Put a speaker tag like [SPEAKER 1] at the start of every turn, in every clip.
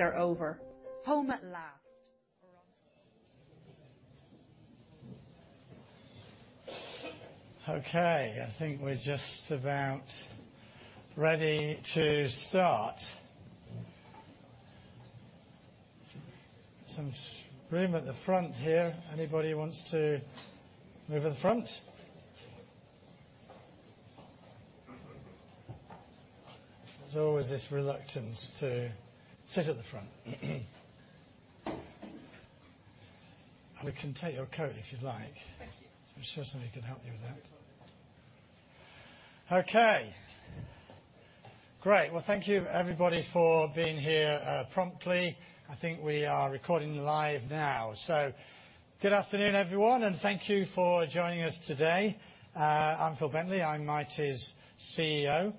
[SPEAKER 1] are over. Home at last!
[SPEAKER 2] Okay, I think we're just about ready to start. Some room at the front here. Anybody wants to move at the front? There's always this reluctance to sit at the front. We can take your coat, if you'd like.
[SPEAKER 1] Thank you.
[SPEAKER 2] I'm sure somebody can help you with that. Okay, great. Well, thank you everybody for being here promptly. I think we are recording live now. So good afternoon, everyone, and thank you for joining us today. I'm Phil Bentley, I'm Mitie's CEO,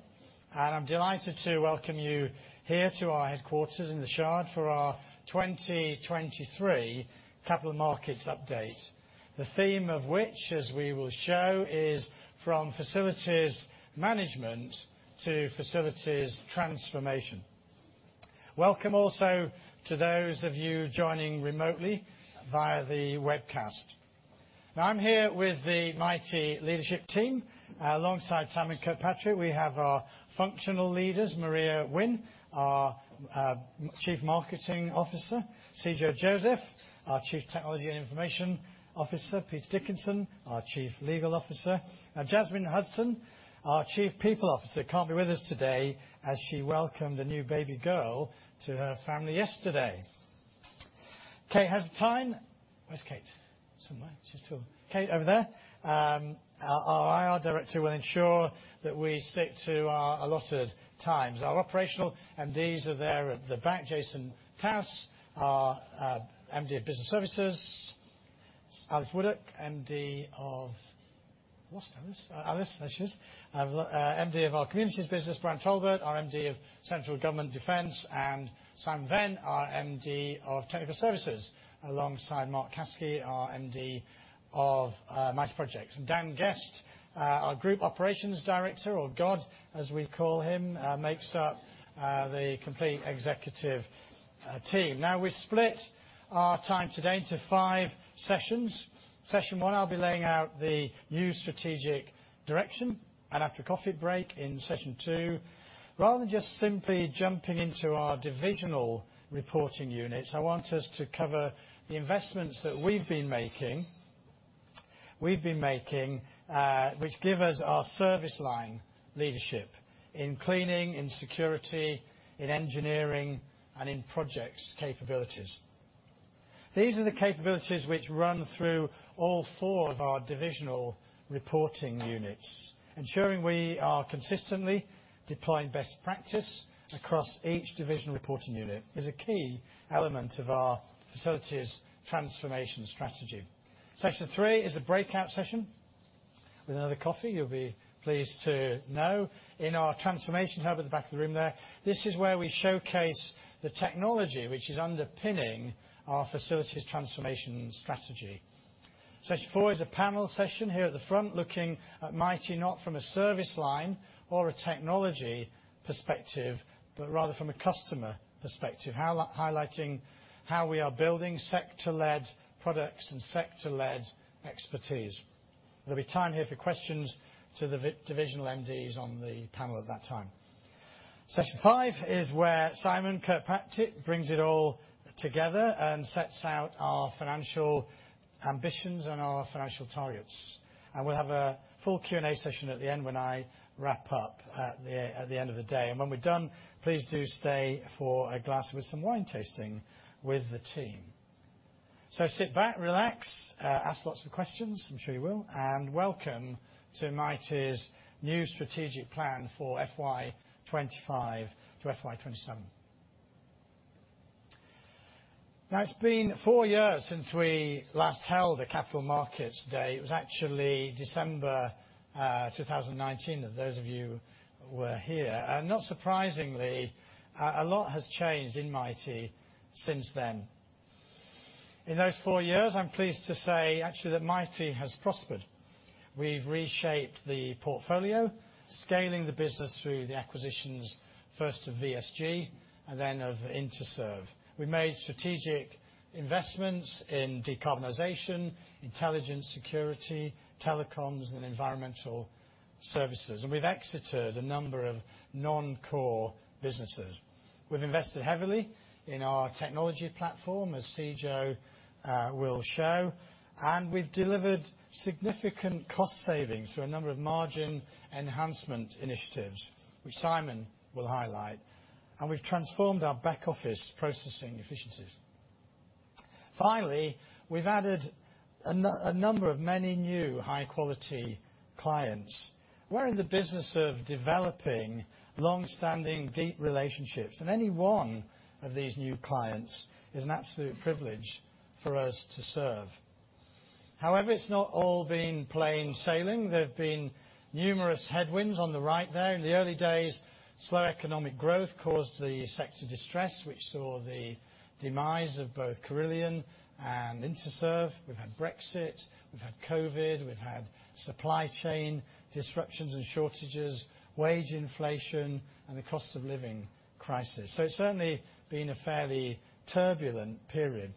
[SPEAKER 2] and I'm delighted to welcome you here to our headquarters in the Shard for our 2023 capital markets update, the theme of which, as we will show, is From Facilities Management to Facilities Transformation. Welcome also to those of you joining remotely via the webcast. Now, I'm here with the Mitie leadership team. Alongside Simon Kirkpatrick, we have our functional leaders, Maria Winn, our Chief Marketing Officer; Cijo Joseph, our Chief Technology and Information Officer; Pete Dickinson, our Chief Legal Officer. Now, Jasmine Hudson, our Chief People Officer, can't be with us today, as she welcomed a new baby girl to her family yesterday. Kate Sherwin. Where's Kate? Somewhere. She's still... Kate, over there. Our IR Director will ensure that we stick to our allotted times. Our operational MDs are there at the back: Jason Towse, our MD of Business Services; Alice Woodwark, MD of... Where's Alice? Alice, there she is, MD of our Communities business; Brian Talbot, our MD of Central Government & Defence and Simon Venn, our MD of Technical Services, alongside Mark Caskey, our MD of Mitie Projects. Dan Guest, our Group Operations Director, or GOD, as we call him, makes up the complete executive team. Now, we've split our time today into five sessions. Session one, I'll be laying out the new strategic direction, and after a coffee break in session two, rather than just simply jumping into our divisional reporting units, I want us to cover the investments that we've been making, we've been making, which give us our service line leadership in cleaning, in security, in engineering, and in projects capabilities. These are the capabilities which run through all four of our divisional reporting units, ensuring we are consistently deploying best practice across each divisional reporting unit is a key element of our facilities transformation strategy. Session three is a breakout session with another coffee, you'll be pleased to know, in our transformation hub at the back of the room there. This is where we showcase the technology which is underpinning our facilities transformation strategy. Session four is a panel session here at the front, looking at Mitie not from a service line or a technology perspective, but rather from a customer perspective. Highlighting how we are building sector-led products and sector-led expertise. There'll be time here for questions to the divisional MDs on the panel at that time. Session five is where Simon Kirkpatrick brings it all together and sets out our financial ambitions and our financial targets, and we'll have a full Q&A session at the end when I wrap up at the, at the end of the day. And when we're done, please do stay for a glass with some wine tasting with the team. So sit back, relax, ask lots of questions, I'm sure you will, and welcome to Mitie's new strategic plan for FY 25 to FY 27. Now, it's been four years since we last held a Capital Markets Day. It was actually December 2019, that those of you were here. And not surprisingly, a lot has changed in Mitie since then. In those four years, I'm pleased to say actually that Mitie has prospered. We've reshaped the portfolio, scaling the business through the acquisitions, first of VSG and then of Interserve. We made strategic investments in decarbonization, intelligence, security, telecoms, and environmental services, and we've exited a number of non-core businesses. We've invested heavily in our technology platform, as Cijo will show, and we've delivered significant cost savings through a number of margin enhancement initiatives, which Simon will highlight, and we've transformed our back office processing efficiencies. Finally, we've added a number of many new high-quality clients. We're in the business of developing long-standing, deep relationships, and any one of these new clients is an absolute privilege for us to serve. However, it's not all been plain sailing. There have been numerous headwinds on the right there. In the early days, slow economic growth caused the sector distress, which saw the demise of both Carillion and Interserve. We've had Brexit, we've had COVID, we've had supply chain disruptions and shortages, wage inflation, and the cost of living crisis. So it's certainly been a fairly turbulent period.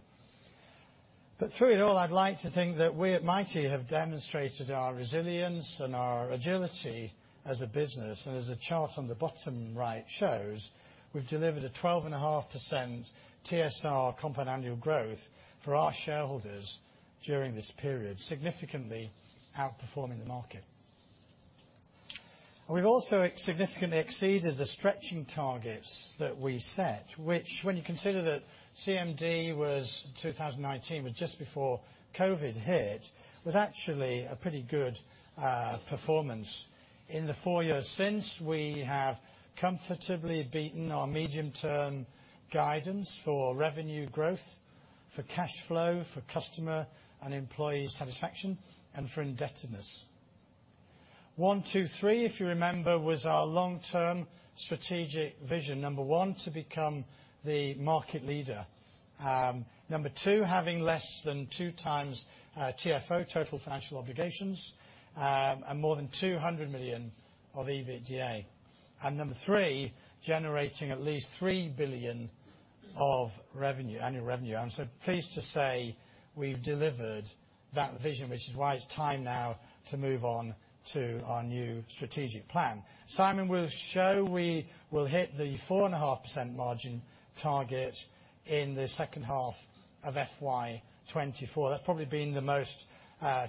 [SPEAKER 2] But through it all, I'd like to think that we at Mitie have demonstrated our resilience and our agility as a business. And as the chart on the bottom right shows, we've delivered a 12.5% TSR compound annual growth for our shareholders during this period, significantly outperforming the market. We've also significantly exceeded the stretching targets that we set, which when you consider that CMD was 2019, was just before COVID hit, was actually a pretty good performance. In the four years since, we have comfortably beaten our medium-term guidance for revenue growth, for cash flow, for customer and employee satisfaction, and for indebtedness. 1, 2, 3, if you remember, was our long-term strategic vision. Number 1, to become the market leader. Number 2, having less than 2 times TFO, total financial obligations, and more than 200 million of EBITDA. And number 3, generating at least 3 billion of revenue, annual revenue. I'm so pleased to say we've delivered that vision, which is why it's time now to move on to our new strategic plan. Simon will show we will hit the 4.5% margin target in the second half of FY 2024. That's probably been the most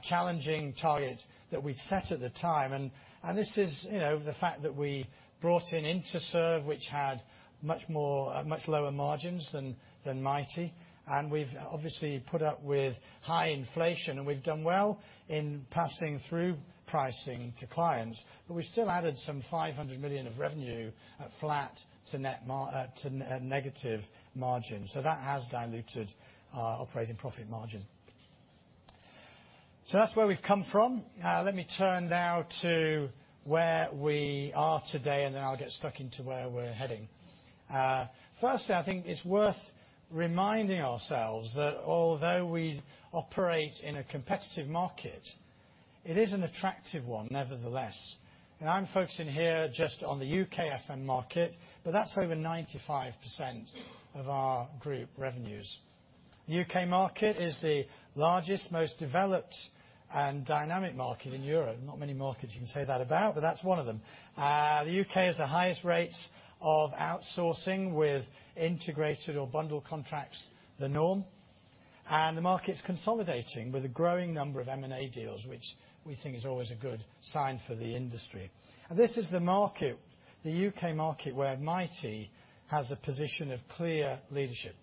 [SPEAKER 2] challenging target that we'd set at the time, and, and this is, you know, the fact that we brought in Interserve, which had much more much lower margins than, than Mitie, and we've obviously put up with high inflation, and we've done well in passing through pricing to clients. But we've still added some 500 million of revenue at flat to net mar to negative margin. So that has diluted our operating profit margin. So that's where we've come from. Let me turn now to where we are today, and then I'll get stuck into where we're heading. Firstly, I think it's worth reminding ourselves that although we operate in a competitive market, it is an attractive one nevertheless. I'm focusing here just on the UK FM market, but that's over 95% of our group revenues. The UK market is the largest, most developed and dynamic market in Europe. Not many markets you can say that about, but that's one of them. The UK has the highest rates of outsourcing with integrated or bundled contracts, the norm, and the market's consolidating with a growing number of M&A deals, which we think is always a good sign for the industry. And this is the market, the UK market, where Mitie has a position of clear leadership.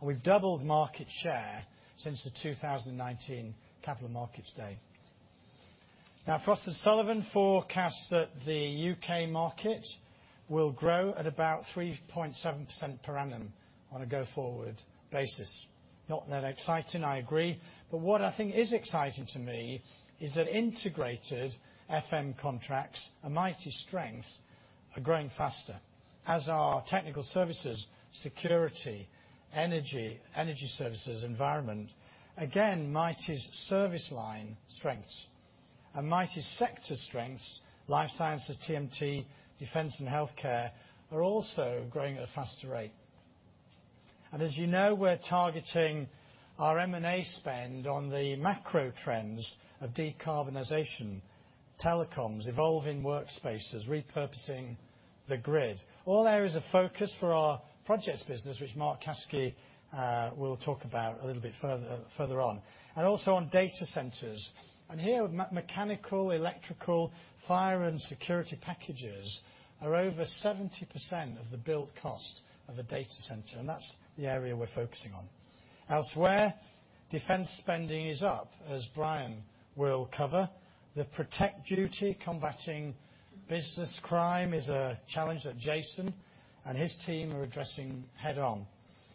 [SPEAKER 2] We've doubled market share since the 2019 Capital Markets Day. Now, Frost & Sullivan forecasts that the UK market will grow at about 3.7% per annum on a go-forward basis. Not that exciting, I agree, but what I think is exciting to me is that integrated FM contracts, a Mitie strength, are growing faster, as are technical services, security, energy, energy services, environment. Again, Mitie's service line strengths and Mitie's sector strengths, life sciences, TMT, defense, and healthcare, are also growing at a faster rate. And as you know, we're targeting our M&A spend on the macro trends of decarbonization, telecoms, evolving workspaces, repurposing the grid. All areas of focus for our Projects business, which Mark Caskey will talk about a little bit further on. And also on data centers. And here, mechanical, electrical, fire, and security packages are over 70% of the build cost of a data center, and that's the area we're focusing on. Elsewhere, defense spending is up, as Brian will cover. The Protect Duty, combating business crime, is a challenge that Jason and his team are addressing head-on.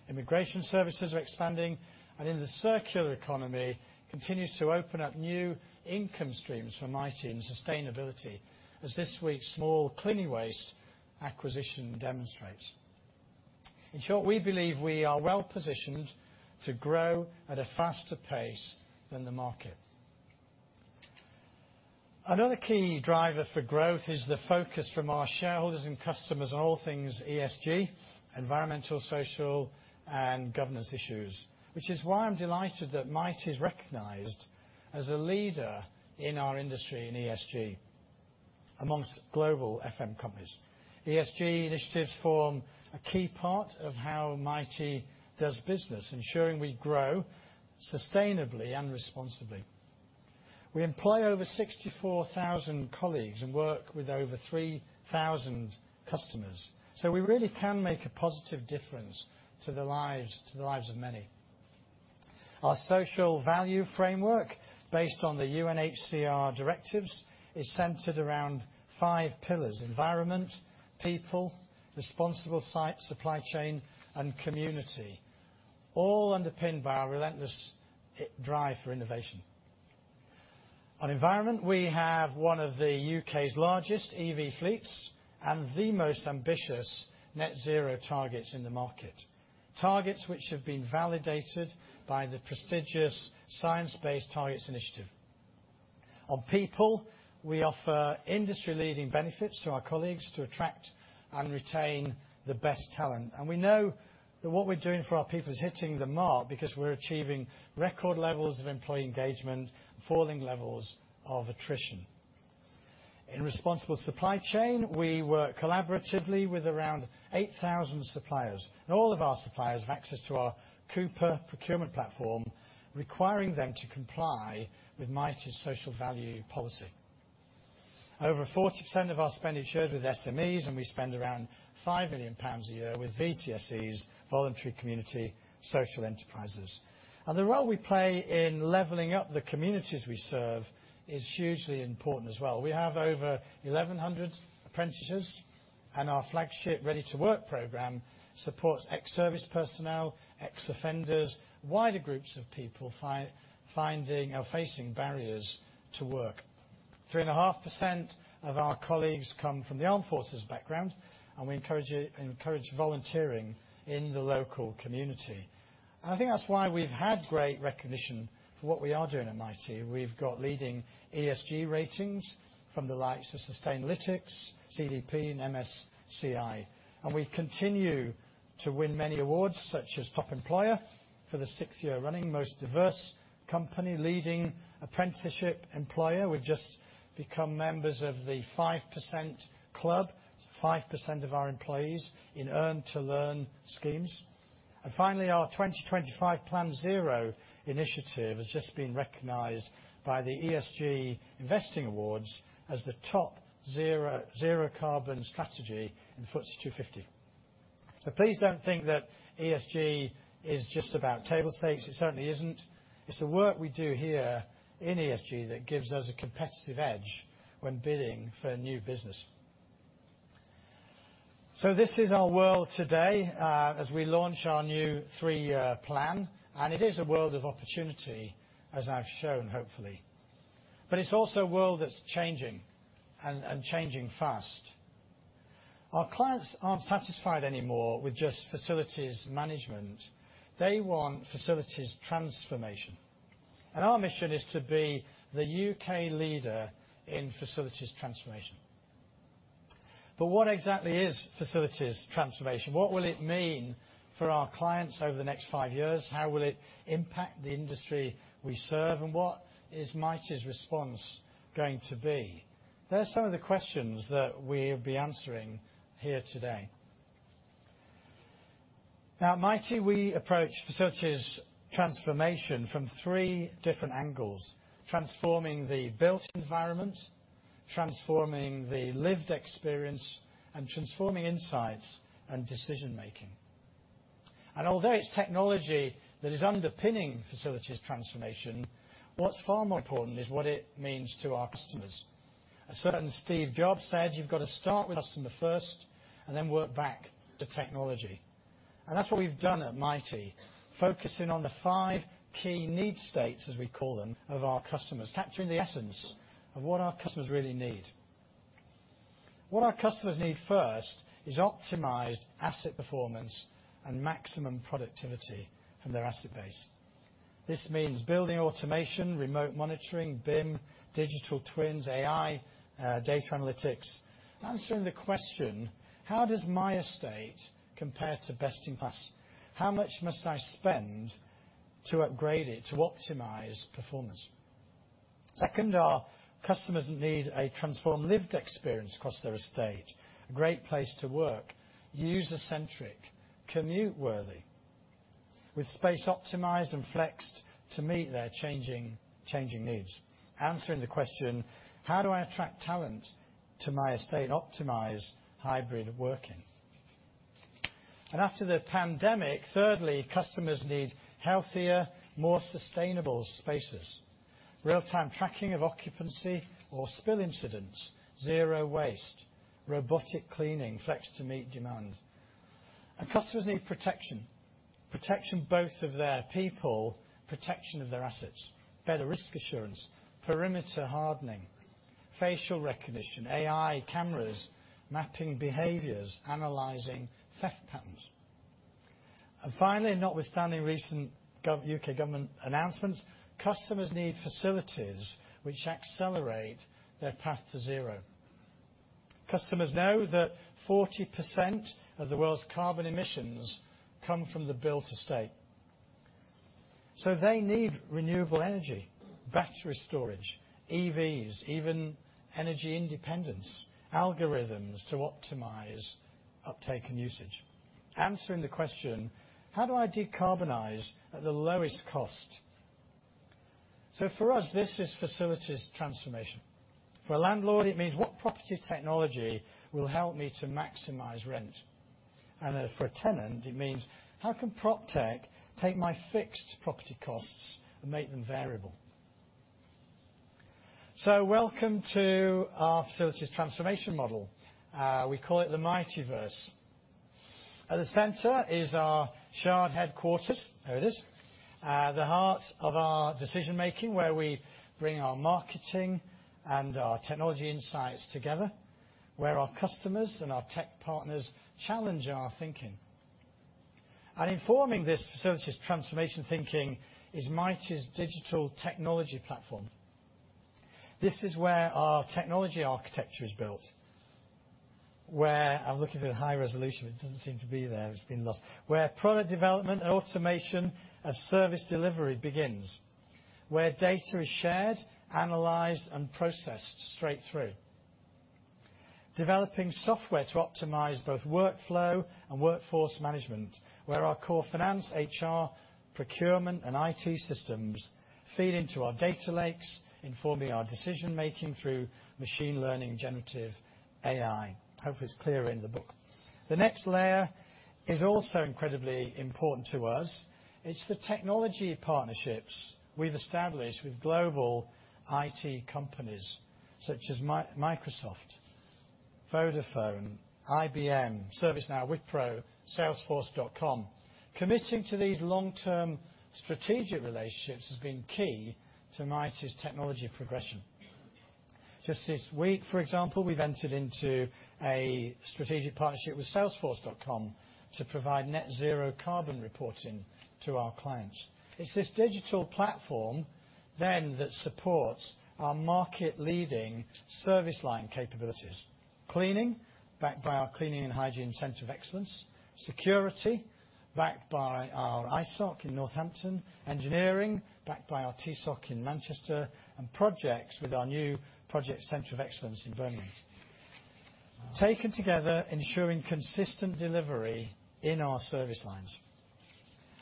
[SPEAKER 2] Immigration services are expanding, and in the circular economy, continues to open up new income streams for Mitie in sustainability, as this week's small cleaning waste acquisition demonstrates. In short, we believe we are well positioned to grow at a faster pace than the market. Another key driver for growth is the focus from our shareholders and customers on all things ESG, environmental, social, and governance issues, which is why I'm delighted that Mitie's recognized as a leader in our industry in ESG among global FM companies. ESG initiatives form a key part of how Mitie does business, ensuring we grow sustainably and responsibly. We employ over 64,000 colleagues and work with over 3,000 customers, so we really can make a positive difference to the lives, to the lives of many. Our social value framework, based on the UNHCR directives, is centered around five pillars: environment, people, responsible site, supply chain, and community, all underpinned by our relentless drive for innovation. On environment, we have one of the U.K.'s largest EV fleets and the most ambitious net zero targets in the market, targets which have been validated by the prestigious Science-Based Targets Initiative. On people, we offer industry-leading benefits to our colleagues to attract and retain the best talent. We know that what we're doing for our people is hitting the mark, because we're achieving record levels of employee engagement, falling levels of attrition. In responsible supply chain, we work collaboratively with around 8,000 suppliers, and all of our suppliers have access to our Coupa procurement platform, requiring them to comply with Mitie's social value policy. Over 40% of our spend is shared with SMEs, and we spend around 5 million pounds a year with VCSEs, Voluntary Community Social Enterprises. The role we play in leveling up the communities we serve is hugely important as well. We have over 1,100 apprentices, and our flagship Ready2Work program supports ex-service personnel, ex-offenders, wider groups of people finding or facing barriers to work. 3.5% of our colleagues come from the Armed Forces background, and we encourage volunteering in the local community. I think that's why we've had great recognition for what we are doing at Mitie. We've got leading ESG ratings from the likes of Sustainalytics, CDP, and MSCI, and we continue to win many awards, such as Top Employer for the sixth year running, Most Diverse Company, Leading Apprenticeship Employer. We've just become members of the 5% Club. So 5% of our employees in earn-to-learn schemes. Finally, our 2025 Plan Zero initiative has just been recognized by the ESG Investing Awards as the top zero, zero carbon strategy in FTSE 250. Please don't think that ESG is just about table stakes. It certainly isn't. It's the work we do here in ESG that gives us a competitive edge when bidding for new business. This is our world today, as we launch our new three-year plan, and it is a world of opportunity, as I've shown, hopefully. It's also a world that's changing and changing fast. Our clients aren't satisfied anymore with just facilities management. They want facilities transformation, and our mission is to be the U.K. leader in facilities transformation. What exactly is facilities transformation? What will it mean for our clients over the next five years? How will it impact the industry we serve, and what is Mitie's response going to be? They're some of the questions that we'll be answering here today. Now, at Mitie, we approach facilities transformation from three different angles, transforming the built environment, transforming the lived experience, and transforming insights and decision-making. And although it's technology that is underpinning facilities transformation, what's far more important is what it means to our customers. A certain Steve Jobs said: "You've got to start with customer first and then work back to technology." And that's what we've done at Mitie, focusing on the five key need states, as we call them, of our customers, capturing the essence of what our customers really need. What our customers need first is optimized asset performance and maximum productivity from their asset base. This means building automation, remote monitoring, BIM, digital twins, AI, data analytics, answering the question: How does my estate compare to best in class? How much must I spend to upgrade it, to optimize performance? Second, our customers need a transformed lived experience across their estate, a great place to work, user-centric, commute-worthy, with space optimized and flexed to meet their changing, changing needs. Answering the question: How do I attract talent to my estate and optimize hybrid working? And after the pandemic, thirdly, customers need healthier, more sustainable spaces, real-time tracking of occupancy or spill incidents, zero waste, robotic cleaning, flex to meet demand. And customers need protection. Protection both of their people, protection of their assets, better risk assurance, perimeter hardening, facial recognition, AI cameras, mapping behaviors, analyzing theft patterns. And finally, notwithstanding recent UK government announcements, customers need facilities which accelerate their path to zero. Customers know that 40% of the world's carbon emissions come from the built estate, so they need renewable energy, battery storage, EVs, even energy independence, algorithms to optimize uptake and usage. Answering the question: How do I decarbonize at the lowest cost? So for us, this is facilities transformation. For a landlord, it means what property technology will help me to maximize rent? And, for a tenant, it means, how can PropTech take my fixed property costs and make them variable? So welcome to our facilities transformation model. We call it The MitieVerse. At the center is our Shard headquarters. There it is. The heart of our decision-making, where we bring our marketing and our technology insights together, where our customers and our tech partners challenge our thinking. And informing this facilities transformation thinking is Mitie's digital technology platform. This is where our technology architecture is built, where—I'm looking for the high resolution, it doesn't seem to be there, it's been lost. Where product development and automation of service delivery begins, where data is shared, analyzed, and processed straight through. Developing software to optimize both workflow and workforce management, where our core finance, HR, procurement, and IT systems feed into our data lakes, informing our decision-making through machine learning, generative AI. Hopefully, it's clearer in the book. The next layer is also incredibly important to us. It's the technology partnerships we've established with global IT companies such as Microsoft, Vodafone, IBM, ServiceNow, Wipro, Salesforce.com. Committing to these long-term strategic relationships has been key to Mitie's technology progression. Just this week, for example, we've entered into a strategic partnership with Salesforce.com to provide net zero carbon reporting to our clients. It's this digital platform then that supports our market-leading service line capabilities. Cleaning, backed by our Cleaning and Hygiene Centre of Excellence. Security, backed by our ISOC in Northampton. Engineering, backed by our TSOC in Manchester, and projects with our new Project Centre of Excellence in Birmingham. Taken together, ensuring consistent delivery in our service lines.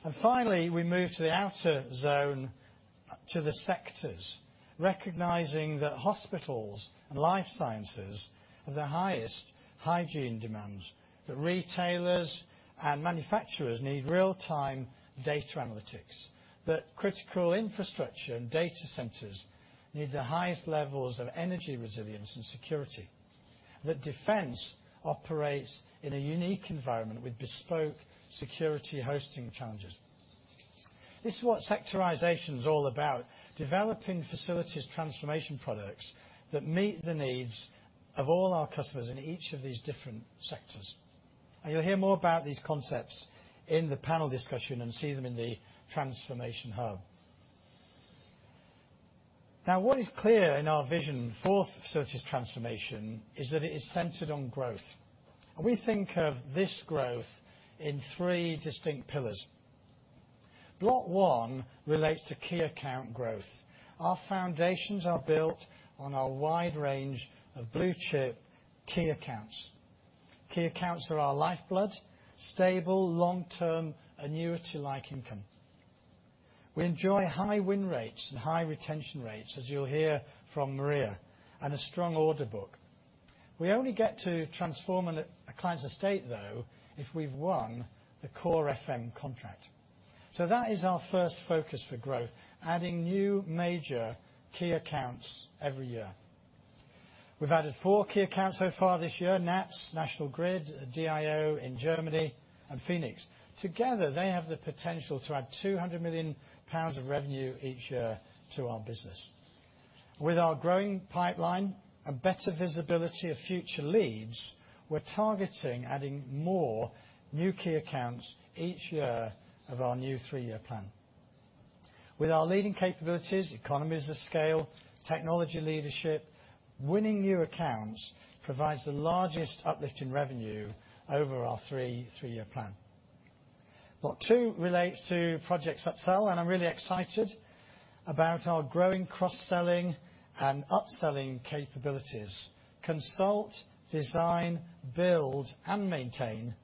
[SPEAKER 2] And finally, we move to the outer zone, to the sectors, recognizing that hospitals and life sciences have the highest hygiene demands, that retailers and manufacturers need real-time data analytics. That critical infrastructure and data centers need the highest levels of energy, resilience, and security. That defense operates in a unique environment with bespoke security hosting challenges. This is what sectorization is all about: developing facilities transformation products that meet the needs of all our customers in each of these different sectors. You'll hear more about these concepts in the panel discussion and see them in the transformation hub. Now, what is clear in our vision for facilities transformation is that it is centered on growth, and we think of this growth in three distinct pillars. Block one relates to key account growth. Our foundations are built on our wide range of blue-chip key accounts. Key accounts are our lifeblood, stable, long-term, annuity-like income. We enjoy high win rates and high retention rates, as you'll hear from Maria, and a strong order book. We only get to transform a client's estate, though, if we've won the core FM contract. So that is our first focus for growth, adding new major key accounts every year. We've added 4 key accounts so far this year, NATS, National Grid, DIO in Germany, and Phoenix. Together, they have the potential to add 200 million pounds of revenue each year to our business. With our growing pipeline and better visibility of future leads, we're targeting adding more new key accounts each year of our new three-year plan. With our leading capabilities, economies of scale, technology leadership, winning new accounts provides the largest uplift in revenue over our three, three-year plan. Block two relates to projects upsell, and I'm really excited about our growing cross-selling and upselling capabilities. Consult, design, build, and maintain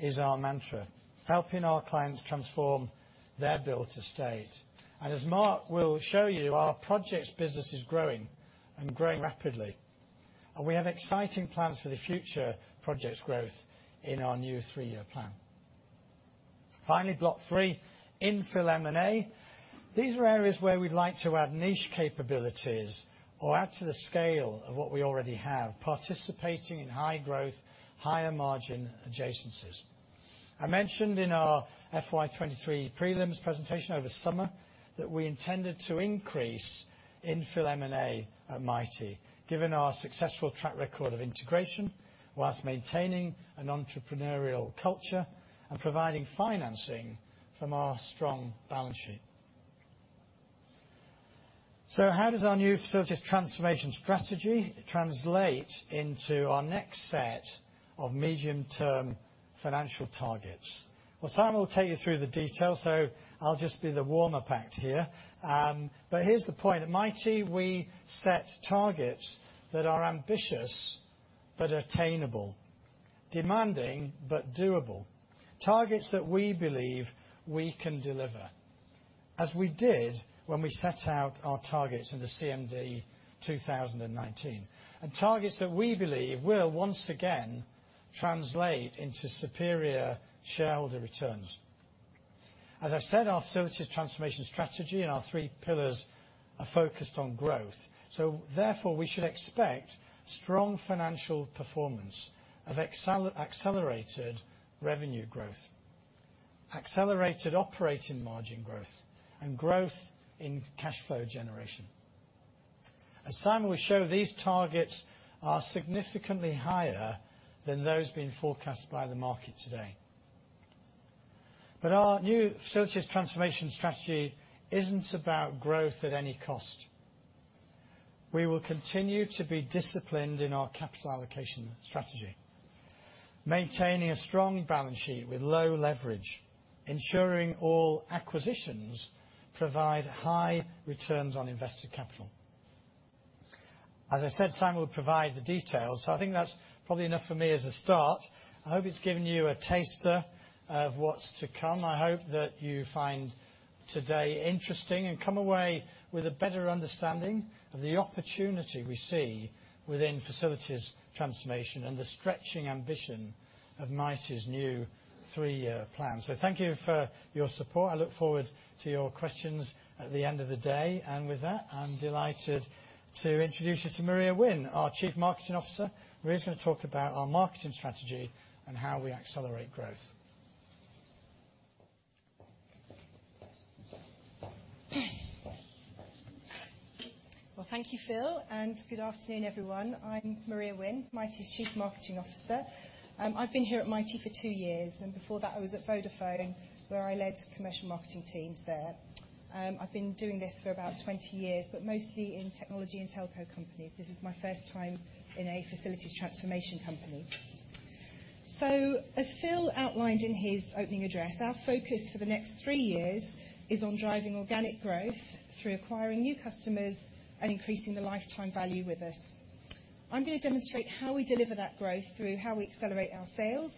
[SPEAKER 2] is our mantra, helping our clients transform their built estate. And as Mark will show you, our Projects business is growing, and growing rapidly, and we have exciting plans for the future projects growth in our new three-year plan. Finally, block three, in-fill M&A. These are areas where we'd like to add niche capabilities or add to the scale of what we already have, participating in high growth, higher margin adjacencies. I mentioned in our FY 23 prelims presentation over summer, that we intended to increase in-fill M&A at Mitie, given our successful track record of integration, while maintaining an entrepreneurial culture and providing financing from our strong balance sheet. So how does our new facilities transformation strategy translate into our next set of medium-term financial targets? Well, Simon will take you through the details, so I'll just be the warmer act here. But here's the point: at Mitie, we set targets that are ambitious but attainable, demanding but doable. Targets that we believe we can deliver, as we did when we set out our targets in the CMD 2019. Targets that we believe will once again translate into superior shareholder returns. As I've said, our facilities transformation strategy and our three pillars are focused on growth, so therefore, we should expect strong financial performance of accelerated revenue growth, accelerated operating margin growth, and growth in cash flow generation. As Simon will show, these targets are significantly higher than those being forecasted by the market today. But our new facilities transformation strategy isn't about growth at any cost. We will continue to be disciplined in our capital allocation strategy, maintaining a strong balance sheet with low leverage, ensuring all acquisitions provide high returns on invested capital. As I said, Simon will provide the details, so I think that's probably enough for me as a start. I hope it's given you a taster of what's to come. I hope that you find today interesting and come away with a better understanding of the opportunity we see within facilities transformation and the stretching ambition of Mitie's new three-year plan. Thank you for your support. I look forward to your questions at the end of the day. With that, I'm delighted to introduce you to Maria Winn, our Chief Marketing Officer. Maria is going to talk about our marketing strategy and how we accelerate growth.
[SPEAKER 3] Well, thank you, Phil, and good afternoon, everyone. I'm Maria Winn, Mitie's Chief Marketing Officer. I've been here at Mitie for two years, and before that, I was at Vodafone, where I led commercial marketing teams there. I've been doing this for about 20 years, but mostly in technology and telco companies. This is my first time in a facilities transformation company. As Phil outlined in his opening address, our focus for the next three years is on driving organic growth through acquiring new customers and increasing the lifetime value with us. I'm going to demonstrate how we deliver that growth through how we accelerate our sales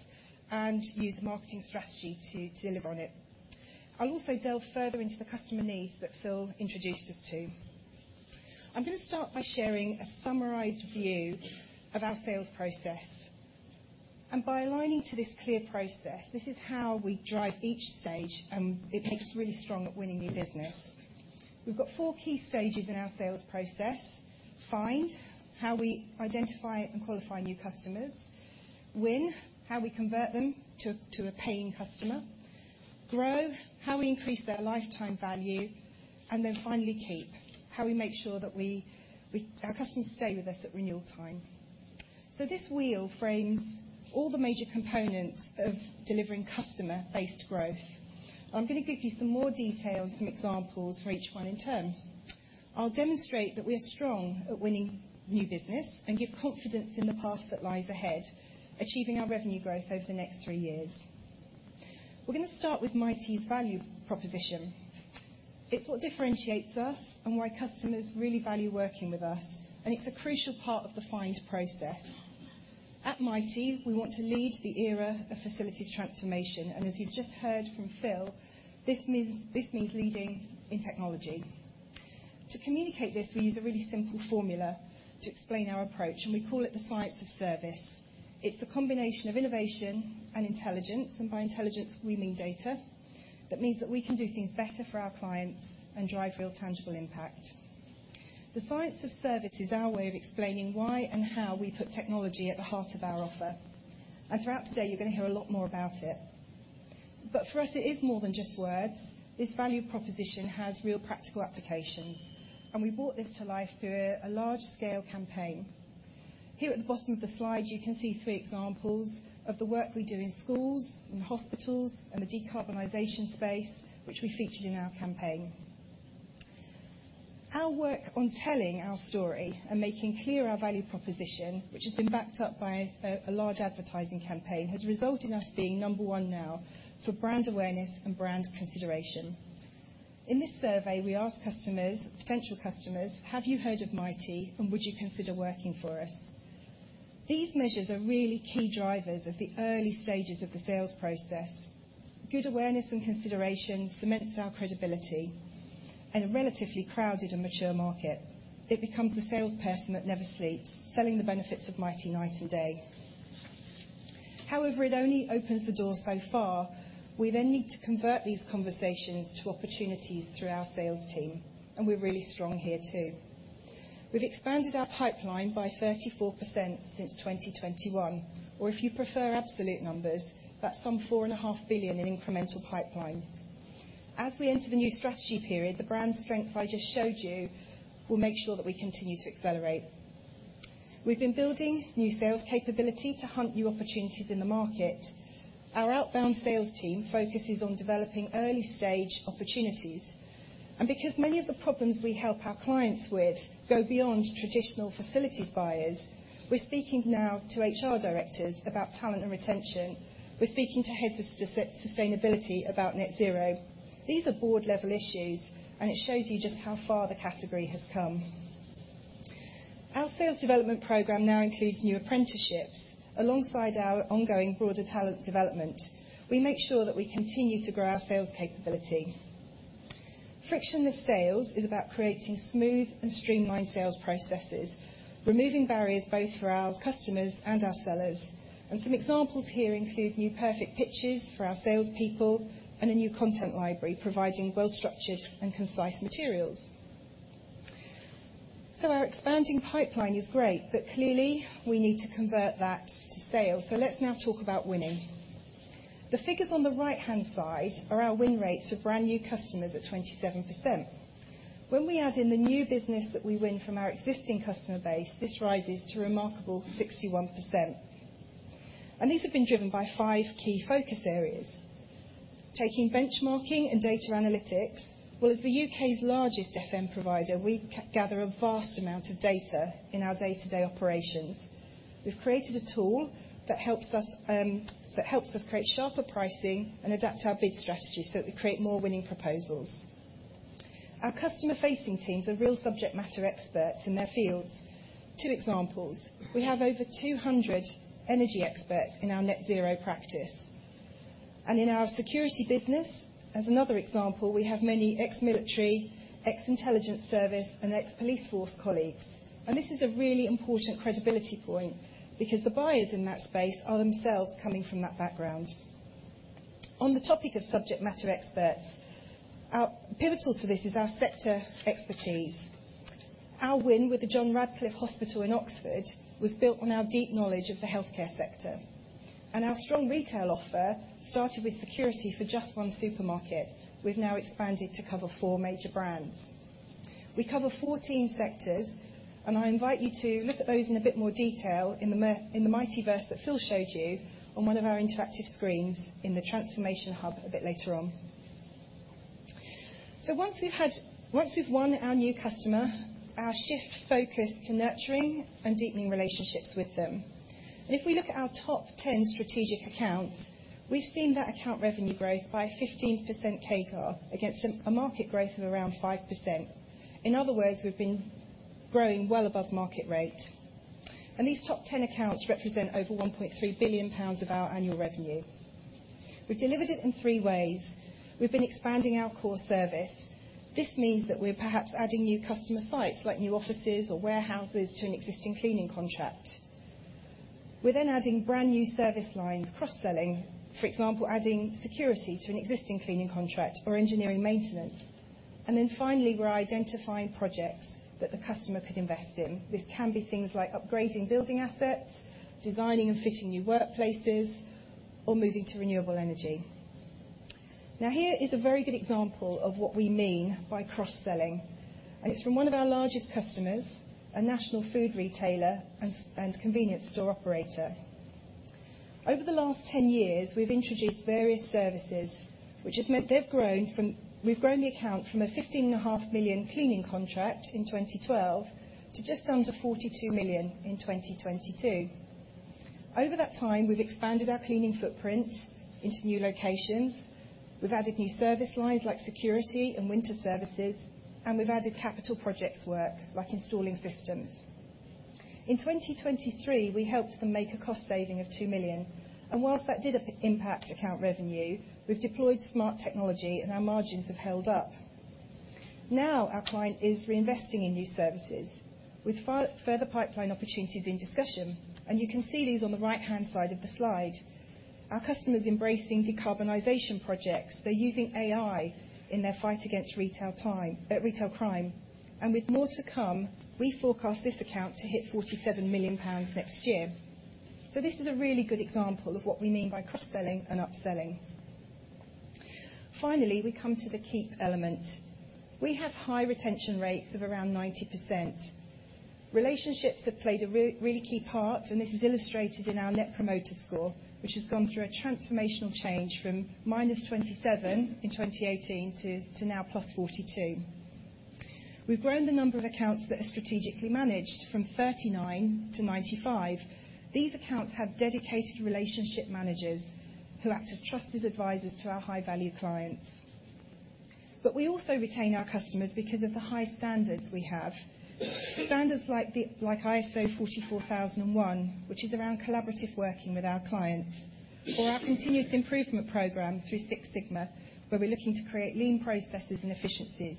[SPEAKER 3] and use the marketing strategy to deliver on it. I'll also delve further into the customer needs that Phil introduced us to. I'm going to start by sharing a summarized view of our sales process. By aligning to this clear process, this is how we drive each stage, and it makes us really strong at winning new business. We've got four key stages in our sales process: Find, how we identify and qualify new customers; Win, how we convert them to a paying customer; Grow, how we increase their lifetime value; and then finally, Keep, how we make sure that our customers stay with us at renewal time. So this wheel frames all the major components of delivering customer-based growth. I'm going to give you some more detail and some examples for each one in turn. I'll demonstrate that we are strong at winning new business and give confidence in the path that lies ahead, achieving our revenue growth over the next three years. We're going to start with Mitie's value proposition. It's what differentiates us and why customers really value working with us, and it's a crucial part of the Find process. At Mitie, we want to lead the era of facilities transformation, and as you've just heard from Phil, this means, this means leading in technology. To communicate this, we use a really simple formula to explain our approach, and we call it the Science of Service. It's the combination of innovation and intelligence, and by intelligence, we mean data. That means that we can do things better for our clients and drive real, tangible impact. The Science of Service is our way of explaining why and how we put technology at the heart of our offer. And throughout today, you're going to hear a lot more about it. But for us, it is more than just words. This value proposition has real practical applications, and we brought this to life through a large-scale campaign. Here at the bottom of the slide, you can see three examples of the work we do in schools and hospitals and the decarbonization space, which we featured in our campaign. Our work on telling our story and making clear our value proposition, which has been backed up by a large advertising campaign, has resulted in us being number one now for brand awareness and brand consideration. In this survey, we asked customers, potential customers: Have you heard of Mitie, and would you consider working for us? These measures are really key drivers of the early stages of the sales process. Good awareness and consideration cements our credibility in a relatively crowded and mature market. It becomes the salesperson that never sleeps, selling the benefits of Mitie night and day. However, it only opens the door so far. We then need to convert these conversations to opportunities through our sales team, and we're really strong here, too. We've expanded our pipeline by 34% since 2021, or if you prefer absolute numbers, that's some 4.5 billion in incremental pipeline. As we enter the new strategy period, the brand strength I just showed you will make sure that we continue to accelerate. We've been building new sales capability to hunt new opportunities in the market. Our outbound sales team focuses on developing early-stage opportunities, and because many of the problems we help our clients with go beyond traditional facilities buyers, we're speaking now to HR directors about talent and retention. We're speaking to heads of sustainability about net zero. These are board-level issues, and it shows you just how far the category has come. Our sales development program now includes new apprenticeships alongside our ongoing broader talent development. We make sure that we continue to grow our sales capability. Frictionless sales is about creating smooth and streamlined sales processes, removing barriers both for our customers and our sellers. Some examples here include new perfect pitches for our salespeople and a new content library, providing well-structured and concise materials. Our expanding pipeline is great, but clearly, we need to convert that to sale. Let's now talk about winning. The figures on the right-hand side are our win rates of brand new customers at 27%. When we add in the new business that we win from our existing customer base, this rises to a remarkable 61%. These have been driven by five key focus areas. Taking benchmarking and data analytics, well, as the UK's largest FM provider, we gather a vast amount of data in our day-to-day operations. We've created a tool that helps us, that helps us create sharper pricing and adapt our bid strategy, so that we create more winning proposals. Our customer-facing teams are real subject matter experts in their fields. Two examples: We have over 200 energy experts in our Net Zero practice, and in our security business, as another example, we have many ex-military, ex-intelligence service, and ex-police force colleagues. And this is a really important credibility point, because the buyers in that space are themselves coming from that background. On the topic of subject matter experts, our pivotal to this is our sector expertise. Our win with the John Radcliffe Hospital in Oxford was built on our deep knowledge of the healthcare sector, and our strong retail offer started with security for just one supermarket. We've now expanded to cover 4 major brands. We cover 14 sectors, and I invite you to look at those in a bit more detail in the Mitiverse that Phil showed you on one of our interactive screens in the transformation hub a bit later on. Once we've won our new customer, our shift focus to nurturing and deepening relationships with them. If we look at our top 10 strategic accounts, we've seen that account revenue grow by a 15% CAGR, against a market growth of around 5%. In other words, we've been growing well above market rate. These top 10 accounts represent over 1.3 billion pounds of our annual revenue. We've delivered it in three ways. We've been expanding our core service. This means that we're perhaps adding new customer sites, like new offices or warehouses, to an existing cleaning contract. We're then adding brand-new service lines, cross-selling, for example, adding security to an existing cleaning contract or engineering maintenance. And then finally, we're identifying projects that the customer could invest in. This can be things like upgrading building assets, designing and fitting new workplaces, or moving to renewable energy. Now, here is a very good example of what we mean by cross-selling, and it's from one of our largest customers, a national food retailer and convenience store operator. Over the last 10 years, we've introduced various services, which has meant we've grown the account from a 15.5 million cleaning contract in 2012 to just under 42 million in 2022. Over that time, we've expanded our cleaning footprint into new locations. We've added new service lines like security and winter services, and we've added capital projects work, like installing systems. In 2023, we helped them make a cost saving of 2 million, and while that did impact account revenue, we've deployed smart technology, and our margins have held up. Now, our client is reinvesting in new services, with further pipeline opportunities in discussion, and you can see these on the right-hand side of the slide. Our customer is embracing decarbonization projects. They're using AI in their fight against retail time, retail crime, and with more to come, we forecast this account to hit 47 million pounds next year. So this is a really good example of what we mean by cross-selling and upselling. Finally, we come to the keep element. We have high retention rates of around 90%. Relationships have played a really key part, and this is illustrated in our net promoter score, which has gone through a transformational change from -27 in 2018 to now +42. We've grown the number of accounts that are strategically managed from 39 to 95. These accounts have dedicated relationship managers who act as trusted advisors to our high-value clients. But we also retain our customers because of the high standards we have. Standards like ISO 44001, which is around collaborative working with our clients, or our continuous improvement program through Six Sigma, where we're looking to create lean processes and efficiencies,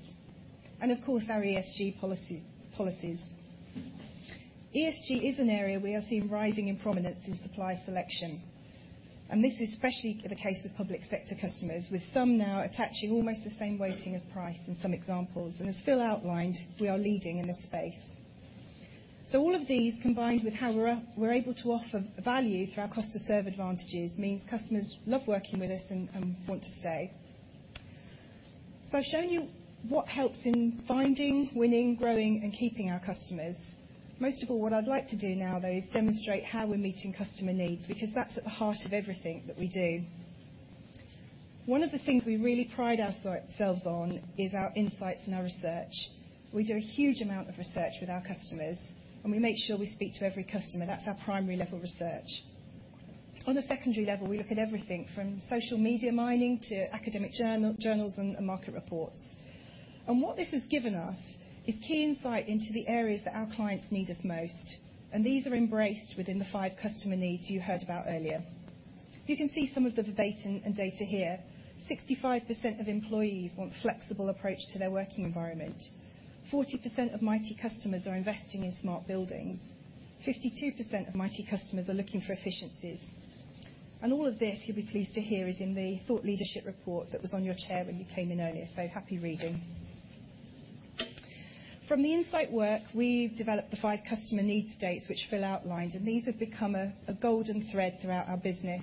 [SPEAKER 3] and of course, our ESG policies, policies. ESG is an area we have seen rising in prominence in supplier selection, and this is especially the case with public sector customers, with some now attaching almost the same weighting as price in some examples, and as Phil outlined, we are leading in this space. So all of these, combined with how we're able to offer value through our cost to serve advantages, means customers love working with us and want to stay. So I've shown you what helps in finding, winning, growing, and keeping our customers. Most of all, what I'd like to do now, though, is demonstrate how we're meeting customer needs, because that's at the heart of everything that we do. One of the things we really pride ourselves on is our insights and our research. We do a huge amount of research with our customers, and we make sure we speak to every customer. That's our primary level research. On a secondary level, we look at everything from social media mining to academic journals and market reports. And what this has given us is key insight into the areas that our clients need us most, and these are embraced within the five customer needs you heard about earlier. You can see some of the verbatim and data here. 65% of employees want flexible approach to their working environment. 40% of Mitie customers are investing in smart buildings. 52% of Mitie customers are looking for efficiencies. And all of this, you'll be pleased to hear, is in the thought leadership report that was on your chair when you came in earlier, so happy reading. From the insight work, we've developed the five customer needs states, which Phil outlined, and these have become a golden thread throughout our business.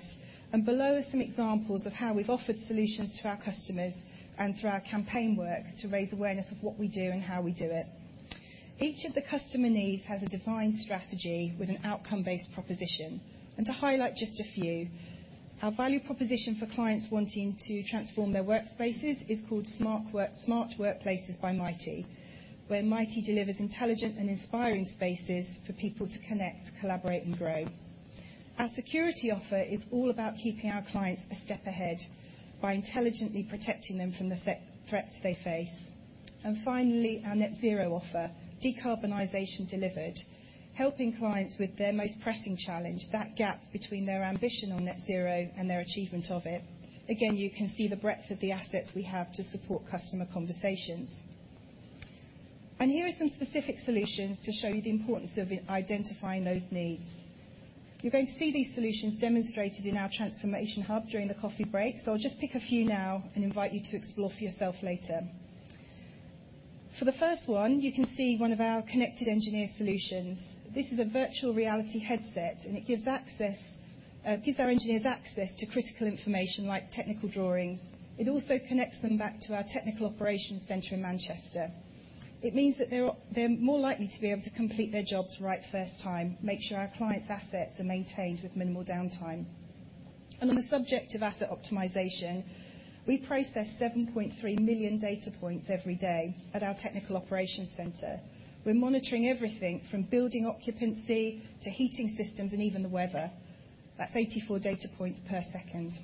[SPEAKER 3] And below are some examples of how we've offered solutions to our customers and through our campaign work to raise awareness of what we do and how we do it. Each of the customer needs has a defined strategy with an outcome-based proposition. And to highlight just a few, our value proposition for clients wanting to transform their workspaces is called Smart Work, Smart Workplaces by Mitie, where Mitie delivers intelligent and inspiring spaces for people to connect, collaborate, and grow. Our security offer is all about keeping our clients a step ahead by intelligently protecting them from the threats they face. And finally, our net zero offer, Decarbonisation Delivered, helping clients with their most pressing challenge, that gap between their ambition on net zero and their achievement of it. Again, you can see the breadth of the assets we have to support customer conversations. And here are some specific solutions to show you the importance of identifying those needs. You're going to see these solutions demonstrated in our transformation hub during the coffee break, so I'll just pick a few now and invite you to explore for yourself later. For the first one, you can see one of our Connected Engineer solutions. This is a virtual reality headset, and it gives access, gives our engineers access to critical information like technical drawings. It also connects them back to our Technical Operations Centre in Manchester. It means that they're more likely to be able to complete their jobs right first time, make sure our clients' assets are maintained with minimal downtime. On the subject of asset optimization, we process 7.3 million data points every day at our Technical Operations centre. We're monitoring everything from building occupancy to heating systems, and even the weather. That's 84 data points per second.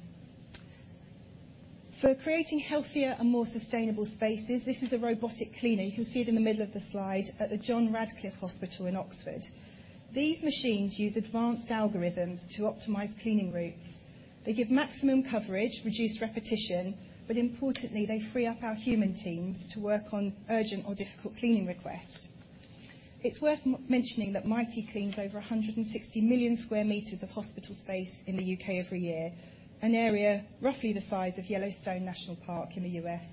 [SPEAKER 3] For creating healthier and more sustainable spaces, this is a robotic cleaner. You'll see it in the middle of the slide at the John Radcliffe Hospital in Oxford. These machines use advanced algorithms to optimize cleaning routes. They give maximum coverage, reduced repetition, but importantly, they free up our human teams to work on urgent or difficult cleaning requests. It's worth mentioning that Mitie cleans over 160 million square meters of hospital space in the U.K. every year, an area roughly the size of Yellowstone National Park in the U.S.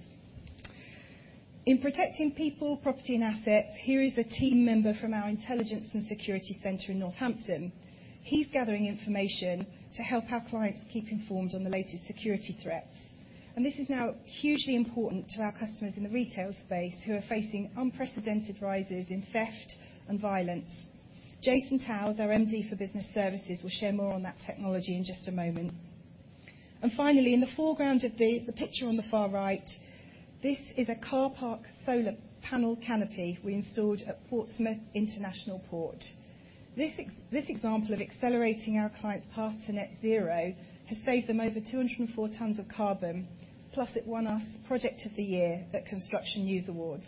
[SPEAKER 3] In protecting people, property, and assets, here is a team member from our Intelligence and Security Centre in Northampton. He's gathering information to help our clients keep informed on the latest security threats, and this is now hugely important to our customers in the retail space, who are facing unprecedented rises in theft and violence. Jason Towse, our MD for business services, will share more on that technology in just a moment. Finally, in the foreground of the picture on the far right, this is a car park solar panel canopy we installed at Portsmouth International Port. This example of accelerating our clients' path to net zero has saved them over 204 tons of carbon, plus it won us Project of the Year at Construction News Awards.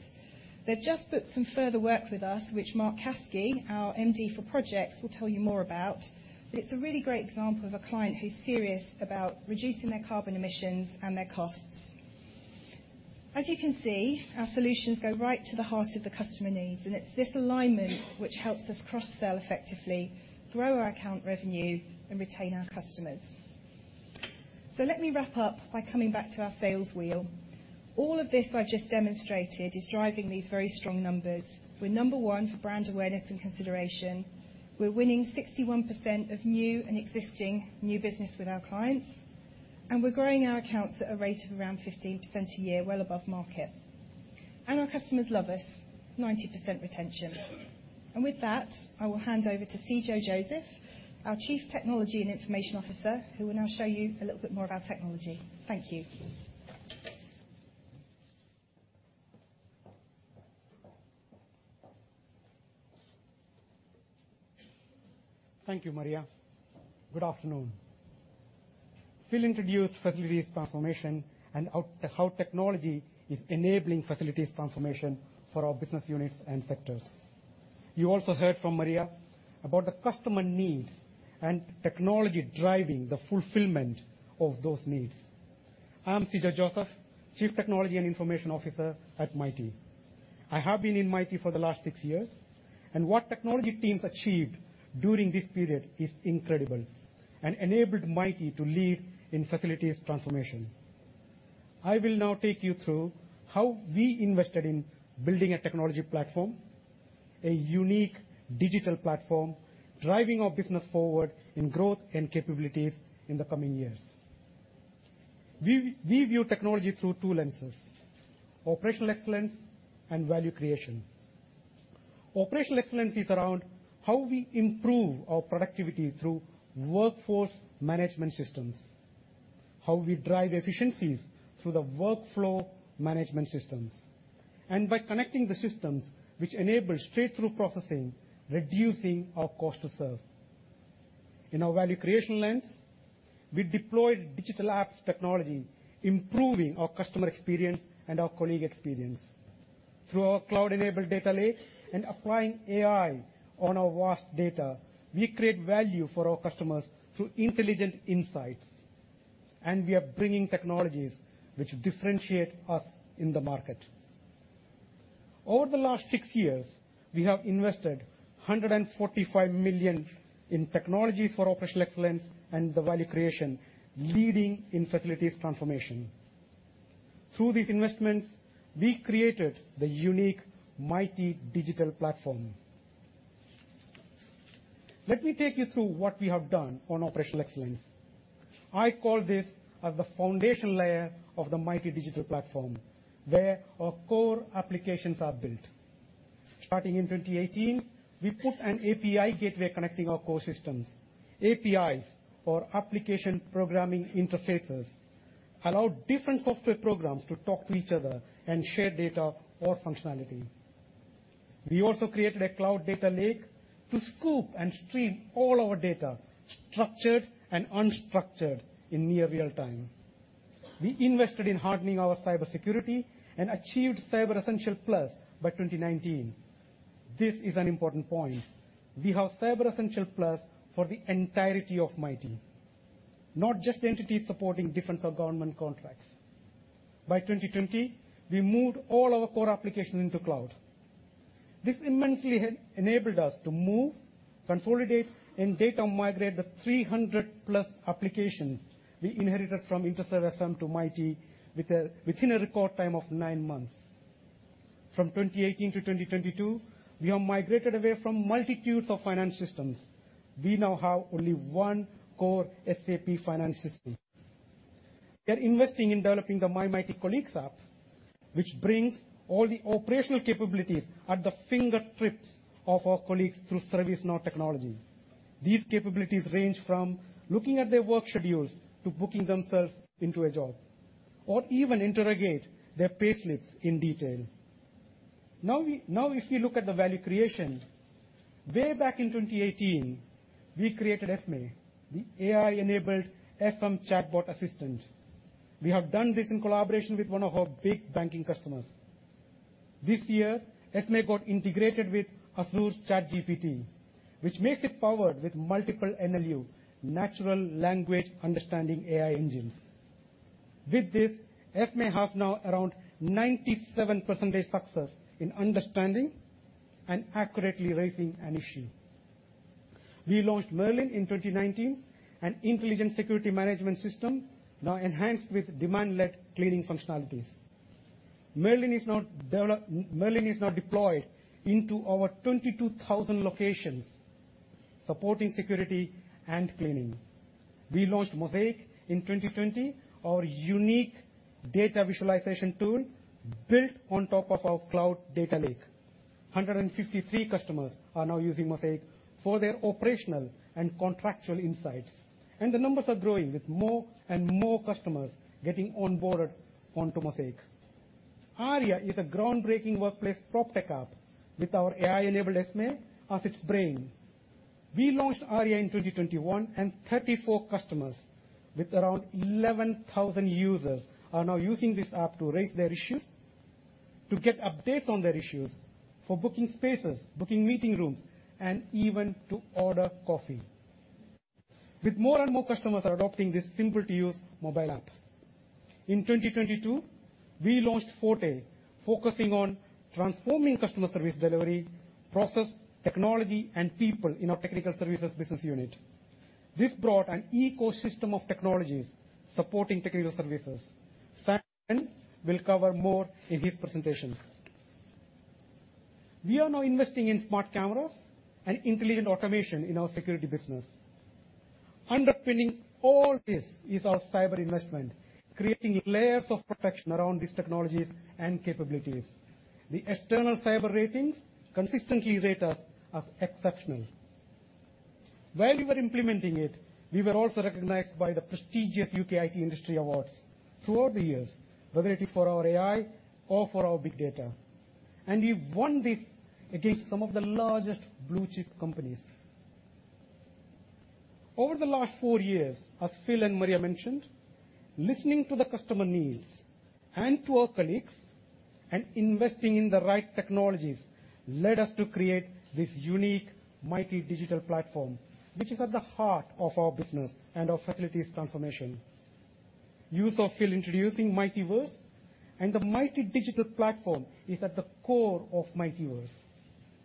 [SPEAKER 3] They've just booked some further work with us, which Mark Caskey, our MD for projects, will tell you more about. But it's a really great example of a client who's serious about reducing their carbon emissions and their costs. As you can see, our solutions go right to the heart of the customer needs, and it's this alignment which helps us cross-sell effectively, grow our account revenue, and retain our customers. So let me wrap up by coming back to our sales wheel. All of this I've just demonstrated is driving these very strong numbers. We're number one for brand awareness and consideration. We're winning 61% of new and existing new business with our clients, and we're growing our accounts at a rate of around 15% a year, well above market. Our customers love us, 90% retention. With that, I will hand over to Cijo Joseph, our Chief Technology and Information Officer, who will now show you a little bit more of our technology. Thank you.
[SPEAKER 4] Thank you, Maria. Good afternoon. Phil introduced Facilities Transformation and how technology is enabling Facilities Transformation for our business units and sectors. You also heard from Maria about the customer needs and technology driving the fulfillment of those needs. I'm Cijo Joseph, Chief Technology and Information Officer at Mitie. I have been in Mitie for the last six years, and what technology teams achieved during this period is incredible and enabled Mitie to lead in Facilities Transformation. I will now take you through how we invested in building a technology platform, a unique digital platform, driving our business forward in growth and capabilities in the coming years. We, we view technology through two lenses: operational excellence and value creation. Operational excellence is around how we improve our productivity through workforce management systems, how we drive efficiencies through the workflow management systems, and by connecting the systems which enable straight-through processing, reducing our cost to serve. In our value creation lens, we deployed digital apps technology, improving our customer experience and our colleague experience. Through our cloud-enabled data lake and applying AI on our vast data, we create value for our customers through intelligent insights, and we are bringing technologies which differentiate us in the market. Over the last six years, we have invested 145 million in technology for operational excellence and the value creation, leading in Facilities Transformation. Through these investments, we created the Mitie Digital Platform.... let me take you through what we have done on operational excellence. I call this as the foundation layer of the Mitie Digital Platform, where our core applications are built. Starting in 2018, we put an API gateway connecting our core systems. APIs, or application programming interfaces, allow different software programs to talk to each other and share data or functionality. We also created a cloud data lake to scoop and stream all our data, structured and unstructured, in near real time. We invested in hardening our cybersecurity and achieved Cyber Essentials Plus by 2019. This is an important point. We have Cyber Essentials Plus for the entirety of Mitie, not just entities supporting defense or government contracts. By 2020, we moved all our core applications into cloud. This immensely had enabled us to move, consolidate, and data migrate the 300+ applications we inherited from Interserve FM to Mitie, within a record time of 9 months. From 2018 to 2022, we have migrated away from multitudes of finance systems. We now have only one core SAP finance system. We are investing in developing the My Mitie Colleagues app, which brings all the operational capabilities at the fingertips of our colleagues through ServiceNow technology. These capabilities range from looking at their work schedules to booking themselves into a job, or even interrogate their payslips in detail. Now, if we look at the value creation, way back in 2018, we created Esme, the AI-enabled FM chatbot assistant. We have done this in collaboration with one of our big banking customers. This year, Esme got integrated with Azure's ChatGPT, which makes it powered with multiple NLU, Natural Language Understanding AI engines. With this, Esme has now around 97% success in understanding and accurately raising an issue. We launched Merlin in 2019, an intelligent security management system, now enhanced with demand-led cleaning functionalities. Merlin is now deployed into over 22,000 locations, supporting security and cleaning. We launched Mosaic in 2020, our unique data visualization tool built on top of our cloud data lake. 153 customers are now using Mosaic for their operational and contractual insights, and the numbers are growing with more and more customers getting onboarded onto Mosaic. Aria is a groundbreaking workplace PropTech app with our AI-enabled Esme as its brain. We launched Aria in 2021, and 34 customers with around 11,000 users are now using this app to raise their issues, to get updates on their issues, for booking spaces, booking meeting rooms, and even to order coffee. With more and more customers are adopting this simple-to-use mobile app. In 2022, we launched Forte, focusing on transforming customer service delivery, process, technology, and people in our technical services business unit. This brought an ecosystem of technologies supporting technical services. Simon will cover more in his presentation. We are now investing in smart cameras and intelligent automation in our security business. Underpinning all this is our cyber investment, creating layers of protection around these technologies and capabilities. The external cyber ratings consistently rate us as exceptional. While we were implementing it, we were also recognized by the prestigious UK IT Industry Awards throughout the years, whether it is for our AI or for our big data, and we've won this against some of the largest blue-chip companies. Over the last four years, as Phil and Maria mentioned, listening to the customer needs and to our colleagues and investing in the right technologies led us to create this unique Mitie Digital Platform, which is at the heart of our business and our facilities transformation. You saw Phil introducing MitieVerse, and the Mitie Digital Platform is at the core of MitieVerse.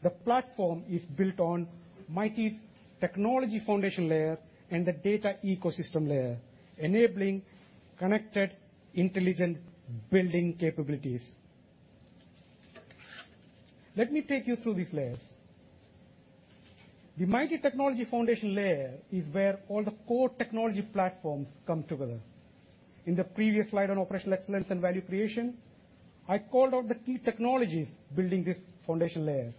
[SPEAKER 4] The platform is built on Mitie's technology foundation layer and the data ecosystem layer, enabling connected intelligent building capabilities. Let me take you through these layers. The Mitie technology foundation layer is where all the core technology platforms come together. In the previous slide on operational excellence and value creation, I called out the key technologies building this foundation layer.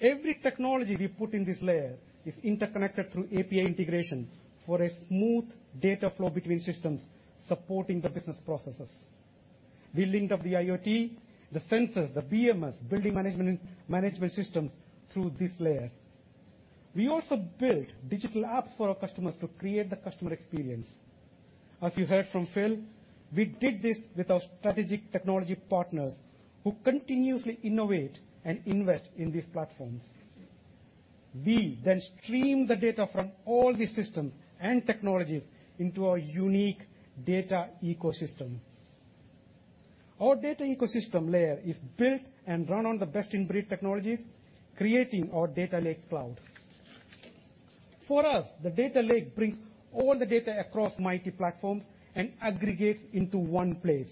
[SPEAKER 4] Every technology we put in this layer is interconnected through API integration for a smooth data flow between systems supporting the business processes. We linked up the IoT, the sensors, the BMS, building management systems through this layer. We also built digital apps for our customers to create the customer experience. As you heard from Phil, we did this with our strategic technology partners, who continuously innovate and invest in these platforms. We then stream the data from all these systems and technologies into our unique data ecosystem. Our data ecosystem layer is built and run on the best-in-breed technologies, creating our data lake cloud. For us, the data lake brings all the data across Mitie platforms and aggregates into one place.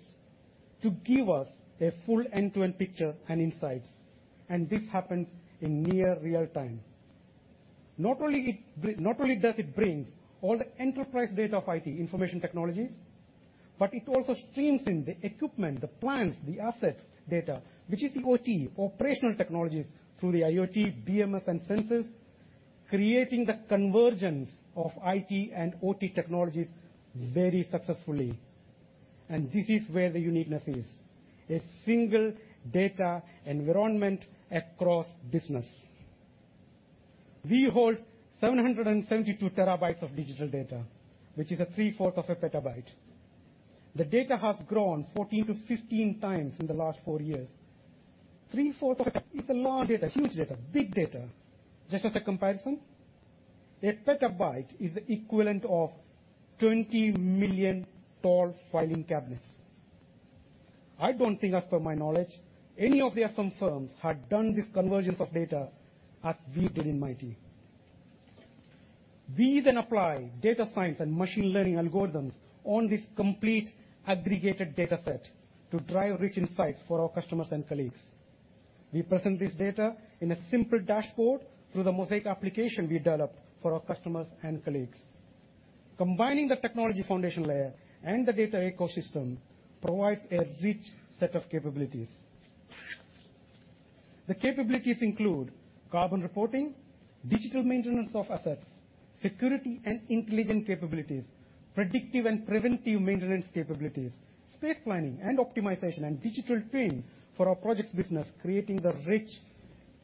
[SPEAKER 4] To give us a full end-to-end picture and insights, and this happens in near real time. Not only does it bring all the enterprise data of IT, information technologies, but it also streams in the equipment, the plants, the assets data, which is the OT, operational technologies, through the IoT, BMS, and sensors, creating the convergence of IT and OT technologies very successfully. This is where the uniqueness is, a single data environment across business. We hold 772 terabytes of digital data, which is three-fourths of a petabyte. The data has grown 14-15 times in the last four years. Three-fourths of a—it's a large data, huge data, big data. Just as a comparison, a petabyte is the equivalent of 20 million tall filing cabinets. I don't think, as per my knowledge, any of the FM firms had done this convergence of data as we did in Mitie. We then apply data science and machine learning algorithms on this complete aggregated data set to drive rich insights for our customers and colleagues. We present this data in a simple dashboard through the Mosaic application we developed for our customers and colleagues. Combining the technology foundation layer and the data ecosystem provides a rich set of capabilities. The capabilities include carbon reporting, digital maintenance of assets, security and intelligent capabilities, predictive and preventive maintenance capabilities, space planning and optimization, and digital twin for our Projects business, creating the rich,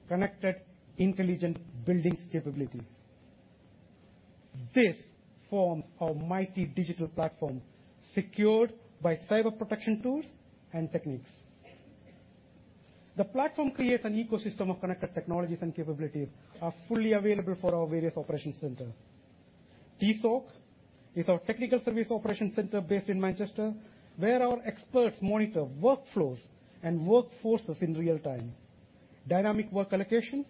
[SPEAKER 4] connected, intelligent buildings capability. This forms our Mitie Digital Platform, secured by cyber protection tools and techniques. The platform creates an ecosystem of connected technologies, and capabilities are fully available for our various operations center. TSOC is our Technical Services Operations Centre based in Manchester, where our experts monitor workflows and workforces in real time. Dynamic work allocations,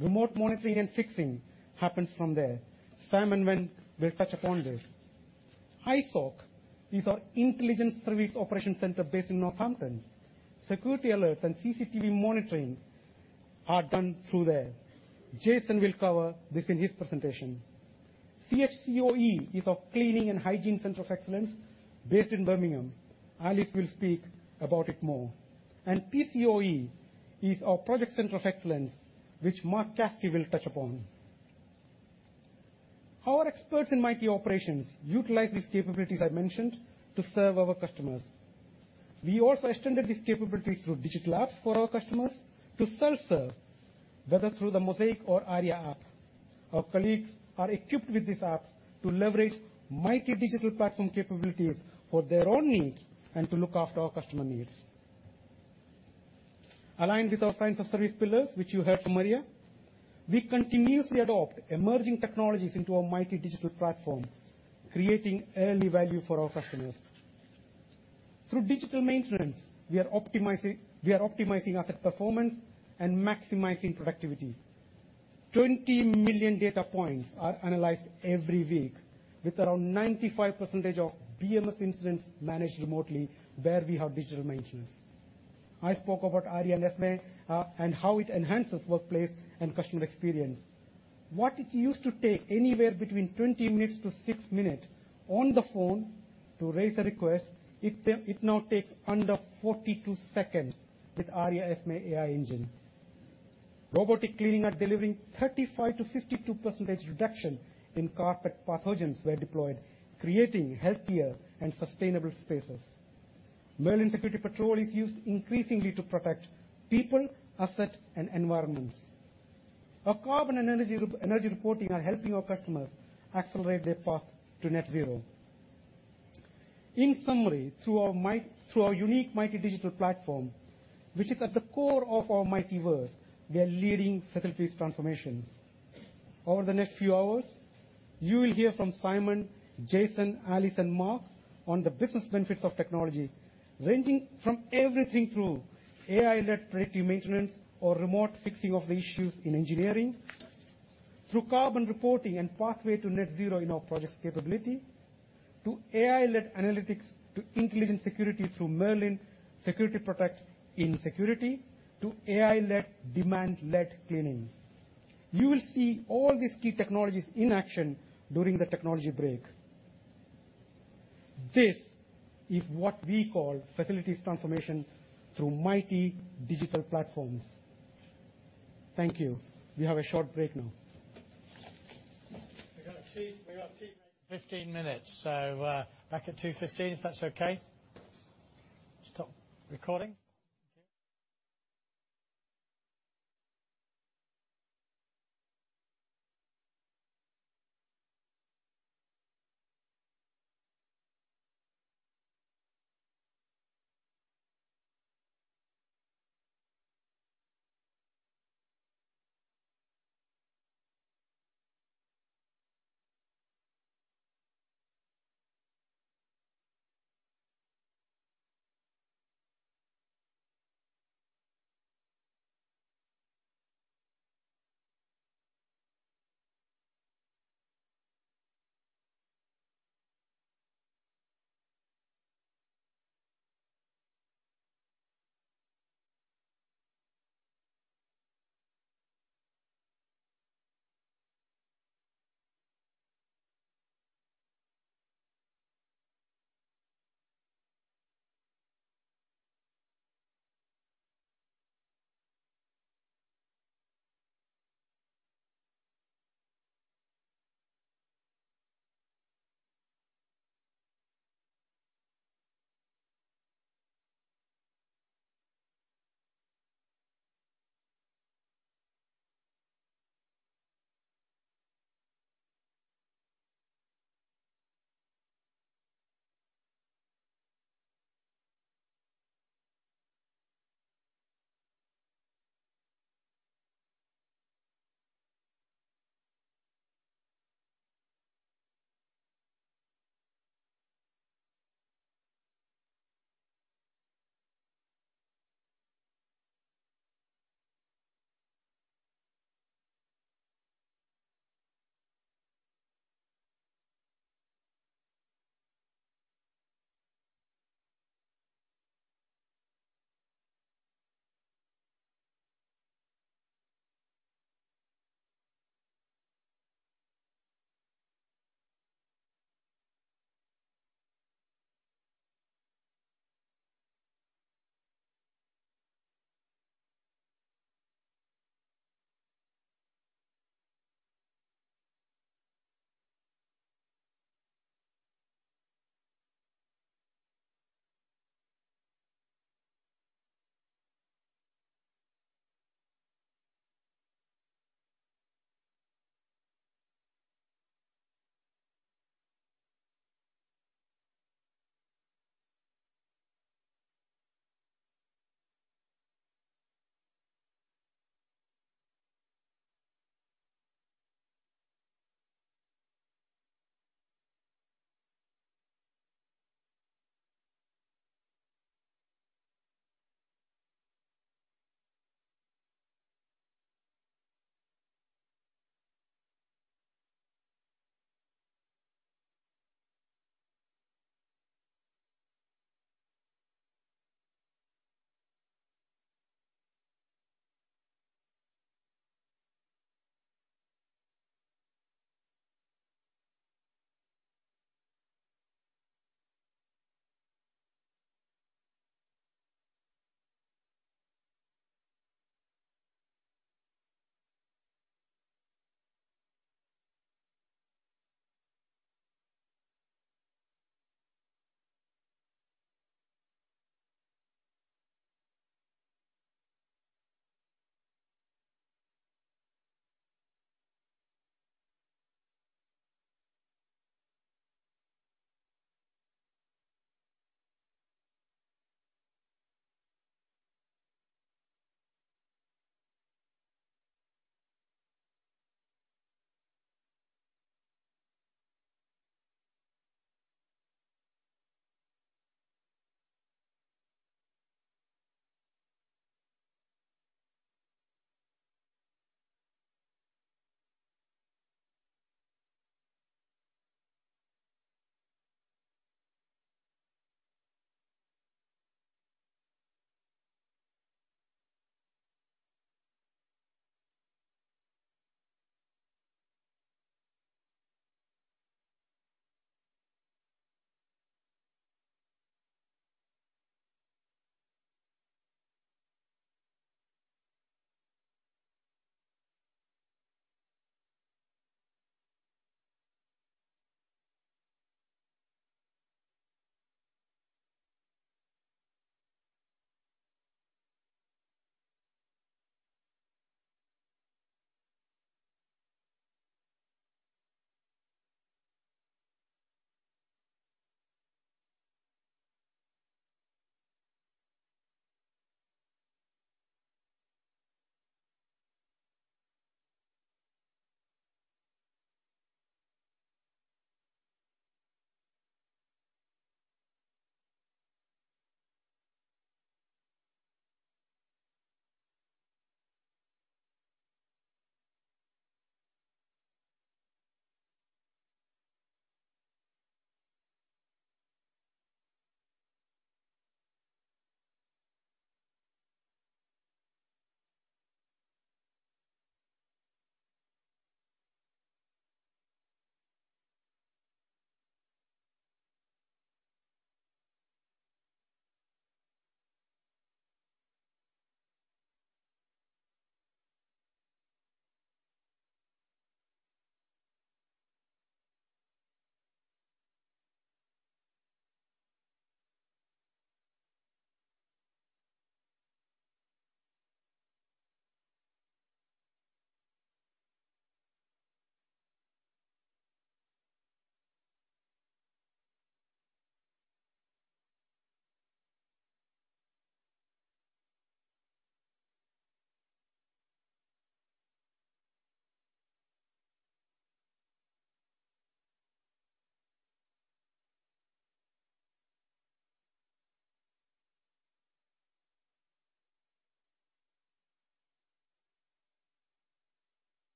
[SPEAKER 4] remote monitoring and fixing happens from there. Simon will touch upon this. ISOC is our Intelligence Security Operations Centre based in Northampton. Security alerts and CCTV monitoring are done through there. Jason will cover this in his presentation. CHCoE is our Cleaning and Hygiene Centre of Excellence based in Birmingham. Alice will speak about it more. And PCoE is our Projects Centre of Excellence, which Mark Caskey will touch upon. Our experts in Mitie Operations utilize these capabilities I mentioned to serve our customers. We also extended these capabilities through digital apps for our customers to self-serve, whether through the Mosaic or Aria app. Our colleagues are equipped with these apps to leverage Mitie Digital Platform capabilities for their own needs and to look after our customer needs. Aligned with our Science of Service pillars, which you heard from Maria, we continuously adopt emerging technologies into our Mitie Digital Platform, creating early value for our customers. Through digital maintenance, we are optimizing, we are optimizing asset performance and maximizing productivity. 20 million data points are analyzed every week, with around 95% of BMS incidents managed remotely where we have digital maintenance. I spoke about Aria Esme and how it enhances workplace and customer experience. What it used to take anywhere between 20 minutes to 6 minutes on the phone to raise a request, it now takes under 42 seconds with Aria Esme AI engine. Robotic cleaning are delivering 35%-52% reduction in carpet pathogens where deployed, creating healthier and sustainable spaces. Merlin security patrol is used increasingly to protect people, asset, and environments. Our carbon and energy reporting are helping our customers accelerate their path to net zero. In summary, through our unique Mitie Digital Platform, which is at the core of our MitieVerse, we are leading facilities transformations. Over the next few hours, you will hear from Simon, Jason, Alice, and Mark on the business benefits of technology, ranging from everything through AI-led predictive maintenance or remote fixing of the issues in engineering, through carbon reporting and pathway to net zero in our Projects capability, to AI-led analytics, to intelligent security through Merlin Security Protect in security, to AI-led, demand-led cleaning. You will see all these key technologies in action during the technology break. This is what we call facilities transformation through Mitie Digital Platforms. Thank you. We have a short break now.
[SPEAKER 2] We got tea, we got tea break in 15 minutes, so, back at 2:15, if that's okay. Stop recording.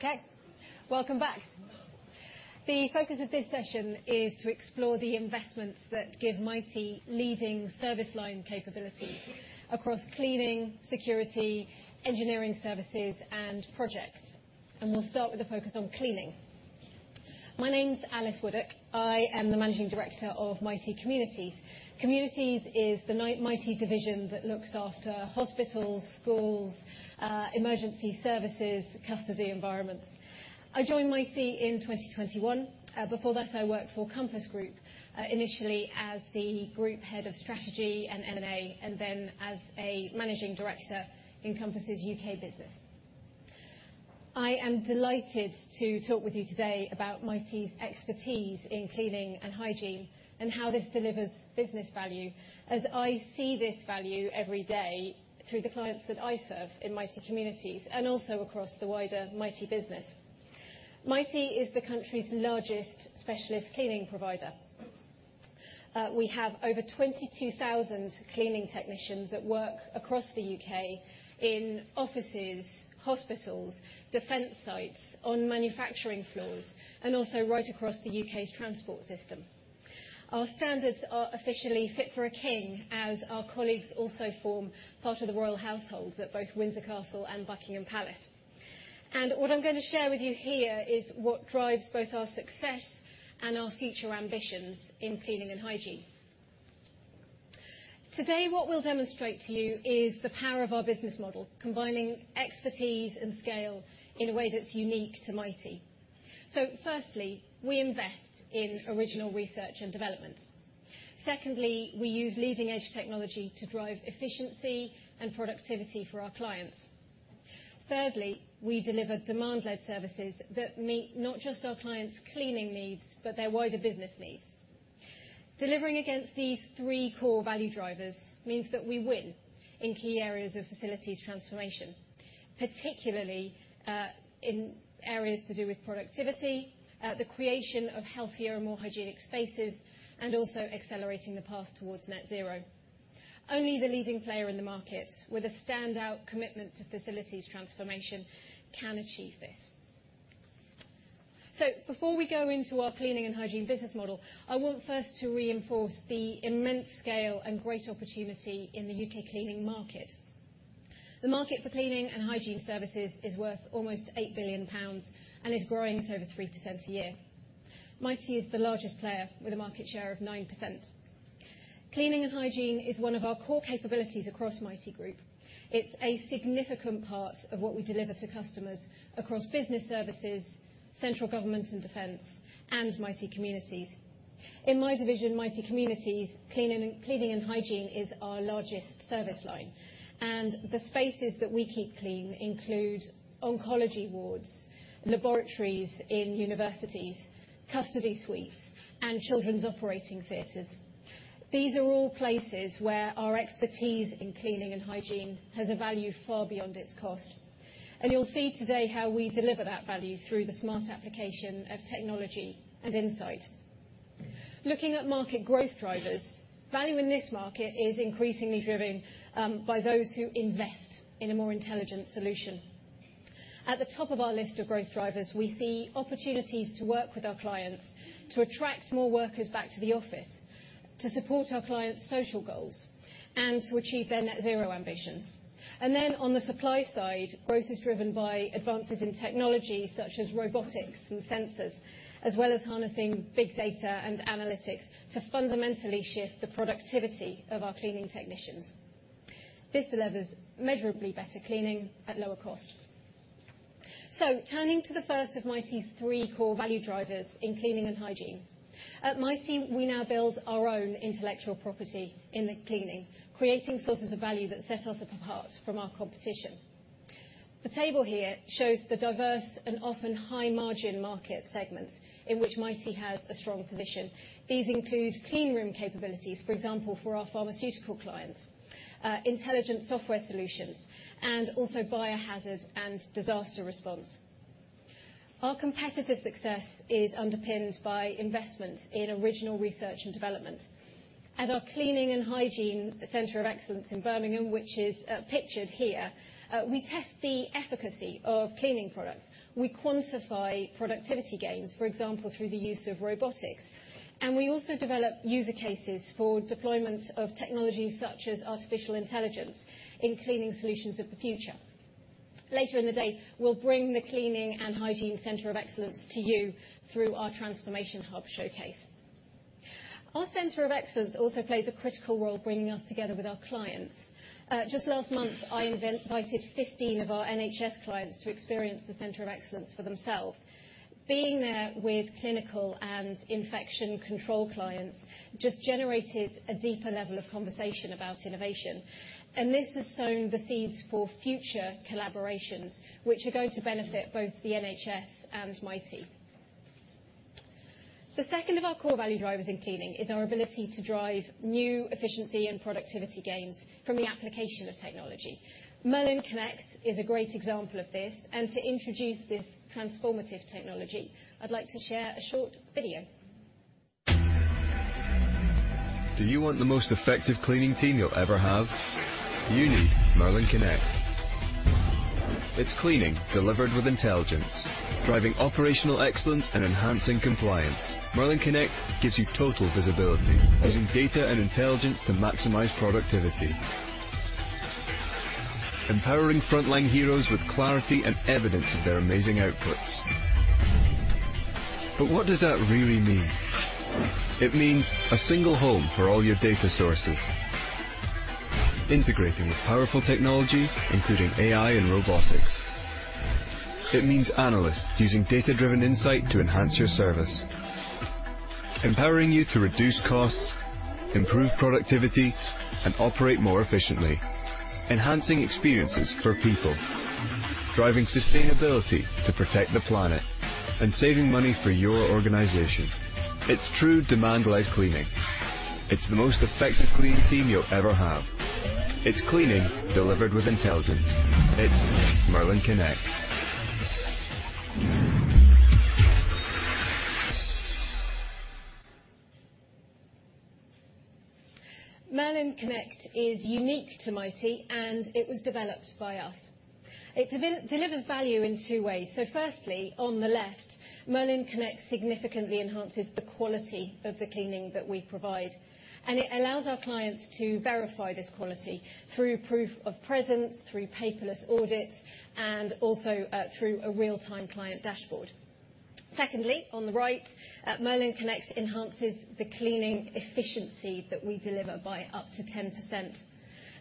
[SPEAKER 2] Thank you....
[SPEAKER 5] Okay, we're going to get started if we may.
[SPEAKER 6] Okay, welcome back. The focus of this session is to explore the investments that give Mitie leading service line capability across cleaning, security, engineering services, and projects. We'll start with the focus on cleaning. My name's Alice Woodwark. I am the Managing Director of Mitie Communities. Communities is the Mitie division that looks after hospitals, schools, emergency services, custody environments. I joined Mitie in 2021. Before that, I worked for Compass Group, initially as the Group Head of Strategy and M&A, and then as a Managing Director in Compass's UK business. I am delighted to talk with you today about Mitie's expertise in cleaning and hygiene, and how this delivers business value, as I see this value every day through the clients that I serve in Mitie Communities and also across the wider Mitie business. Mitie is the country's largest specialist cleaning provider. We have over 22,000 cleaning technicians that work across the U.K. in offices, hospitals, defense sites, on manufacturing floors, and also right across the U.K.'s transport system. Our standards are officially fit for a king, as our colleagues also form part of the Royal Households at both Windsor Castle and Buckingham Palace. What I'm going to share with you here is what drives both our success and our future ambitions in cleaning and hygiene. Today, what we'll demonstrate to you is the power of our business model, combining expertise and scale in a way that's unique to Mitie. Firstly, we invest in original research and development. Secondly, we use leading-edge technology to drive efficiency and productivity for our clients. Thirdly, we deliver demand-led services that meet not just our clients' cleaning needs, but their wider business needs. Delivering against these three core value drivers means that we win in key areas of facilities transformation, particularly, in areas to do with productivity, the creation of healthier and more hygienic spaces, and also accelerating the path towards Net Zero. Only the leading player in the market with a standout commitment to facilities transformation can achieve this. So before we go into our cleaning and hygiene business model, I want first to reinforce the immense scale and great opportunity in the UK cleaning market. The market for cleaning and hygiene services is worth almost 8 billion pounds and is growing at over 3% a year. Mitie is the largest player, with a market share of 9%.... Cleaning and hygiene is one of our core capabilities across Mitie Group. It's a significant part of what we deliver to customers across business services, central government and defense, and Mitie Communities. In my division, Mitie Communities, cleaning and hygiene is our largest service line, and the spaces that we keep clean include oncology wards, laboratories in universities, custody suites, and children's operating theaters. These are all places where our expertise in cleaning and hygiene has a value far beyond its cost, and you'll see today how we deliver that value through the smart application of technology and insight. Looking at market growth drivers, value in this market is increasingly driven by those who invest in a more intelligent solution. At the top of our list of growth drivers, we see opportunities to work with our clients to attract more workers back to the office, to support our clients' social goals, and to achieve their net zero ambitions. Then on the supply side, growth is driven by advances in technology such as robotics and sensors, as well as harnessing big data and analytics to fundamentally shift the productivity of our cleaning technicians. This delivers measurably better cleaning at lower cost. Turning to the first of Mitie's three core value drivers in cleaning and hygiene. At Mitie, we now build our own intellectual property in the cleaning, creating sources of value that set us apart from our competition. The table here shows the diverse and often high-margin market segments in which Mitie has a strong position. These include clean room capabilities, for example, for our pharmaceutical clients, intelligent software solutions, and also biohazard and disaster response. Our competitive success is underpinned by investment in original research and development. At our Cleaning and Hygiene Centre of Excellence in Birmingham, which is, pictured here, we test the efficacy of cleaning products. We quantify productivity gains, for example, through the use of robotics, and we also develop user cases for deployment of technologies such as artificial intelligence in cleaning solutions of the future. Later in the day, we'll bring the Cleaning and Hygiene Centre of Excellence to you through our transformation hub showcase. Our Centre of Excellence also plays a critical role bringing us together with our clients. Just last month, I invited 15 of our NHS clients to experience the Centre of Excellence for themselves. Being there with clinical and infection control clients just generated a deeper level of conversation about innovation, and this has sown the seeds for future collaborations, which are going to benefit both the NHS and Mitie. The second of our core value drivers in cleaning is our ability to drive new efficiency and productivity gains from the application of technology. Merlin Connect is a great example of this, and to introduce this transformative technology, I'd like to share a short video.
[SPEAKER 7] Do you want the most effective cleaning team you'll ever have? You need Merlin Connect. It's cleaning delivered with intelligence, driving operational excellence and enhancing compliance. Merlin Connect gives you total visibility, using data and intelligence to maximize productivity. Empowering frontline heroes with clarity and evidence of their amazing outputs. But what does that really mean? It means a single home for all your data sources, integrating with powerful technologies, including AI and robotics. It means analysts using data-driven insight to enhance your service, empowering you to reduce costs, improve productivity, and operate more efficiently, enhancing experiences for people, driving sustainability to protect the planet, and saving money for your organization. It's true demand-led cleaning. It's the most effective cleaning team you'll ever have. It's cleaning delivered with intelligence. It's Merlin Connect.
[SPEAKER 6] Merlin Connect is unique to Mitie, and it was developed by us. It delivers value in two ways. So firstly, on the left, Merlin Connect significantly enhances the quality of the cleaning that we provide, and it allows our clients to verify this quality through proof of presence, through paperless audits, and also through a real-time client dashboard. Secondly, on the right, Merlin Connect enhances the cleaning efficiency that we deliver by up to 10%.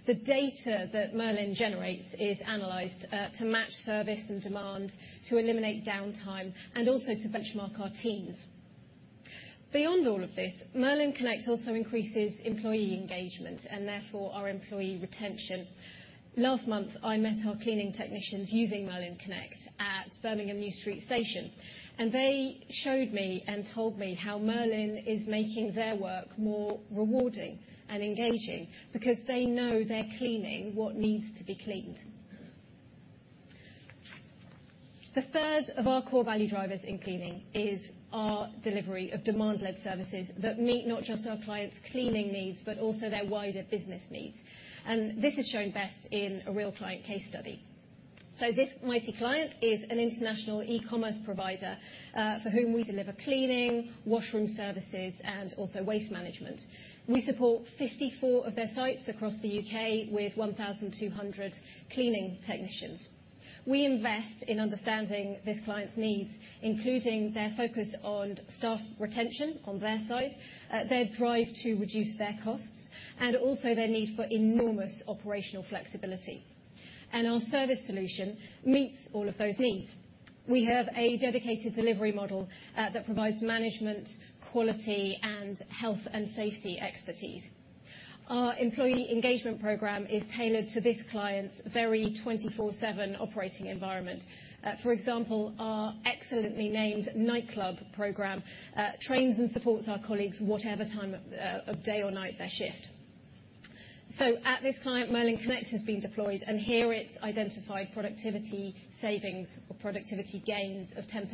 [SPEAKER 6] The data that Merlin generates is analyzed to match service and demand, to eliminate downtime, and also to benchmark our teams. Beyond all of this, Merlin Connect also increases employee engagement and therefore our employee retention. Last month, I met our cleaning technicians using Merlin Connect at Birmingham New Street Station, and they showed me and told me how Merlin is making their work more rewarding and engaging because they know they're cleaning what needs to be cleaned. The third of our core value drivers in cleaning is our delivery of demand-led services that meet not just our clients' cleaning needs, but also their wider business needs, and this is shown best in a real client case study. This Mitie client is an international e-commerce provider, for whom we deliver cleaning, washroom services, and also waste management. We support 54 of their sites across the UK, with 1,200 cleaning technicians. We invest in understanding this client's needs, including their focus on staff retention on their side, their drive to reduce their costs, and also their need for enormous operational flexibility.... Our service solution meets all of those needs. We have a dedicated delivery model that provides management, quality, and health and safety expertise. Our employee engagement program is tailored to this client's very 24/7 operating environment. For example, our excellently named Nightclub program trains and supports our colleagues whatever time of day or night their shift. At this client, Merlin Connect has been deployed, and here it's identified productivity, savings, or productivity gains of 10%+.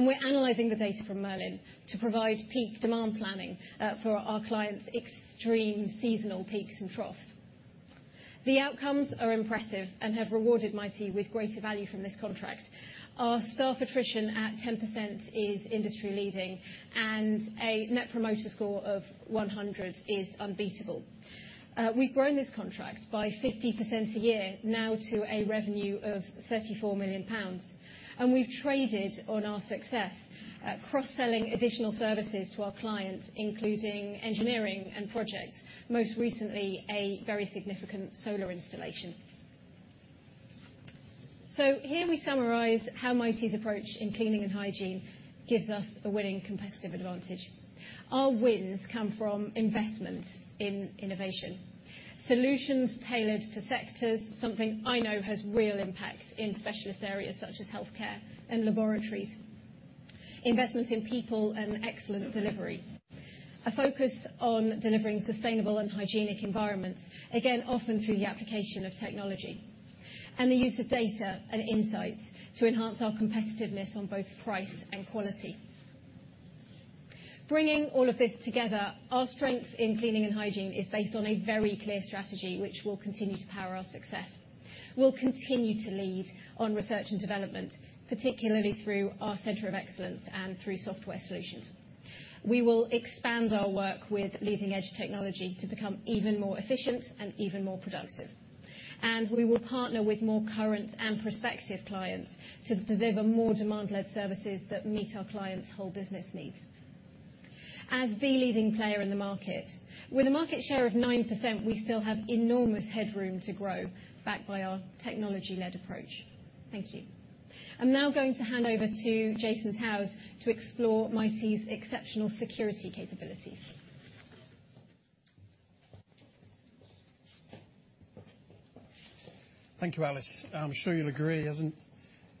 [SPEAKER 6] We're analyzing the data from Merlin to provide peak demand planning for our client's extreme seasonal peaks and troughs. The outcomes are impressive and have rewarded Mitie with greater value from this contract. Our staff attrition at 10% is industry-leading, and a Net Promoter Score of 100 is unbeatable. We've grown this contract by 50% a year, now to a revenue of 34 million pounds, and we've traded on our success, cross-selling additional services to our clients, including engineering and projects, most recently, a very significant solar installation. So here we summarize how Mitie's approach in cleaning and hygiene gives us a winning competitive advantage. Our wins come from investment in innovation. Solutions tailored to sectors, something I know has real impact in specialist areas such as healthcare and laboratories. Investment in people and excellent delivery. A focus on delivering sustainable and hygienic environments, again, often through the application of technology. And the use of data and insights to enhance our competitiveness on both price and quality. Bringing all of this together, our strength in cleaning and hygiene is based on a very clear strategy, which will continue to power our success. We'll continue to lead on research and development, particularly through our Centre of Excellence and through software solutions. We will expand our work with leading-edge technology to become even more efficient and even more productive. We will partner with more current and prospective clients to deliver more demand-led services that meet our clients' whole business needs. As the leading player in the market, with a market share of 9%, we still have enormous headroom to grow, backed by our technology-led approach. Thank you. I'm now going to hand over to Jason Towse, to explore Mitie's exceptional security capabilities.
[SPEAKER 8] Thank you, Alice. I'm sure you'll agree, hasn't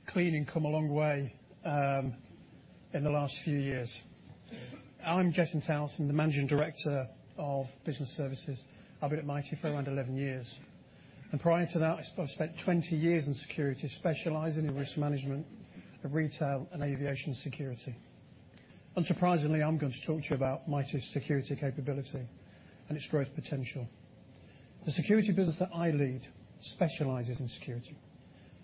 [SPEAKER 8] cleaning come a long way in the last few years? I'm Jason Towse, I'm the Managing Director of Business Services. I've been at Mitie for around 11 years. Prior to that, I spent 20 years in security, specializing in risk management of retail and aviation security. Unsurprisingly, I'm going to talk to you about Mitie's security capability and its growth potential. The security business that I lead specializes in security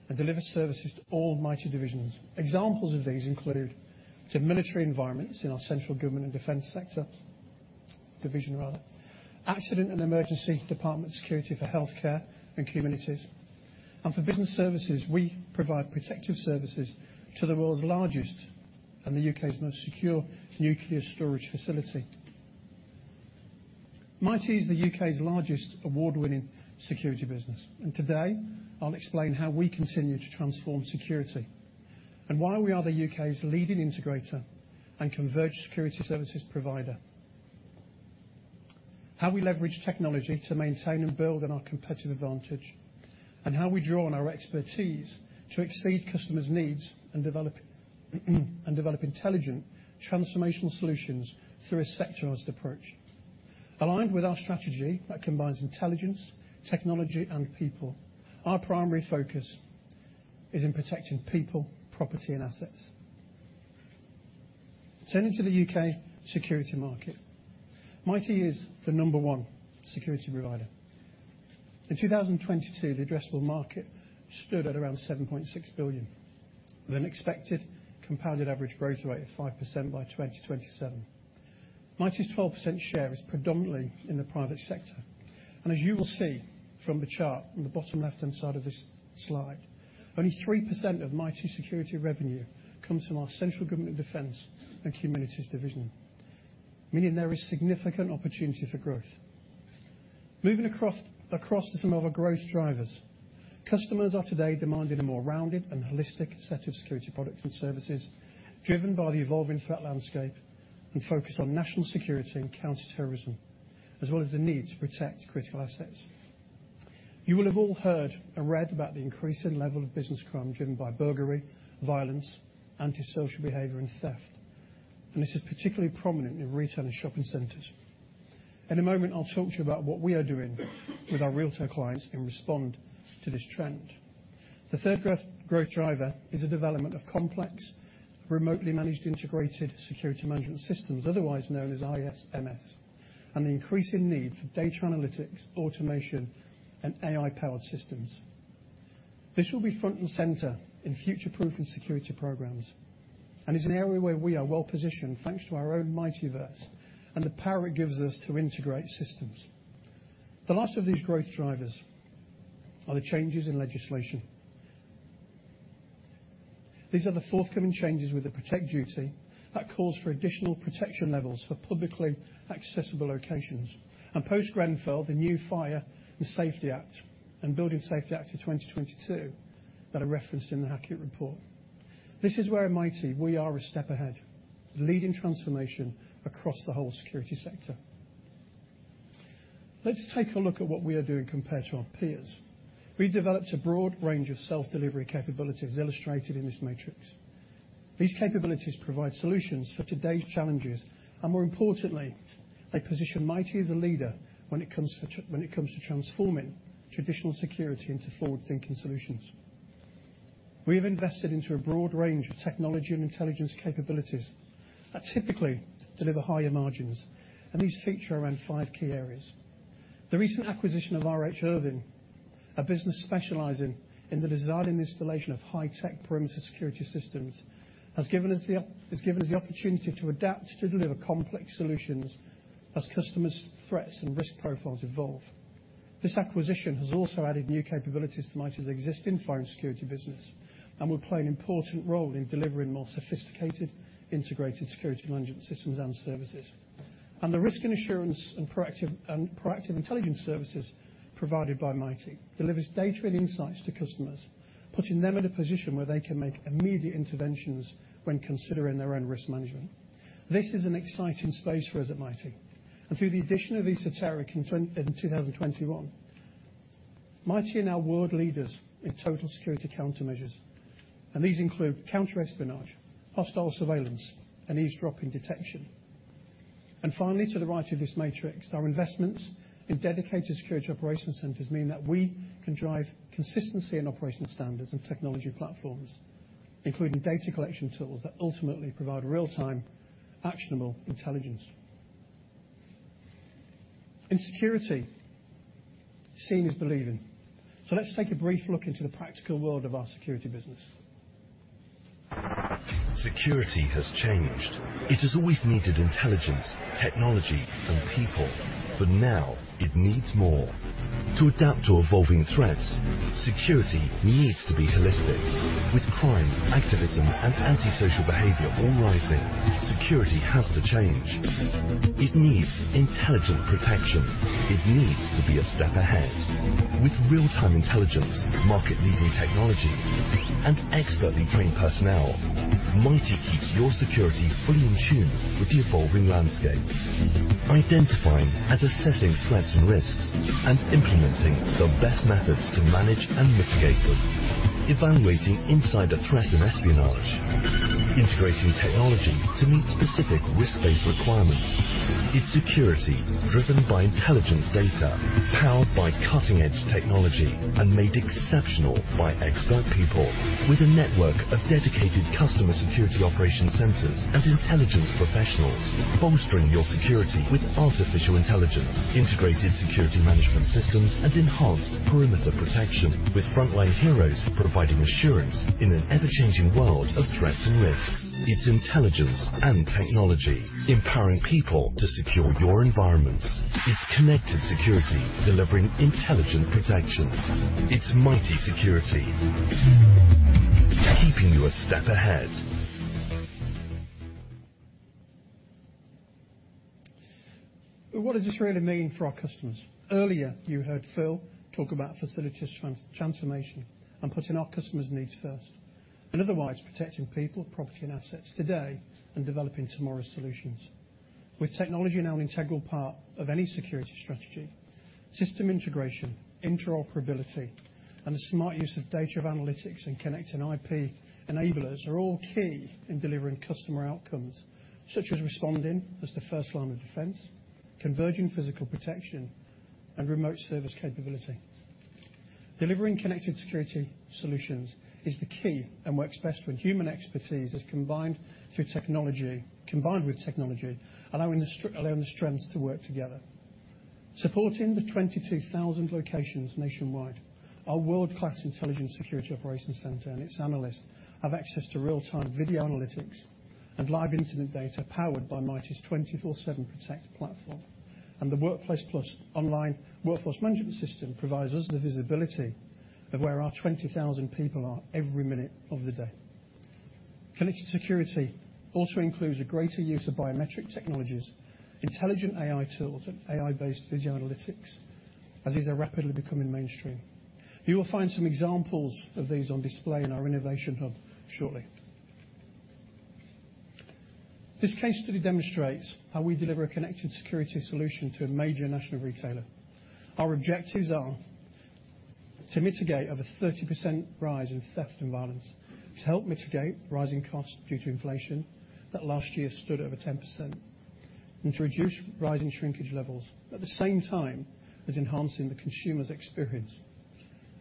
[SPEAKER 8] and delivers services to all Mitie divisions. Examples of these include to military environments in our central government and defense sector, division rather, accident and emergency department security for healthcare and communities. For business services, we provide protective services to the world's largest and the U.K.'s most secure nuclear storage facility. Mitie is the U.K.'s largest award-winning security business, and today, I'll explain how we continue to transform security, and why we are the U.K.'s leading integrator and converged security services provider. How we leverage technology to maintain and build on our competitive advantage, and how we draw on our expertise to exceed customers' needs and develop, and develop intelligent, transformational solutions through a sectorial approach. Aligned with our strategy that combines intelligence, technology, and people, our primary focus is in protecting people, property, and assets. Turning to the U.K. security market. Mitie is the number one security provider. In 2022, the addressable market stood at around 7.6 billion, with an expected compounded average growth rate of 5% by 2027. Mitie's 12% share is predominantly in the private sector, and as you will see from the chart on the bottom left-hand side of this slide, only 3% of Mitie's security revenue comes from our central government defense and communities division, meaning there is significant opportunity for growth. Moving across to some of our growth drivers. Customers are today demanding a more rounded and holistic set of security products and services, driven by the evolving threat landscape and focused on national security and counter-terrorism, as well as the need to protect critical assets. You will have all heard and read about the increasing level of business crime, driven by burglary, violence, antisocial behavior, and theft, and this is particularly prominent in retail and shopping centers. In a moment, I'll talk to you about what we are doing with our retail clients in response to this trend. The third growth driver is the development of complex, remotely managed, integrated security management systems, otherwise known as ISMS, and the increasing need for data analytics, automation, and AI-powered systems. This will be front and center in future proof and security programs, and is an area where we are well-positioned, thanks to our own Mitie Verse and the power it gives us to integrate systems. The last of these growth drivers are the changes in legislation. These are the forthcoming changes with the Protect Duty that calls for additional protection levels for publicly accessible locations, and post-Grenfell, the new Fire and Safety Act and Building Safety Act of 2022 that are referenced in the Hackitt Report. This is where Mitie, we are a step ahead, leading transformation across the whole security sector. Let's take a look at what we are doing compared to our peers. We developed a broad range of self-delivery capabilities illustrated in this matrix. These capabilities provide solutions for today's challenges, and more importantly, they position Mitie as a leader when it comes to transforming traditional security into forward-thinking solutions. We have invested into a broad range of technology and intelligence capabilities that typically deliver higher margins, and these feature around five key areas. The recent acquisition of R H Irving, a business specializing in the design and installation of high-tech perimeter security systems, has given us the opportunity to adapt to deliver complex solutions as customers' threats and risk profiles evolve. This acquisition has also added new capabilities to Mitie's existing fire and security business, and will play an important role in delivering more sophisticated, integrated security management systems and services. And the risk and assurance and proactive intelligence services provided by Mitie delivers data and insights to customers, putting them in a position where they can make immediate interventions when considering their own risk management. This is an exciting space for us at Mitie, and through the addition of Esoteric in 2021, Mitie are now world leaders in total security countermeasures, and these include counterespionage, hostile surveillance, and eavesdropping detection. And finally, to the right of this matrix, our investments in dedicated security operations centers mean that we can drive consistency in operation standards and technology platforms, including data collection tools that ultimately provide real-time, actionable intelligence. In security, seeing is believing. So let's take a brief look into the practical world of our security business.
[SPEAKER 7] Security has changed. It has always needed intelligence, technology, and people, but now it needs more. To adapt to evolving threats, security needs to be holistic. With crime, activism, and antisocial behavior all rising, security has to change. It needs intelligent protection. It needs to be a step ahead. With real-time intelligence, market-leading technology, and expertly trained personnel, Mitie keeps your security fully in tune with the evolving landscape, identifying and assessing threats and risks, and implementing the best methods to manage and mitigate them. Evaluating insider threat and espionage, integrating technology to meet specific risk-based requirements. It's security driven by intelligence data, powered by cutting-edge technology, and made exceptional by expert people. With a network of dedicated customer security operation centers and intelligence professionals, bolstering your security with artificial intelligence, integrated security management systems, and enhanced perimeter protection, with frontline heroes providing assurance in an ever-changing world of threats and risks. It's intelligence and technology, empowering people to secure your environments. It's connected security, delivering intelligent protection. It's Mitie Security, keeping you a step ahead.
[SPEAKER 8] But what does this really mean for our customers? Earlier, you heard Phil talk about facilities transformation and putting our customers' needs first, and otherwise, protecting people, property, and assets today and developing tomorrow's solutions. With technology now an integral part of any security strategy, system integration, interoperability, and the smart use of data analytics and connected IP enablers are all key in delivering customer outcomes, such as responding as the first line of defense, converging physical protection, and remote service capability. Delivering connected security solutions is the key and works best when human expertise is combined with technology, allowing the strengths to work together. Supporting the 22,000 locations nationwide, our world-class intelligence security operations center and its analysts have access to real-time video analytics and live incident data powered by Mitie's 24/7 Protect platform. The Workplace Plus online workforce management system provides us the visibility of where our 20,000 people are every minute of the day. Connected security also includes a greater use of biometric technologies, intelligent AI tools and AI-based video analytics, as these are rapidly becoming mainstream. You will find some examples of these on display in our innovation hub shortly. This case study demonstrates how we deliver a connected security solution to a major national retailer. Our objectives are to mitigate over 30% rise in theft and violence, to help mitigate rising costs due to inflation that last year stood over 10%, and to reduce rising shrinkage levels, at the same time as enhancing the consumer's experience.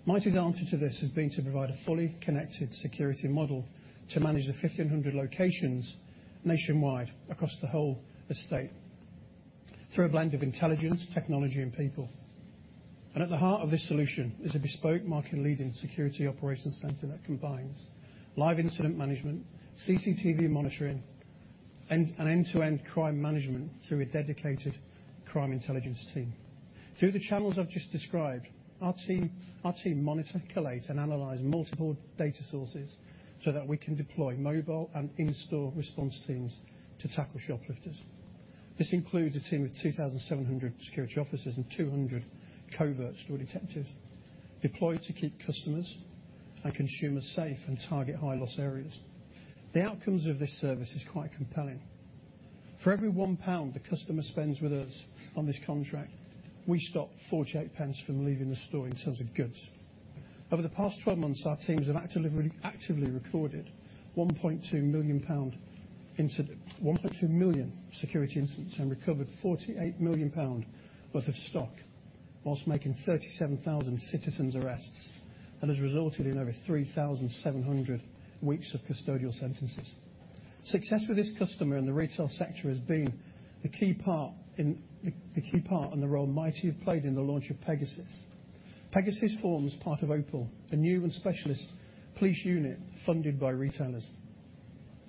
[SPEAKER 8] Mitie's answer to this has been to provide a fully connected security model to manage the 1,500 locations nationwide across the whole estate through a blend of intelligence, technology, and people. At the heart of this solution is a bespoke, market-leading security operations center that combines live incident management, CCTV monitoring, and an end-to-end crime management through a dedicated crime intelligence team. Through the channels I've just described, our team, our team monitor, collate, and analyze multiple data sources so that we can deploy mobile and in-store response teams to tackle shoplifters. This includes a team of 2,700 security officers and 200 covert store detectives, deployed to keep customers and consumers safe and target high-loss areas. The outcomes of this service is quite compelling. For every 1 pound the customer spends with us on this contract, we stop 0.48 GBP from leaving the store in terms of goods. Over the past 12 months, our teams have actively recorded 1.2 million security incidents and recovered 48 million pound worth of stock, while making 37,000 citizens arrests, and has resulted in over 3,700 weeks of custodial sentences. Success with this customer in the retail sector has been the key part in the role Mitie have played in the launch of Pegasus. Pegasus forms part of Opal, a new and specialist police unit funded by retailers.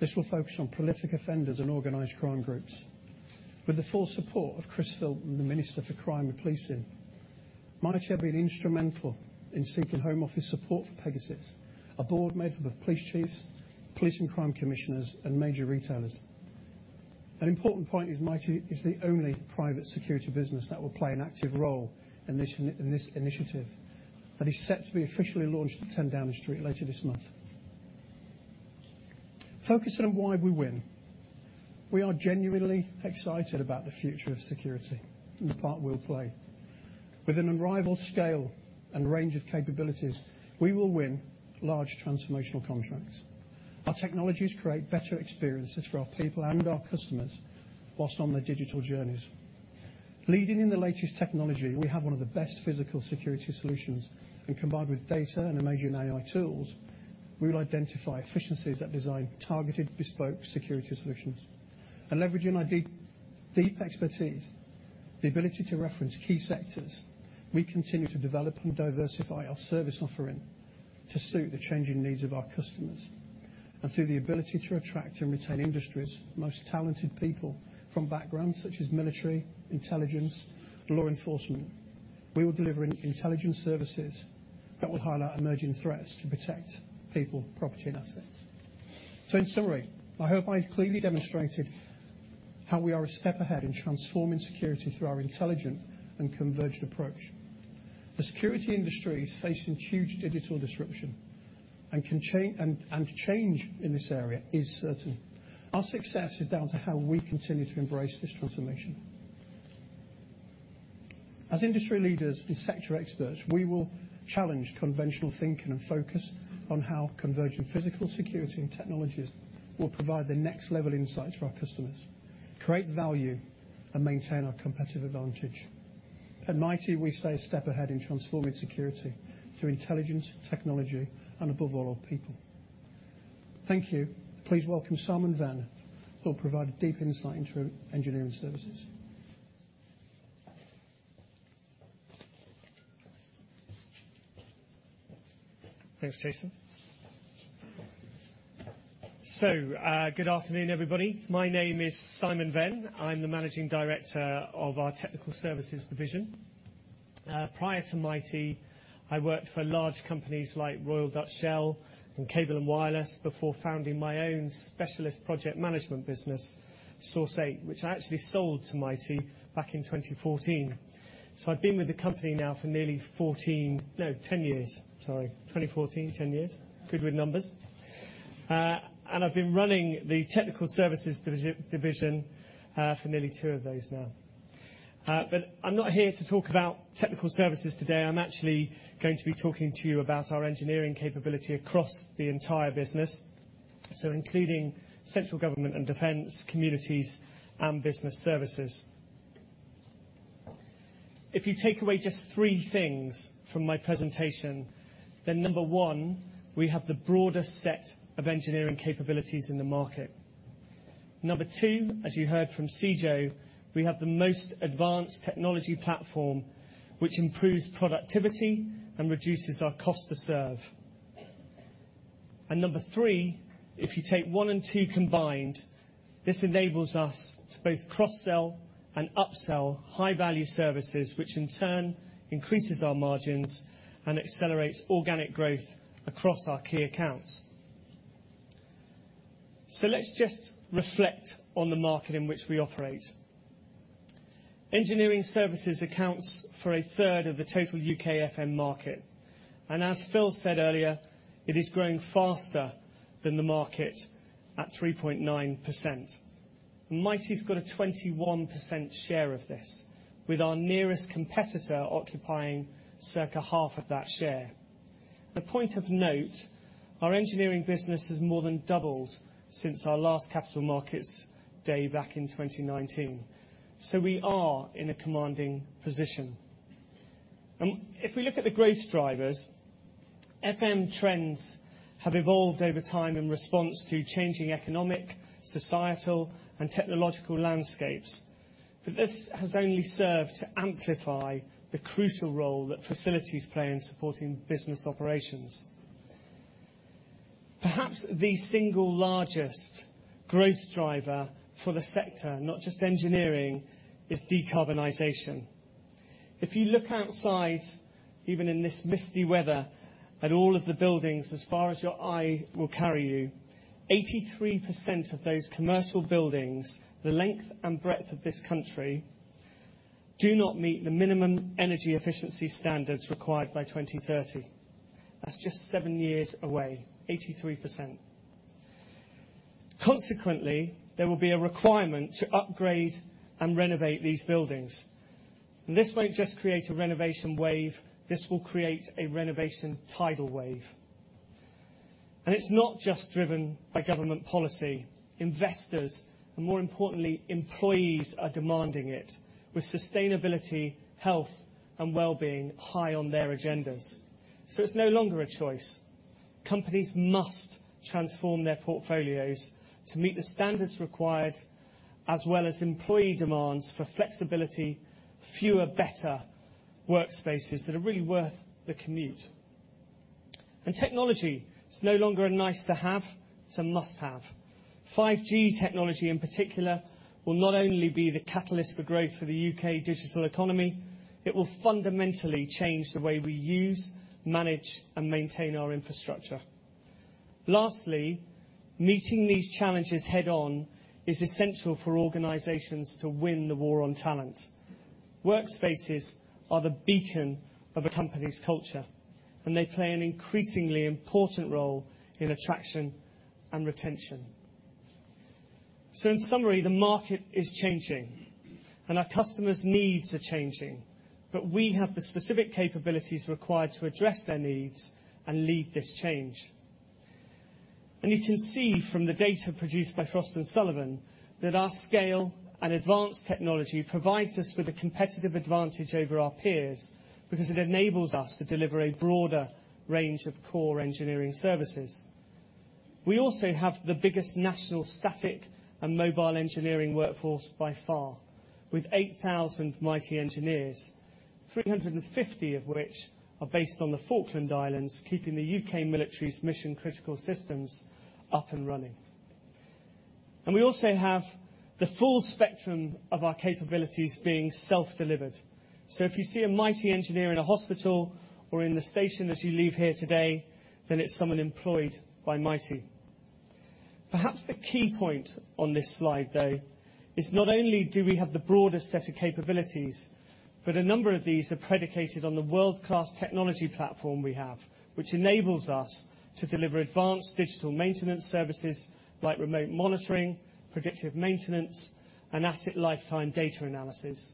[SPEAKER 8] This will focus on prolific offenders and organized crime groups. With the full support of Chris Philp, the Minister for Crime and Policing, Mitie have been instrumental in seeking Home Office support for Pegasus, a board made up of police chiefs, police and crime commissioners, and major retailers. An important point is Mitie is the only private security business that will play an active role in this initiative, that is set to be officially launched at Ten Downing Street later this month. Focusing on why we win, we are genuinely excited about the future of security and the part we'll play. With an unrivaled scale and range of capabilities, we will win large transformational contracts. Our technologies create better experiences for our people and our customers whilst on their digital journeys. Leading in the latest technology, we have one of the best physical security solutions, and combined with data and emerging AI tools, we will identify efficiencies that design targeted, bespoke security solutions. Leveraging our deep, deep expertise, the ability to reference key sectors, we continue to develop and diversify our service offering to suit the changing needs of our customers. Through the ability to attract and retain industry's most talented people from backgrounds such as military, intelligence, and law enforcement, we will deliver an intelligence services that will highlight emerging threats to protect people, property, and assets. In summary, I hope I've clearly demonstrated how we are a step ahead in transforming security through our intelligent and converged approach. The security industry is facing huge digital disruption, and change in this area is certain. Our success is down to how we continue to embrace this transformation. As industry leaders and sector experts, we will challenge conventional thinking and focus on how converging physical security and technologies will provide the next level of insights for our customers, create value, and maintain our competitive advantage. At Mitie, we stay a step ahead in transforming security through intelligence, technology, and above all, our people. Thank you. Please welcome Simon Venn, who'll provide a deep insight into engineering services.
[SPEAKER 9] Thanks, Jason. So, good afternoon, everybody. My name is Simon Venn. I'm the Managing Director of our Technical Services division. Prior to Mitie, I worked for large companies like Royal Dutch Shell and Cable & Wireless before founding my own specialist project management business, Source8, which I actually sold to Mitie back in 2014. So I've been with the company now for nearly 14... No, 10 years, sorry. 2014, 10 years. Good with numbers. And I've been running the Technical Services division for nearly 2 of those now. But I'm not here to talk about technical services today. I'm actually going to be talking to you about our engineering capability across the entire business, so including central government and defense, communities, and business services. If you take away just three things from my presentation, then number one, we have the broadest set of engineering capabilities in the market. Number two, as you heard from Cijo, we have the most advanced technology platform, which improves productivity and reduces our cost to serve. And number three, if you take one and two combined, this enables us to both cross-sell and upsell high-value services, which in turn increases our margins and accelerates organic growth across our key accounts. So let's just reflect on the market in which we operate. Engineering services accounts for a third of the total U.K. FM market, and as Phil said earlier, it is growing faster than the market at 3.9%. Mitie's got a 21% share of this, with our nearest competitor occupying circa half of that share. The point of note, our engineering business has more than doubled since our last capital markets day back in 2019. We are in a commanding position. If we look at the growth drivers, FM trends have evolved over time in response to changing economic, societal, and technological landscapes, but this has only served to amplify the crucial role that facilities play in supporting business operations. Perhaps the single largest growth driver for the sector, not just engineering, is decarbonization. If you look outside, even in this misty weather, at all of the buildings, as far as your eye will carry you, 83% of those commercial buildings, the length and breadth of this country, do not meet the minimum energy efficiency standards required by 2030. That's just seven years away, 83%. Consequently, there will be a requirement to upgrade and renovate these buildings. This won't just create a renovation wave, this will create a renovation tidal wave. It's not just driven by government policy, investors, and more importantly, employees are demanding it, with sustainability, health, and well-being high on their agendas. So it's no longer a choice. Companies must transform their portfolios to meet the standards required, as well as employee demands for flexibility, fewer, better workspaces that are really worth the commute. Technology is no longer a nice-to-have, it's a must-have. 5G technology, in particular, will not only be the catalyst for growth for the UK digital economy, it will fundamentally change the way we use, manage, and maintain our infrastructure. Lastly, meeting these challenges head-on is essential for organizations to win the war on talent. Workspaces are the beacon of a company's culture, and they play an increasingly important role in attraction and retention. In summary, the market is changing, and our customers' needs are changing, but we have the specific capabilities required to address their needs and lead this change. You can see from the data produced by Frost & Sullivan, that our scale and advanced technology provides us with a competitive advantage over our peers, because it enables us to deliver a broader range of core engineering services. We also have the biggest national static and mobile engineering workforce by far, with 8,000 Mitie engineers, 350 of which are based on the Falkland Islands, keeping the U.K. military's mission-critical systems up and running. We also have the full spectrum of our capabilities being self-delivered. If you see a Mitie engineer in a hospital or in the station as you leave here today, then it's someone employed by Mitie. Perhaps the key point on this slide, though, is not only do we have the broadest set of capabilities, but a number of these are predicated on the world-class technology platform we have, which enables us to deliver advanced digital maintenance services like remote monitoring, predictive maintenance, and asset lifetime data analysis.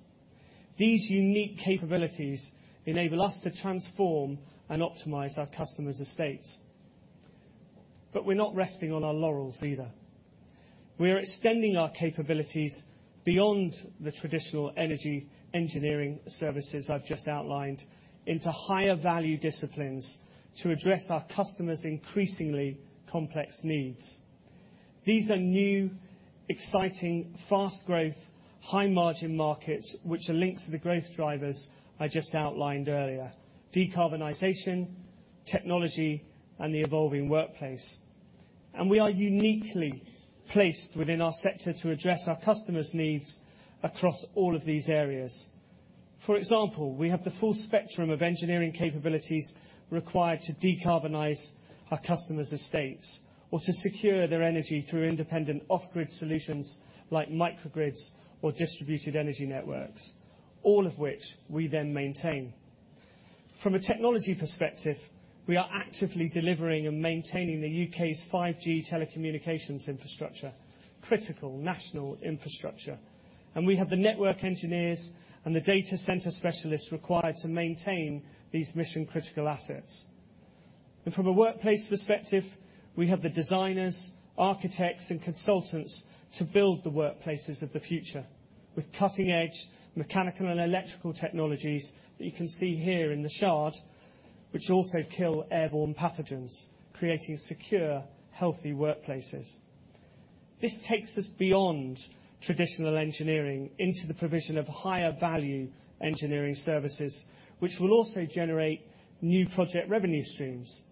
[SPEAKER 9] These unique capabilities enable us to transform and optimize our customers' estates. We're not resting on our laurels either. We are extending our capabilities beyond the traditional energy engineering services I've just outlined, into higher value disciplines to address our customers' increasingly complex needs. These are new, exciting, fast growth, high-margin markets, which are linked to the growth drivers I just outlined earlier: decarbonization, technology, and the evolving workplace. We are uniquely placed within our sector to address our customers' needs across all of these areas. For example, we have the full spectrum of engineering capabilities required to decarbonize our customers' estates, or to secure their energy through independent off-grid solutions like microgrids or distributed energy networks, all of which we then maintain. From a technology perspective, we are actively delivering and maintaining the UK's 5G telecommunications infrastructure, critical national infrastructure, and we have the network engineers and the data center specialists required to maintain these mission-critical assets. From a workplace perspective, we have the designers, architects, and consultants to build the workplaces of the future, with cutting-edge mechanical and electrical technologies that you can see here in The Shard, which also kill airborne pathogens, creating secure, healthy workplaces. This takes us beyond traditional engineering into the provision of higher-value engineering services, which will also generate new project revenue streams.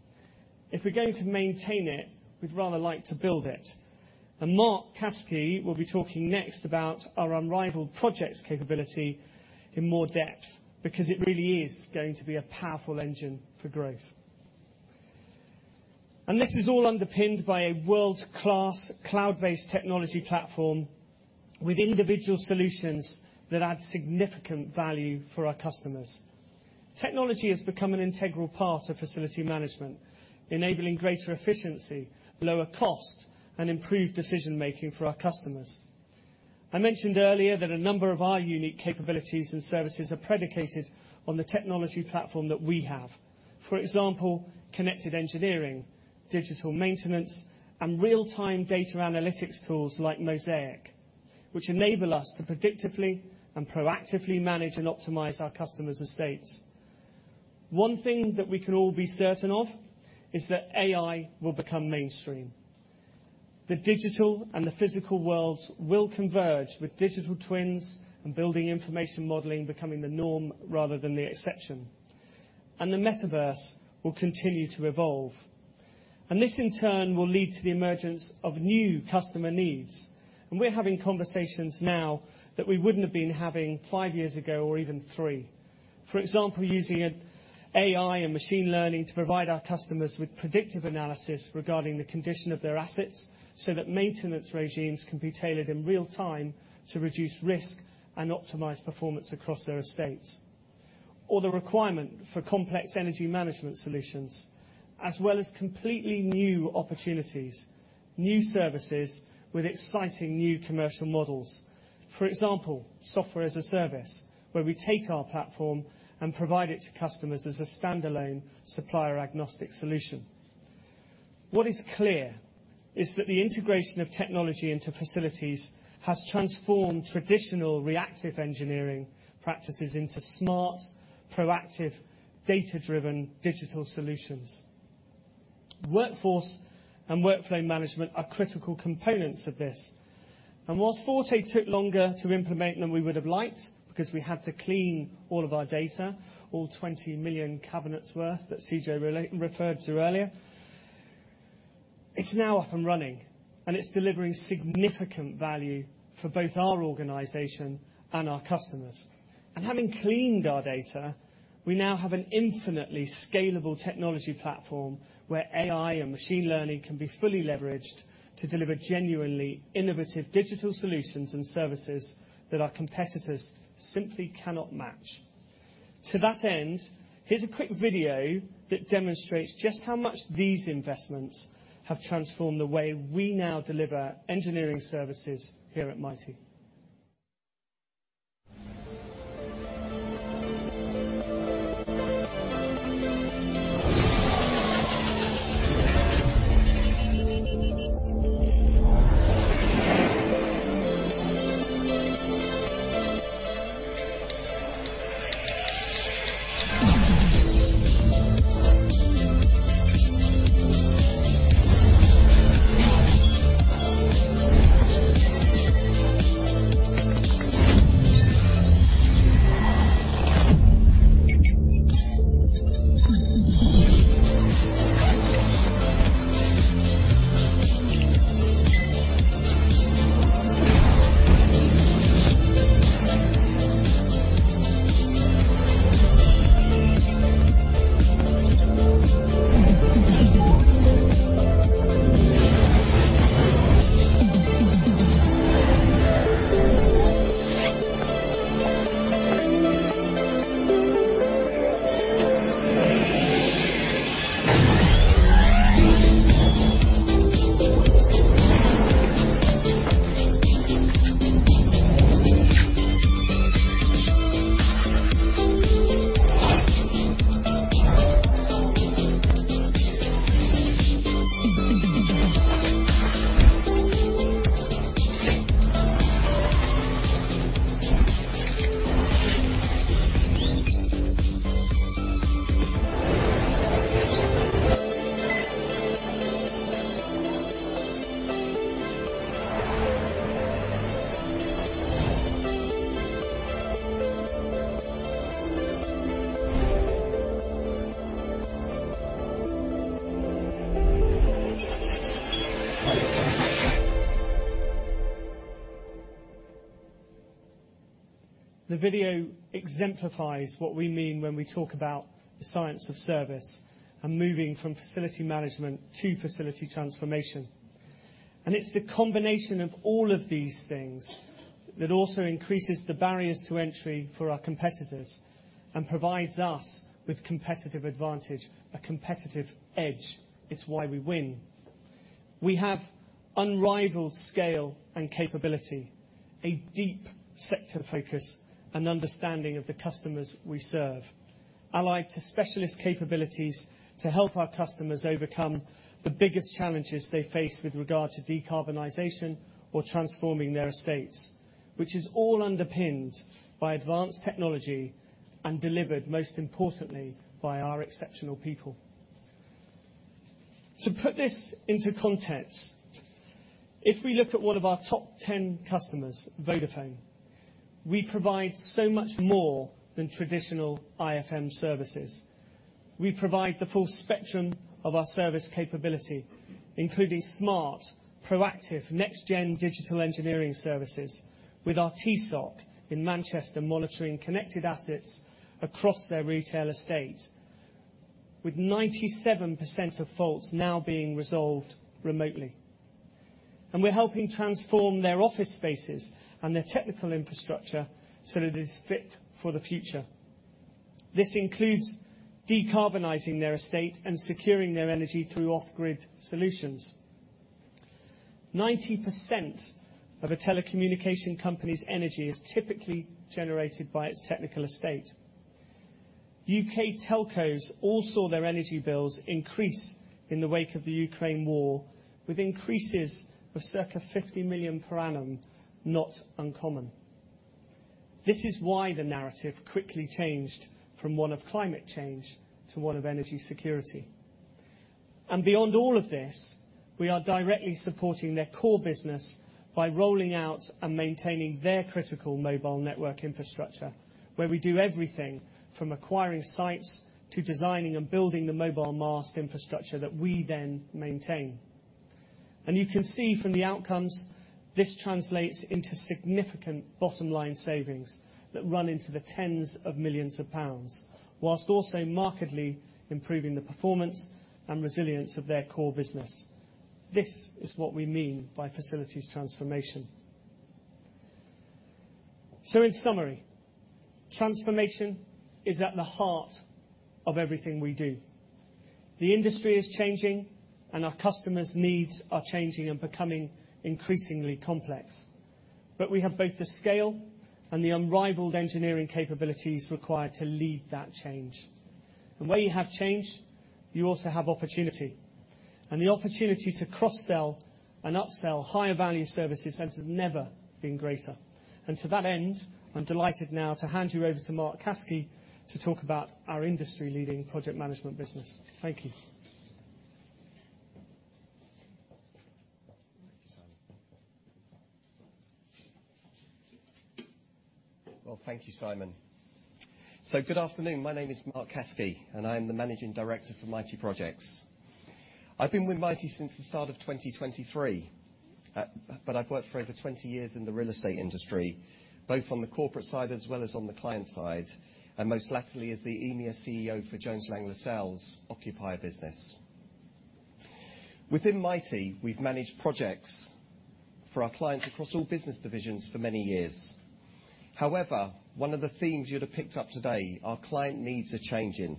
[SPEAKER 9] If we're going to maintain it, we'd rather like to build it. Mark Caskey will be talking next about our unrivaled projects capability in more depth, because it really is going to be a powerful engine for growth. This is all underpinned by a world-class, cloud-based technology platform with individual solutions that add significant value for our customers. Technology has become an integral part of facility management, enabling greater efficiency, lower cost, and improved decision-making for our customers. I mentioned earlier that a number of our unique capabilities and services are predicated on the technology platform that we have. For example, connected engineering, digital maintenance, and real-time data analytics tools like Mosaic, which enable us to predictively and proactively manage and optimize our customers' estates. One thing that we can all be certain of is that AI will become mainstream.... The digital and the physical worlds will converge with digital twins and building information modeling becoming the norm rather than the exception, and the metaverse will continue to evolve. This, in turn, will lead to the emergence of new customer needs. We're having conversations now that we wouldn't have been having five years ago, or even three. For example, using AI and machine learning to provide our customers with predictive analysis regarding the condition of their assets, so that maintenance regimes can be tailored in real time to reduce risk and optimize performance across their estates, or the requirement for complex energy management solutions, as well as completely new opportunities, new services with exciting new commercial models. For example, software as a service, where we take our platform and provide it to customers as a standalone supplier-agnostic solution. What is clear is that the integration of technology into facilities has transformed traditional reactive engineering practices into smart, proactive, data-driven digital solutions. Workforce and workflow management are critical components of this. And while Forte took longer to implement than we would have liked, because we had to clean all of our data, all 20 million cabinets worth that Cijo referred to earlier, it's now up and running, and it's delivering significant value for both our organization and our customers. And having cleaned our data, we now have an infinitely scalable technology platform, where AI and machine learning can be fully leveraged to deliver genuinely innovative digital solutions and services that our competitors simply cannot match. To that end, here's a quick video that demonstrates just how much these investments have transformed the way we now deliver engineering services here at Mitie. The video exemplifies what we mean when we talk about the Science of Service and moving from facility management to facility transformation. It's the combination of all of these things that also increases the barriers to entry for our competitors and provides us with competitive advantage, a competitive edge. It's why we win. We have unrivaled scale and capability, a deep sector focus and understanding of the customers we serve, allied to specialist capabilities to help our customers overcome the biggest challenges they face with regard to decarbonization or transforming their estates, which is all underpinned by advanced technology and delivered, most importantly, by our exceptional people. To put this into context, if we look at one of our top ten customers, Vodafone, we provide so much more than traditional IFM services. We provide the full spectrum of our service capability, including smart, proactive, next-gen digital engineering services with our TSOC in Manchester, monitoring connected assets across their retail estate, with 97% of faults now being resolved remotely. We're helping transform their office spaces and their technical infrastructure so that it is fit for the future. This includes decarbonizing their estate and securing their energy through off-grid solutions. 90% of a telecommunication company's energy is typically generated by its technical estate. UK telcos all saw their energy bills increase in the wake of the Ukraine war, with increases of circa 50 million per annum, not uncommon. This is why the narrative quickly changed from one of climate change to one of energy security. Beyond all of this, we are directly supporting their core business by rolling out and maintaining their critical mobile network infrastructure, where we do everything from acquiring sites to designing and building the mobile mast infrastructure that we then maintain. You can see from the outcomes, this translates into significant bottom line savings that run into the tens of millions pounds, whilst also markedly improving the performance and resilience of their core business. This is what we mean by facilities transformation. In summary, transformation is at the heart of everything we do. The industry is changing, and our customers' needs are changing and becoming increasingly complex. We have both the scale and the unrivaled engineering capabilities required to lead that change. Where you have change, you also have opportunity, and the opportunity to cross-sell and upsell higher value services has never been greater. To that end, I'm delighted now to hand you over to Mark Caskey to talk about our industry-leading project management business. Thank you.
[SPEAKER 1] Thank you, Simon. Well, thank you, Simon. So good afternoon. My name is Mark Caskey, and I am the Managing Director for Mitie Projects. I've been with Mitie since the start of 2023, but I've worked for over 20 years in the real estate industry, both on the corporate side as well as on the client side, and most lately as the EMEA CEO for Jones Lang LaSalle's occupier business. Within Mitie, we've managed projects for our clients across all business divisions for many years. However, one of the themes you'd have picked up today, our client needs are changing,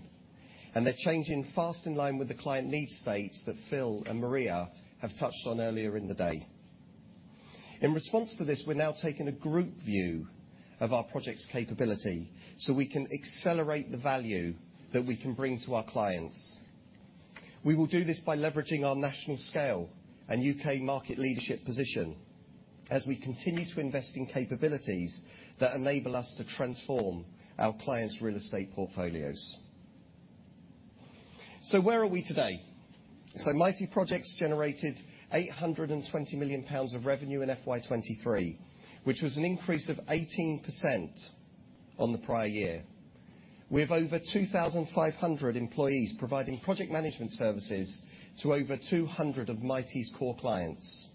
[SPEAKER 1] and they're changing fast in line with the client needs states that Phil and Maria have touched on earlier in the day. In response to this, we're now taking a group view of our projects capability, so we can accelerate the value that we can bring to our clients. We will do this by leveraging our national scale and UK market leadership position as we continue to invest in capabilities that enable us to transform our clients' real estate portfolios. So where are we today? Mitie Projects generated 820 million pounds of revenue in FY 2023, which was an increase of 18% on the prior year. We have over 2,500 employees providing project management services to over 200 of Mitie's core clients.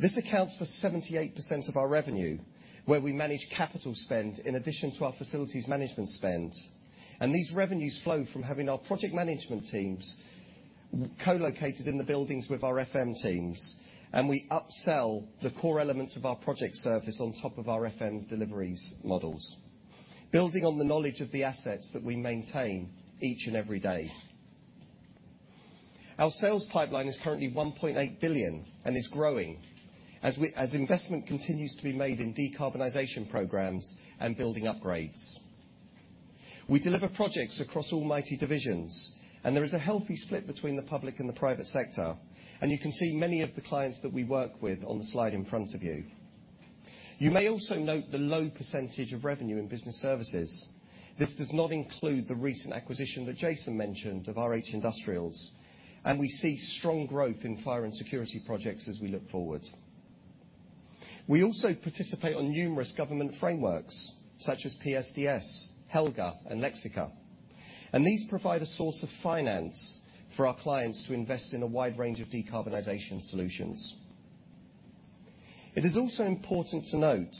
[SPEAKER 1] This accounts for 78% of our revenue, where we manage capital spend in addition to our facilities management spend. These revenues flow from having our project management teams co-located in the buildings with our FM teams, and we upsell the core elements of our project service on top of our FM deliveries models, building on the knowledge of the assets that we maintain each and every day. Our sales pipeline is currently 1.8 billion and is growing as we—as investment continues to be made in decarbonization programs and building upgrades. We deliver projects across all Mitie divisions, and there is a healthy split between the public and the private sector. You can see many of the clients that we work with on the slide in front of you. You may also note the low percentage of revenue in business services. This does not include the recent acquisition that Jason mentioned of R H Irving Industrials, and we see strong growth in fire and security projects as we look forward. We also participate on numerous government frameworks, such as PSDS, HELGA, and Lexica, and these provide a source of finance for our clients to invest in a wide range of decarbonization solutions. It is also important to note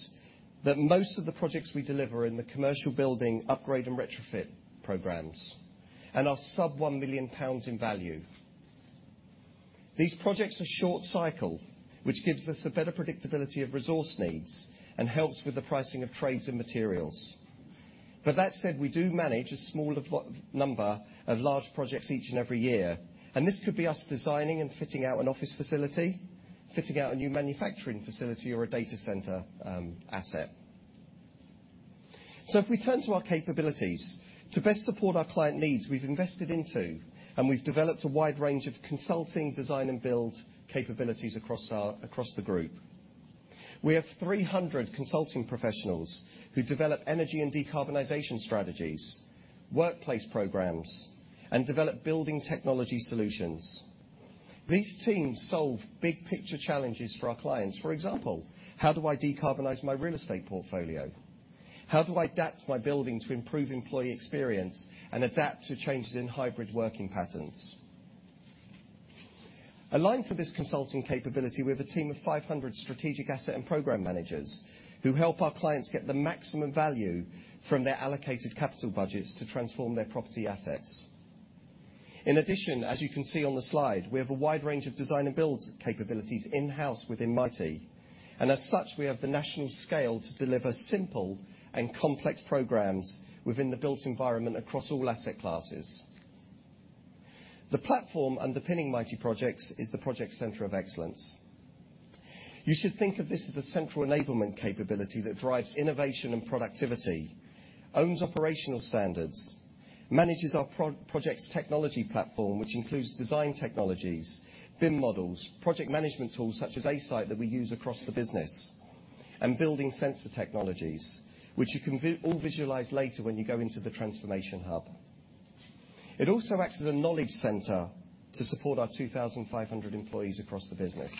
[SPEAKER 1] that most of the projects we deliver in the commercial building upgrade and retrofit programs and are sub 1 million pounds in value. These projects are short cycle, which gives us a better predictability of resource needs and helps with the pricing of trades and materials. But that said, we do manage a small number of large projects each and every year, and this could be us designing and fitting out an office facility, fitting out a new manufacturing facility or a data center asset. So if we turn to our capabilities, to best support our client needs, we've invested into, and we've developed a wide range of consulting, design, and build capabilities across the group. We have 300 consulting professionals who develop energy and decarbonization strategies, workplace programs, and develop building technology solutions. These teams solve big picture challenges for our clients. For example, how do I decarbonize my real estate portfolio? How do I adapt my building to improve employee experience and adapt to changes in hybrid working patterns? Aligned to this consulting capability, we have a team of 500 strategic asset and program managers who help our clients get the maximum value from their allocated capital budgets to transform their property assets. In addition, as you can see on the slide, we have a wide range of design and build capabilities in-house within Mitie, and as such, we have the national scale to deliver simple and complex programs within the built environment across all asset classes. The platform underpinning Mitie Projects is the Projects Centre of Excellence. You should think of this as a central enablement capability that drives innovation and productivity.... owns operational standards, manages our projects technology platform, which includes design technologies, BIM models, project management tools such as Asite that we use across the business, and building sensor technologies, which you can visualize later when you go into the transformation hub. It also acts as a knowledge center to support our 2,500 employees across the business.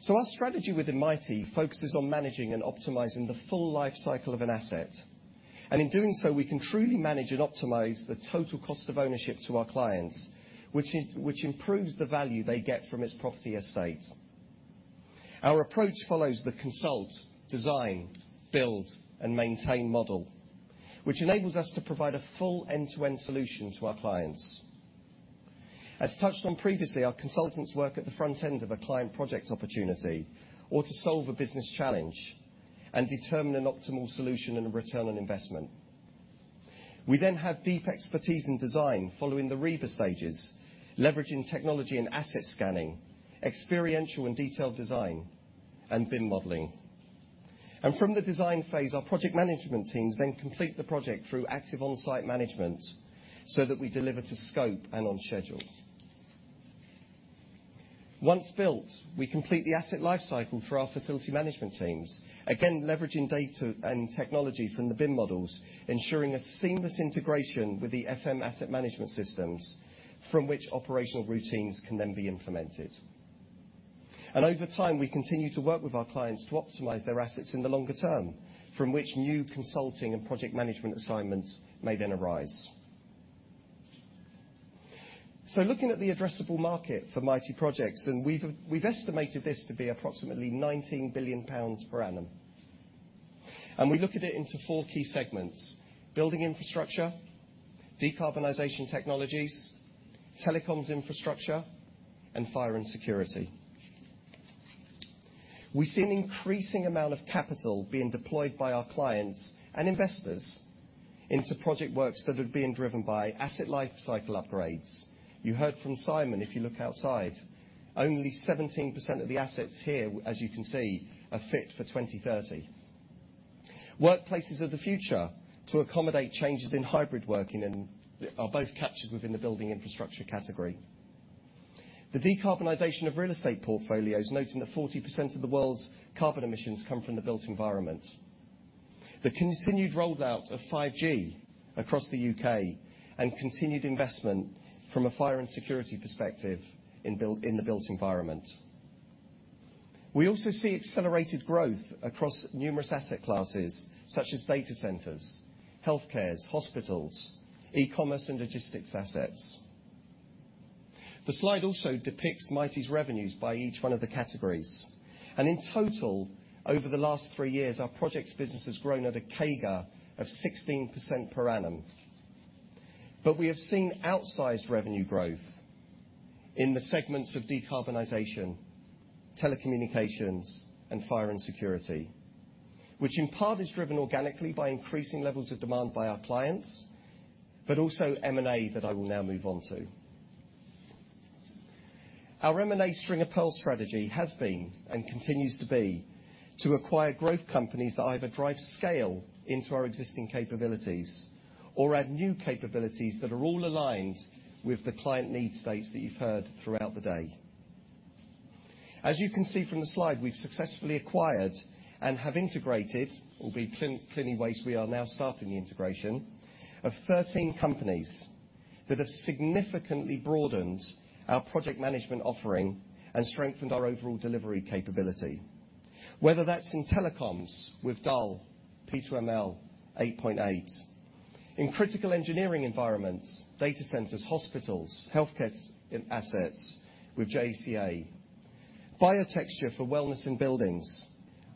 [SPEAKER 1] So our strategy within Mitie focuses on managing and optimizing the full life cycle of an asset. And in doing so, we can truly manage and optimize the total cost of ownership to our clients, which improves the value they get from its property estate. Our approach follows the consult, design, build, and maintain model, which enables us to provide a full end-to-end solution to our clients. As touched on previously, our consultants work at the front end of a client project opportunity or to solve a business challenge and determine an optimal solution and a return on investment. We then have deep expertise in design following the RIBA stages, leveraging technology and asset scanning, experiential and detailed design, and BIM modeling. From the design phase, our project management teams then complete the project through active on-site management so that we deliver to scope and on schedule. Once built, we complete the asset lifecycle through our facility management teams, again, leveraging data and technology from the BIM models, ensuring a seamless integration with the FM asset management systems, from which operational routines can then be implemented. Over time, we continue to work with our clients to optimize their assets in the longer term, from which new consulting and project management assignments may then arise. So looking at the addressable market for Mitie Projects, and we've estimated this to be approximately 19 billion pounds per annum. And we look at it into four key segments: building infrastructure, decarbonization technologies, telecoms infrastructure, and fire and security. We see an increasing amount of capital being deployed by our clients and investors into project works that have been driven by asset lifecycle upgrades. You heard from Simon, if you look outside, only 17% of the assets here, as you can see, are fit for 2030. Workplaces of the future to accommodate changes in hybrid working and are both captured within the building infrastructure category. The decarbonization of real estate portfolios, noting that 40% of the world's carbon emissions come from the built environment, the continued rollout of 5G across the UK, and continued investment from a fire and security perspective in the built environment. We also see accelerated growth across numerous asset classes, such as data centers, healthcare, hospitals, e-commerce and logistics assets. The slide also depicts Mitie's revenues by each one of the categories. In total, over the last three years, our Projects business has grown at a CAGR of 16% per annum. We have seen outsized revenue growth in the segments of decarbonization, telecommunications, and fire and security, which in part is driven organically by increasing levels of demand by our clients, but also M&A that I will now move on to. Our M&A string-of-pearl strategy has been, and continues to be, to acquire growth companies that either drive scale into our existing capabilities or add new capabilities that are all aligned with the client need states that you've heard throughout the day. As you can see from the slide, we've successfully acquired and have integrated, albeit cleaning waste, we are now starting the integration, of 13 companies that have significantly broadened our project management offering and strengthened our overall delivery capability. Whether that's in telecoms with DAEL, P2ML, 8.8. In critical engineering environments, data centers, hospitals, healthcare assets with JCA. Biotecture for wellness in buildings,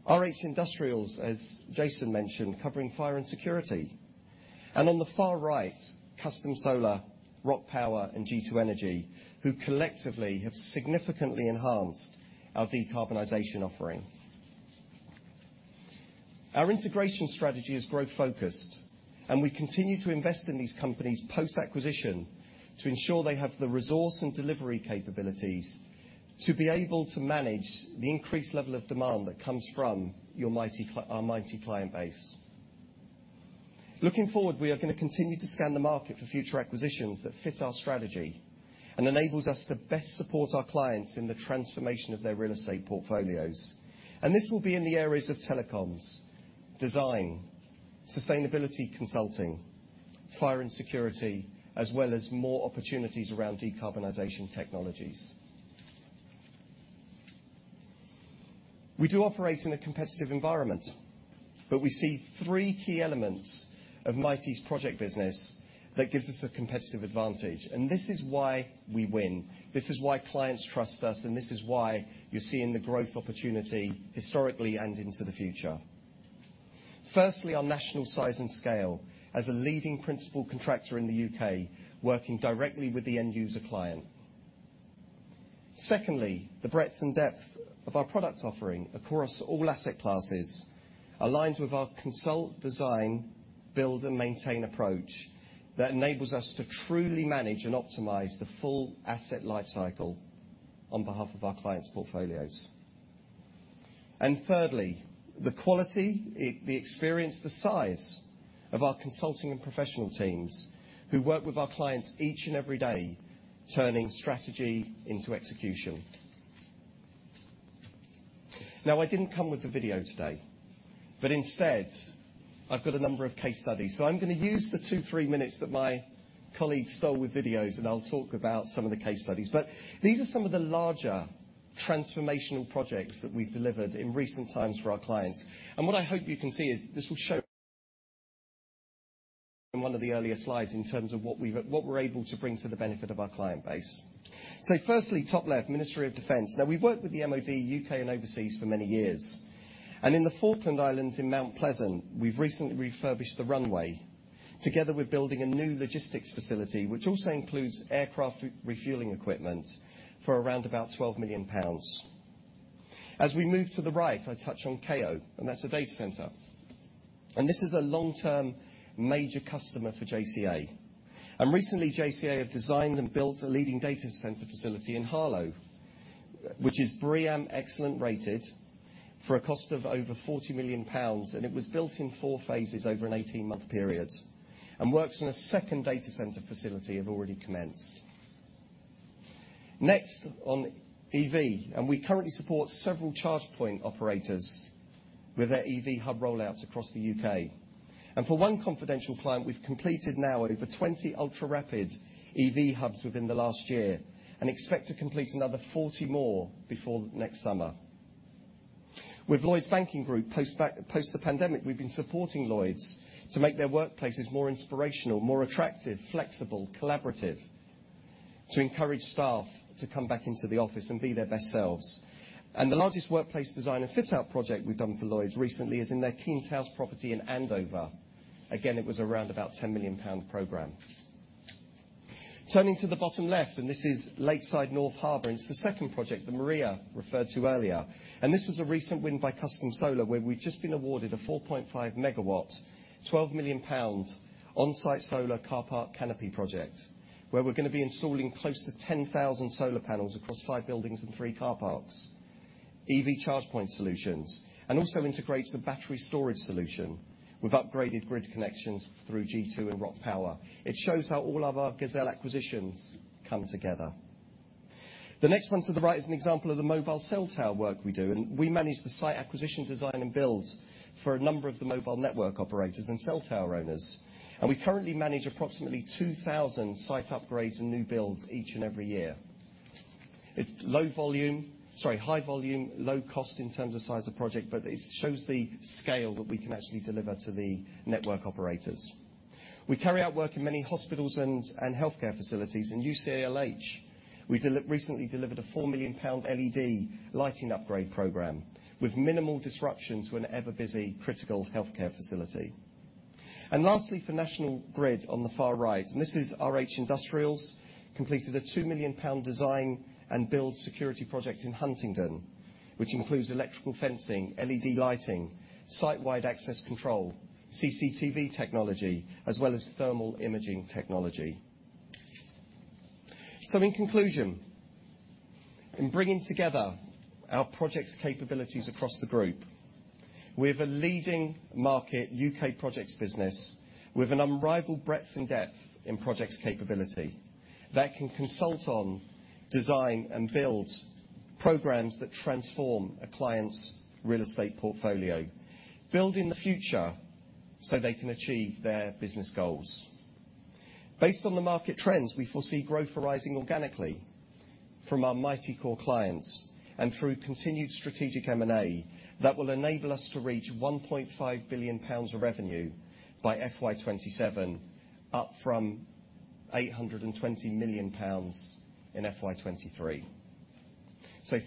[SPEAKER 1] R H Irving Industrials, as Jason mentioned, covering fire and security. And on the far right, Custom Solar, Rock Power Connections, and G2 Energy, who collectively have significantly enhanced our decarbonization offering. Our integration strategy is growth-focused, and we continue to invest in these companies post-acquisition to ensure they have the resource and delivery capabilities to be able to manage the increased level of demand that comes from our Mitie client base. Looking forward, we are going to continue to scan the market for future acquisitions that fit our strategy and enables us to best support our clients in the transformation of their real estate portfolios. And this will be in the areas of telecoms, design, sustainability consulting, fire and security, as well as more opportunities around decarbonization technologies. We do operate in a competitive environment, but we see three key elements of Mitie's project business that gives us a competitive advantage, and this is why we win. This is why clients trust us, and this is why you're seeing the growth opportunity historically and into the future. Firstly, our national size and scale as a leading principal contractor in the UK, working directly with the end user client. Secondly, the breadth and depth of our product offering across all asset classes, aligned with our consult, design, build, and maintain approach that enables us to truly manage and optimize the full asset lifecycle… on behalf of our clients' portfolios. And thirdly, the quality, the experience, the size of our consulting and professional teams, who work with our clients each and every day, turning strategy into execution. Now, I didn't come with a video today, but instead, I've got a number of case studies. So I'm gonna use the 2-3 minutes that my colleagues stole with videos, and I'll talk about some of the case studies. But these are some of the larger transformational projects that we've delivered in recent times for our clients. What I hope you can see is, this will show in one of the earlier slides in terms of what we've, what we're able to bring to the benefit of our client base. So firstly, top left, Ministry of Defence. Now, we've worked with the MOD, UK and overseas, for many years. In the Falkland Islands in Mount Pleasant, we've recently refurbished the runway, together with building a new logistics facility, which also includes aircraft refuelling equipment for around about 12 million pounds. As we move to the right, I touch on Kao, and that's a data center. This is a long-term major customer for JCA. Recently, JCA have designed and built a leading data center facility in Harlow, which is BREEAM Excellent-rated for a cost of over 40 million pounds, and it was built in 4 phases over an 18-month period, and works on a second data center facility have already commenced. Next, on EV, and we currently support several charge point operators with their EV hub rollouts across the UK. And for one confidential client, we've completed now over 20 ultra-rapid EV hubs within the last year and expect to complete another 40 more before next summer. With Lloyds Banking Group, post the pandemic, we've been supporting Lloyds to make their workplaces more inspirational, more attractive, flexible, collaborative, to encourage staff to come back into the office and be their best selves. The largest workplace design and fit-out project we've done for Lloyds recently is in their Keens House property in Andover. It was around 10 million pound program. Turning to the bottom left, this is Lakeside North Harbour, and it's the second project that Maria referred to earlier. This was a recent win by Custom Solar, where we've just been awarded a 4.5 MW, 12 million pounds on-site solar car park canopy project, where we're gonna be installing close to 10,000 solar panels across five buildings and three car parks, EV charge point solutions, and also integrates a battery storage solution with upgraded grid connections through G2 and Rock Power. It shows how all of our Gazelle acquisitions come together. The next one to the right is an example of the mobile cell tower work we do, and we manage the site acquisition, design, and builds for a number of the mobile network operators and cell tower owners. We currently manage approximately 2,000 site upgrades and new builds each and every year. It's high volume, low cost in terms of size of project, but it shows the scale that we can actually deliver to the network operators. We carry out work in many hospitals and healthcare facilities. In UCLH, we recently delivered a 4 million pound LED lighting upgrade program with minimal disruptions to an ever-busy, critical healthcare facility. Lastly, for National Grid on the far right, and this is R H Irving, completed a 2 million pound design and build security project in Huntingdon, which includes electrical fencing, LED lighting, site-wide access control, CCTV technology, as well as thermal imaging technology. So in conclusion, in bringing together our projects capabilities across the group, we have a leading market UK Projects business with an unrivaled breadth and depth in projects capability that can consult on, design, and build programs that transform a client's real estate portfolio, building the future so they can achieve their business goals. Based on the market trends, we foresee growth arising organically from our Mitie core clients and through continued strategic M&A that will enable us to reach 1.5 billion pounds of revenue by FY 2027, up from 820 million pounds in FY 2023.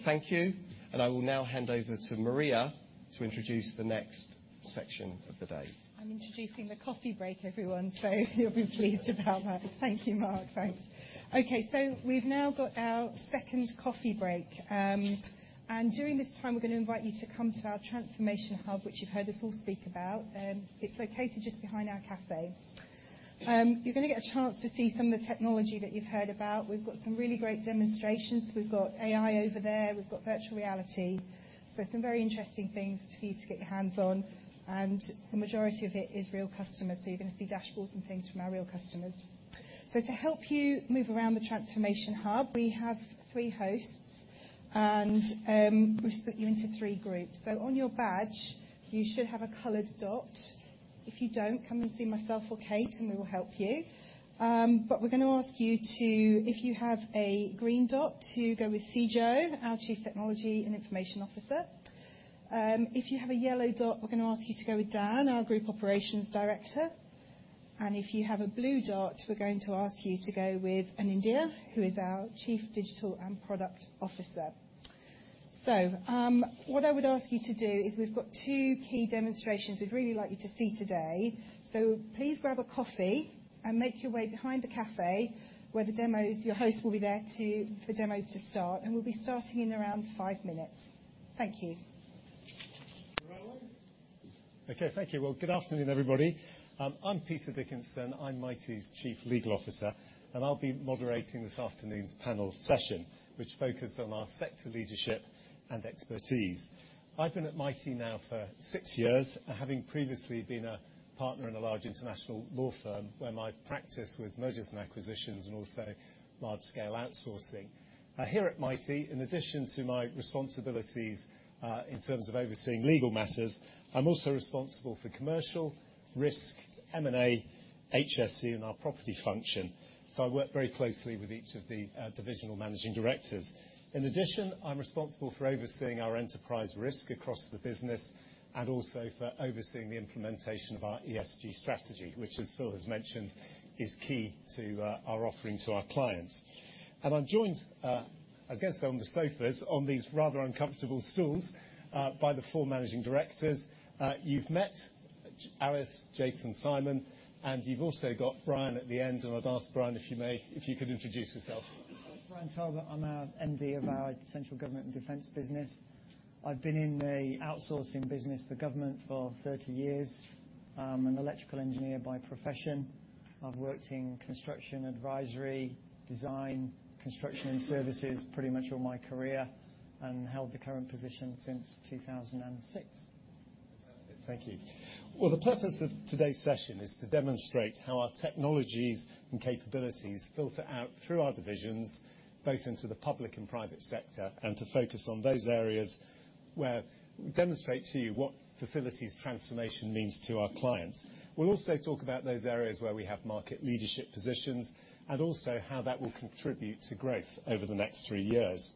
[SPEAKER 1] Thank you, and I will now hand over to Maria to introduce the next section of the day.
[SPEAKER 3] I'm introducing the coffee break, everyone, so you'll be pleased about that. Thank you, Mark. Thanks. Okay, so we've now got our second coffee break. And during this time, we're gonna invite you to come to our transformation hub, which you've heard us all speak about. It's located just behind our café. You're gonna get a chance to see some of the technology that you've heard about. We've got some really great demonstrations. We've got AI over there, we've got virtual reality, so some very interesting things for you to get your hands on, and the majority of it is real customers, so you're gonna see dashboards and things from our real customers. So to help you move around the transformation hub, we have three hosts, and we've split you into three groups. So on your badge, you should have a colored dot. If you don't, come and see myself or Kate, and we will help you. But we're gonna ask you to, if you have a green dot, to go with Cijo, our Chief Technology and Information Officer. If you have a yellow dot, we're gonna ask you to go with Dan, our Group Operations Director. And if you have a blue dot, we're going to ask you to go with Anindya, who is our Chief Digital and Product Officer. So, what I would ask you to do is, we've got two key demonstrations we'd really like you to see today. So please grab a coffee and make your way behind the café, where the demos... Your host will be there to, for the demos to start, and we'll be starting in around five minutes. Thank you....
[SPEAKER 10] Okay, thank you. Well, good afternoon, everybody. I'm Peter Dickinson. I'm Mitie's Chief Legal Officer, and I'll be moderating this afternoon's panel session, which focused on our sector leadership and expertise. I've been at Mitie now for six years, having previously been a partner in a large international law firm, where my practice was mergers and acquisitions and also large-scale outsourcing. Here at Mitie, in addition to my responsibilities in terms of overseeing legal matters, I'm also responsible for commercial, risk, M&A, HSE, and our property function. So I work very closely with each of the divisional managing directors. In addition, I'm responsible for overseeing our enterprise risk across the business and also for overseeing the implementation of our ESG strategy, which, as Phil has mentioned, is key to our offering to our clients. I'm joined, I was gonna say, on the sofas, on these rather uncomfortable stools, by the four managing directors. You've met Alice, Jason, Simon, and you've also got Brian at the end. I'd ask Brian, if you may, if you could introduce yourself.
[SPEAKER 11] Brian Talbot, I'm our MD of our central government and defense business. I've been in the outsourcing business for government for 30 years. I'm an electrical engineer by profession. I've worked in construction, advisory, design, construction, and services pretty much all my career and held the current position since 2006.
[SPEAKER 10] Fantastic. Thank you. Well, the purpose of today's session is to demonstrate how our technologies and capabilities filter out through our divisions, both into the public and private sector, and to focus on those areas where - demonstrate to you what facilities transformation means to our clients. We'll also talk about those areas where we have market leadership positions, and also how that will contribute to growth over the next three years.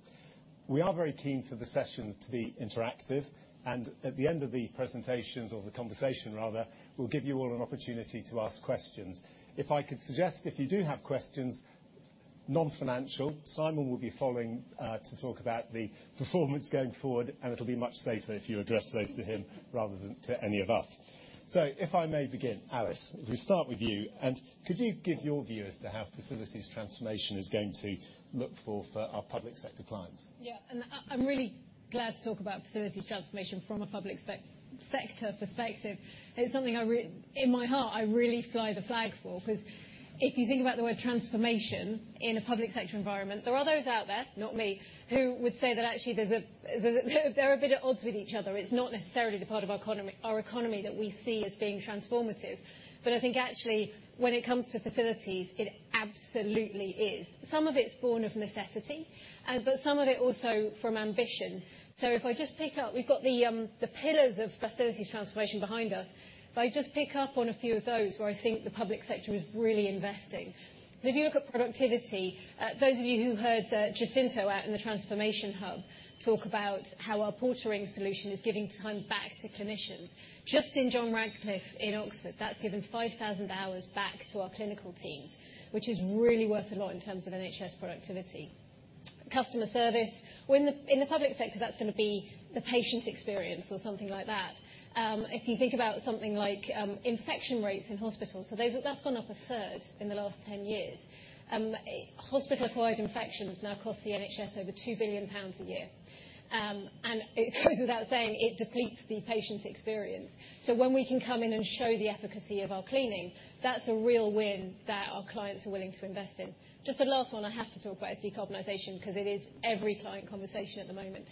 [SPEAKER 10] We are very keen for the sessions to be interactive, and at the end of the presentations, or the conversation rather, we'll give you all an opportunity to ask questions. If I could suggest, if you do have questions, non-financial, Simon will be following to talk about the performance going forward, and it'll be much safer if you address those to him rather than to any of us. If I may begin, Alice, if we start with you, and could you give your view as to how facilities transformation is going to look for our public sector clients?
[SPEAKER 6] Yeah, and I'm really glad to talk about facilities transformation from a public sector perspective. It's something I in my heart, I really fly the flag for, 'cause if you think about the word transformation in a public sector environment, there are those out there, not me, who would say that actually there's a, there, they're a bit at odds with each other. It's not necessarily the part of our economy that we see as being transformative. But I think actually, when it comes to facilities, it absolutely is. Some of it's born of necessity, but some of it also from ambition. So if I just pick up, we've got the pillars of facilities transformation behind us. If I just pick up on a few of those where I think the public sector is really investing. So if you look at productivity, those of you who heard, Cijo out in the transformation hub talk about how our portering solution is giving time back to clinicians. Just in John Radcliffe, in Oxford, that's given 5,000 hours back to our clinical teams, which is really worth a lot in terms of NHS productivity. Customer service. Well, in the, in the public sector, that's gonna be the patient experience or something like that. If you think about something like, infection rates in hospitals, so those-- That's gone up a third in the last 10 years. Hospital-acquired infections now cost the NHS over 2 billion pounds a year. And it goes without saying, it depletes the patient's experience. So when we can come in and show the efficacy of our cleaning, that's a real win that our clients are willing to invest in. Just the last one I have to talk about is decarbonization, 'cause it is every client conversation at the moment.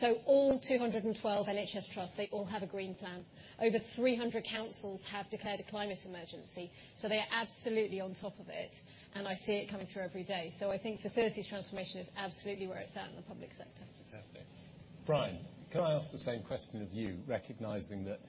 [SPEAKER 6] So all 212 NHS trusts, they all have a green plan. Over 300 councils have declared a climate emergency, so they are absolutely on top of it, and I see it coming through every day. So I think facilities transformation is absolutely where it's at in the public sector.
[SPEAKER 10] Fantastic. Brian, can I ask the same question of you, recognizing that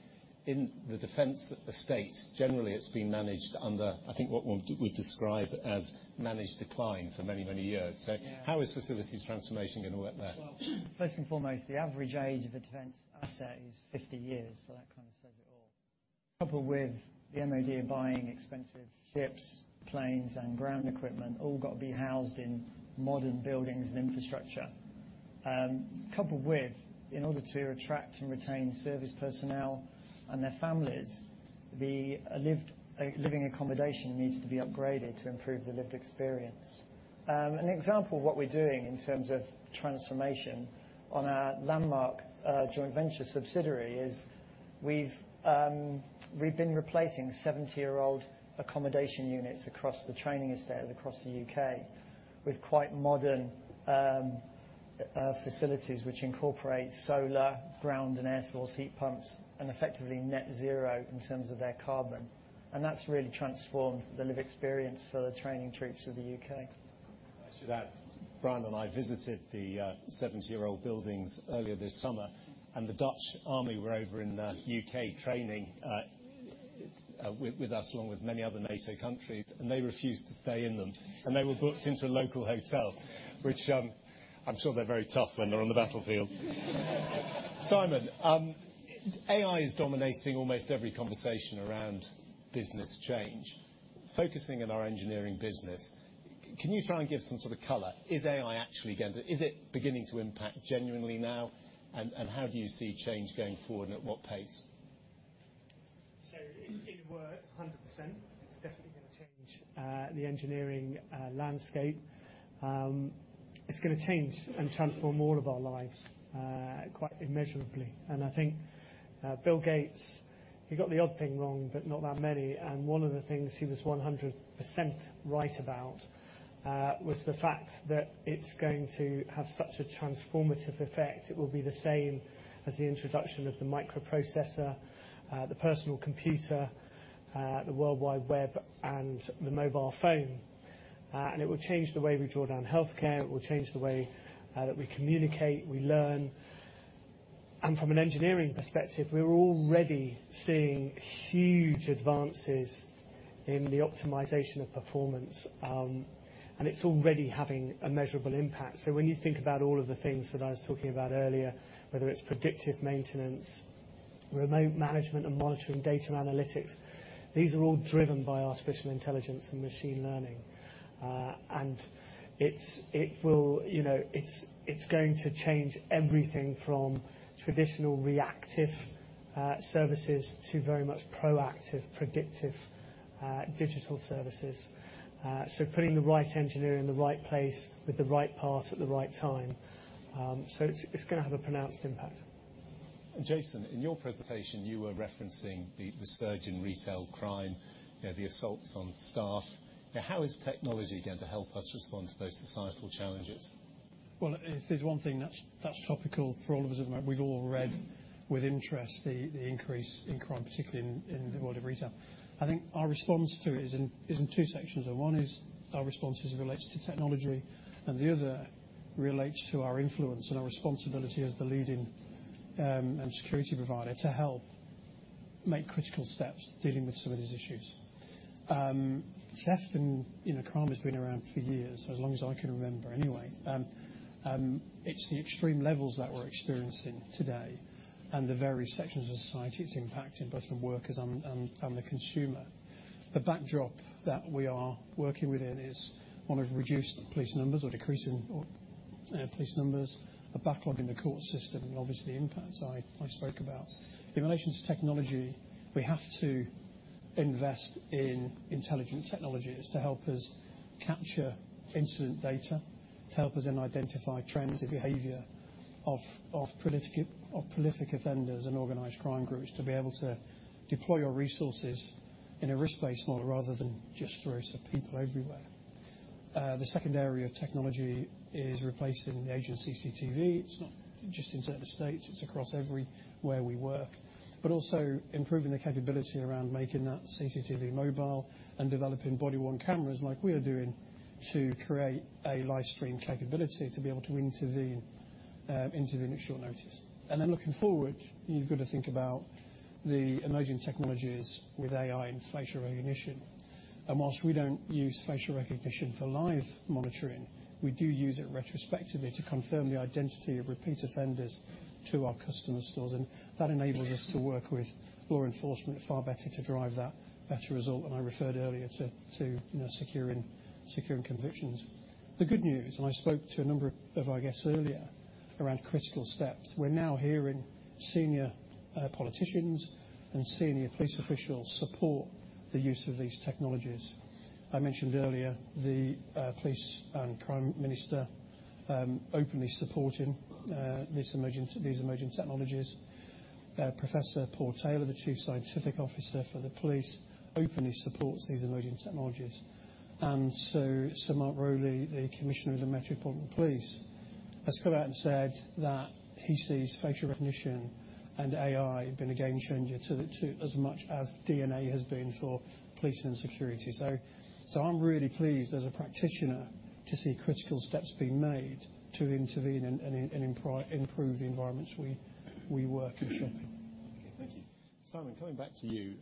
[SPEAKER 10] in the defense estate, generally, it's been managed under, I think, what one we'd describe as managed decline for many, many years?
[SPEAKER 11] Yeah.
[SPEAKER 10] How is facilities transformation gonna work there?
[SPEAKER 11] Well, first and foremost, the average age of a defense asset is 50 years, so that kind of says it all. Coupled with the MOD buying expensive ships, planes, and ground equipment, all got to be housed in modern buildings and infrastructure. Coupled with, in order to attract and retain service personnel and their families, the living accommodation needs to be upgraded to improve the lived experience. An example of what we're doing in terms of transformation on our landmark joint venture subsidiary is, we've been replacing 70-year-old accommodation units across the training estate across the UK with quite modern facilities which incorporate solar, ground, and air source heat pumps, and effectively net zero in terms of their carbon. And that's really transformed the lived experience for the training troops of the UK.
[SPEAKER 10] I see that Brian and I visited the 70-year-old buildings earlier this summer, and the Dutch army were over in the UK training with us, along with many other NATO countries, and they refused to stay in them. And they were booked into a local hotel, which I'm sure they're very tough when they're on the battlefield. Simon, AI is dominating almost every conversation around business change. Focusing on our engineering business, can you try and give some sort of color? Is AI actually going to— Is it beginning to impact genuinely now, and how do you see change going forward, and at what pace?...
[SPEAKER 9] So it will 100%, it's definitely going to change the engineering landscape. It's going to change and transform all of our lives quite immeasurably. And I think Bill Gates, he got the odd thing wrong, but not that many, and one of the things he was 100% right about was the fact that it's going to have such a transformative effect. It will be the same as the introduction of the microprocessor, the personal computer, the World Wide Web and the mobile phone. And it will change the way we draw down healthcare. It will change the way that we communicate, we learn. And from an engineering perspective, we're already seeing huge advances in the optimization of performance, and it's already having a measurable impact. So when you think about all of the things that I was talking about earlier, whether it's predictive maintenance, remote management and monitoring, data analytics, these are all driven by artificial intelligence and machine learning. And you know, it's going to change everything from traditional reactive services to very much proactive, predictive digital services. So putting the right engineer in the right place with the right part at the right time. So it's gonna have a pronounced impact.
[SPEAKER 10] Jason, in your presentation, you were referencing the surge in retail crime, the assaults on staff. Now, how is technology going to help us respond to those societal challenges?
[SPEAKER 8] Well, if there's one thing that's topical for all of us at the moment, we've all read with interest the increase in crime, particularly in the world of retail. I think our response to it is in two sections. One is our response as it relates to technology, and the other relates to our influence and our responsibility as the leading security provider, to help make critical steps dealing with some of these issues. Theft and, you know, crime has been around for years, as long as I can remember anyway. It's the extreme levels that we're experiencing today and the various sections of society it's impacting, both the workers and the consumer. The backdrop that we are working within is one of reduced police numbers or decreasing police numbers, a backlog in the court system, and obviously, the impacts I spoke about. In relation to technology, we have to invest in intelligent technologies to help us capture incident data, to help us then identify trends in behavior of prolific offenders and organized crime groups, to be able to deploy our resources in a risk-based model rather than just throw some people everywhere. The second area of technology is replacing the agent CCTV. It's not just in certain states, it's across everywhere we work, but also improving the capability around making that CCTV mobile and developing body-worn cameras like we are doing, to create a live stream capability to be able to intervene at short notice. And then looking forward, you've got to think about the emerging technologies with AI and facial recognition. And while we don't use facial recognition for live monitoring, we do use it retrospectively to confirm the identity of repeat offenders to our customer stores, and that enables us to work with law enforcement far better to drive that better result. And I referred earlier to you know, securing convictions. The good news, and I spoke to a number of our guests earlier around critical steps. We're now hearing senior politicians and senior police officials support the use of these technologies. I mentioned earlier, the police and Prime Minister openly supporting these emerging technologies. Professor Paul Taylor, the Chief Scientific Officer for the police, openly supports these emerging technologies. So Sir Mark Rowley, the Commissioner of the Metropolitan Police, has gone out and said that he sees facial recognition and AI being a game changer to as much as DNA has been for policing and security. So I'm really pleased as a practitioner to see critical steps being made to intervene and improve the environments we work in shopping.
[SPEAKER 10] Okay, thank you. Simon, coming back to you.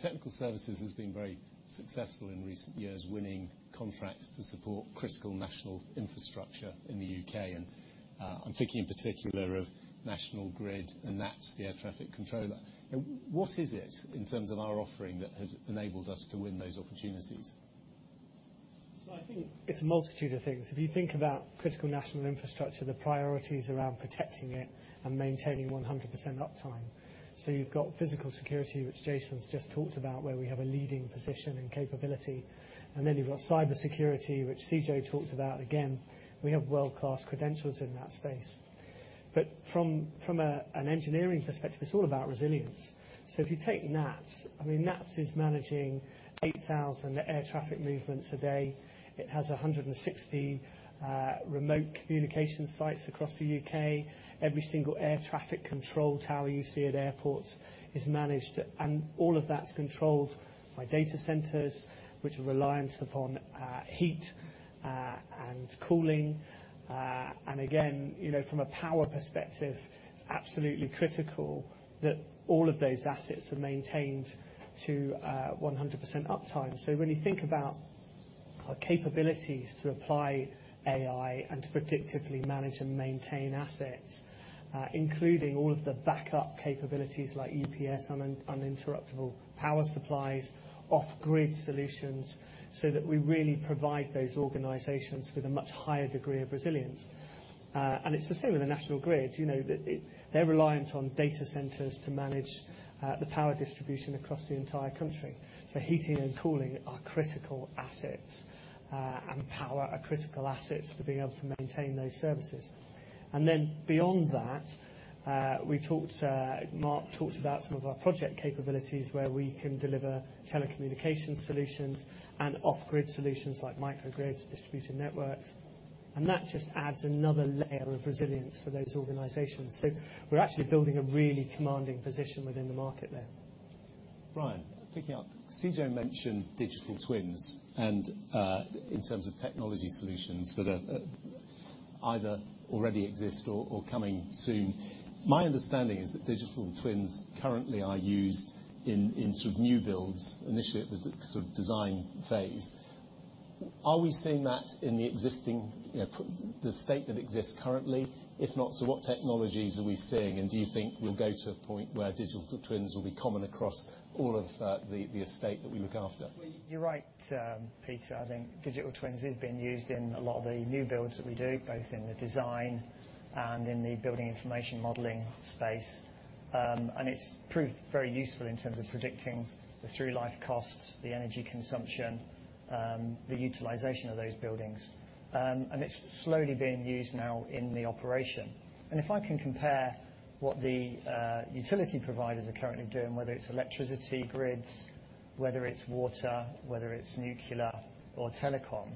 [SPEAKER 10] Technical Services has been very successful in recent years, winning contracts to support critical national infrastructure in the UK, and, I'm thinking in particular of National Grid, and that's the air traffic controller. What is it, in terms of our offering, that has enabled us to win those opportunities?
[SPEAKER 9] So I think it's a multitude of things. If you think about critical national infrastructure, the priorities around protecting it and maintaining 100% uptime. So you've got physical security, which Jason's just talked about, where we have a leading position and capability, and then you've got cybersecurity, which Cijo talked about. Again, we have world-class credentials in that space. But from an engineering perspective, it's all about resilience. So if you take NATS, I mean, NATS is managing 8,000 air traffic movements a day. It has 116 remote communication sites across the UK. Every single air traffic control tower you see at airports is managed, and all of that's controlled by data centers, which are reliant upon heat and cooling. And again, you know, from a power perspective, it's absolutely critical that all of those assets are maintained to 100% uptime. So when you think about our capabilities to apply AI and to predictively manage and maintain assets, including all of the backup capabilities like UPS and uninterruptible power supplies, off-grid solutions, so that we really provide those organizations with a much higher degree of resilience.... And it's the same with the National Grid, you know, that it, they're reliant on data centers to manage the power distribution across the entire country. So heating and cooling are critical assets, and power are critical assets for being able to maintain those services. And then beyond that, we talked, Mark talked about some of our project capabilities, where we can deliver telecommunications solutions and off-grid solutions, like microgrids, distributed networks, and that just adds another layer of resilience for those organizations. So we're actually building a really commanding position within the market there.
[SPEAKER 10] Brian, picking up, Cijo mentioned digital twins and, in terms of technology solutions that are, either already exist or, or coming soon. My understanding is that digital twins currently are used in sort of new builds, initially at the sort of design phase. Are we seeing that in the existing, you know, the state that exists currently? If not, so what technologies are we seeing, and do you think we'll go to a point where digital twins will be common across all of, the estate that we look after?
[SPEAKER 11] Well, you're right, Peter. I think digital twins is being used in a lot of the new builds that we do, both in the design and in the building information modeling space. And it's proved very useful in terms of predicting the through life costs, the energy consumption, the utilization of those buildings. And it's slowly being used now in the operation. And if I can compare what the utility providers are currently doing, whether it's electricity grids, whether it's water, whether it's nuclear or telecom,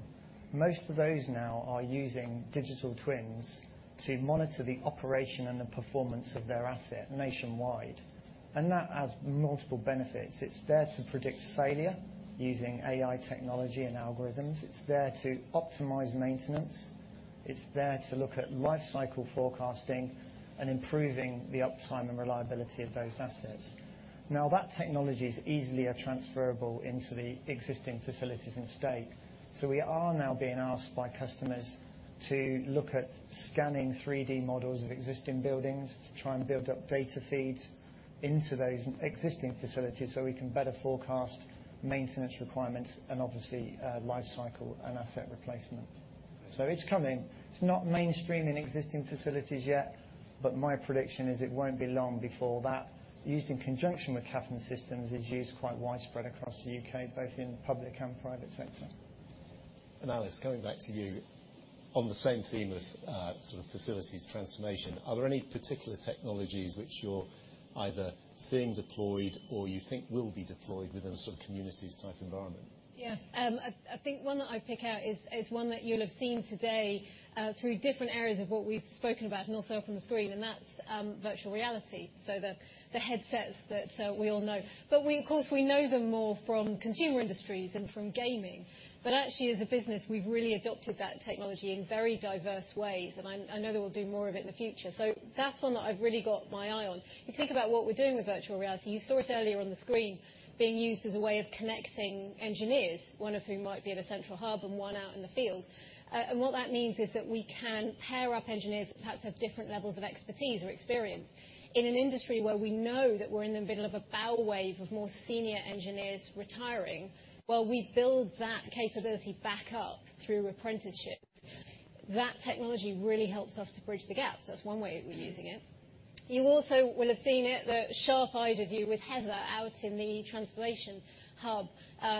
[SPEAKER 11] most of those now are using digital twins to monitor the operation and the performance of their asset nationwide, and that has multiple benefits. It's there to predict failure using AI technology and algorithms. It's there to optimize maintenance. It's there to look at life cycle forecasting and improving the uptime and reliability of those assets. Now, that technology is easily transferable into the existing facilities estate, so we are now being asked by customers to look at scanning 3D models of existing buildings to try and build up data feeds into those existing facilities, so we can better forecast maintenance requirements and obviously, life cycle and asset replacement. So it's coming. It's not mainstream in existing facilities yet, but my prediction is it won't be long before that, used in conjunction with CAFM systems, is used quite widespread across the UK, both in public and private sector.
[SPEAKER 10] Alice, coming back to you, on the same theme of, sort of facilities transformation, are there any particular technologies which you're either seeing deployed or you think will be deployed within a sort of communities-type environment?
[SPEAKER 6] Yeah. I think one that I'd pick out is one that you'll have seen today through different areas of what we've spoken about and also up on the screen, and that's virtual reality, so the headsets that we all know. But we, of course, know them more from consumer industries and from gaming. But actually, as a business, we've really adopted that technology in very diverse ways, and I know that we'll do more of it in the future. So that's one that I've really got my eye on. You think about what we're doing with virtual reality. You saw it earlier on the screen being used as a way of connecting engineers, one of whom might be at a central hub and one out in the field. And what that means is that we can pair up engineers that perhaps have different levels of expertise or experience. In an industry where we know that we're in the middle of a bow wave of more senior engineers retiring, while we build that capability back up through apprenticeships, that technology really helps us to bridge the gap, so that's one way we're using it. You also will have seen it, the sharp-eyed of you, with Heather out in the transformation hub.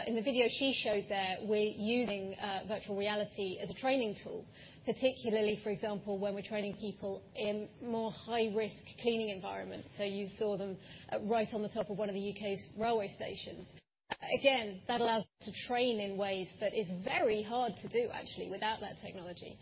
[SPEAKER 6] In the video she showed there, we're using virtual reality as a training tool, particularly, for example, when we're training people in more high-risk cleaning environments. So you saw them right on the top of one of the U.K.'s railway stations. Again, that allows us to train in ways that is very hard to do actually without that technology.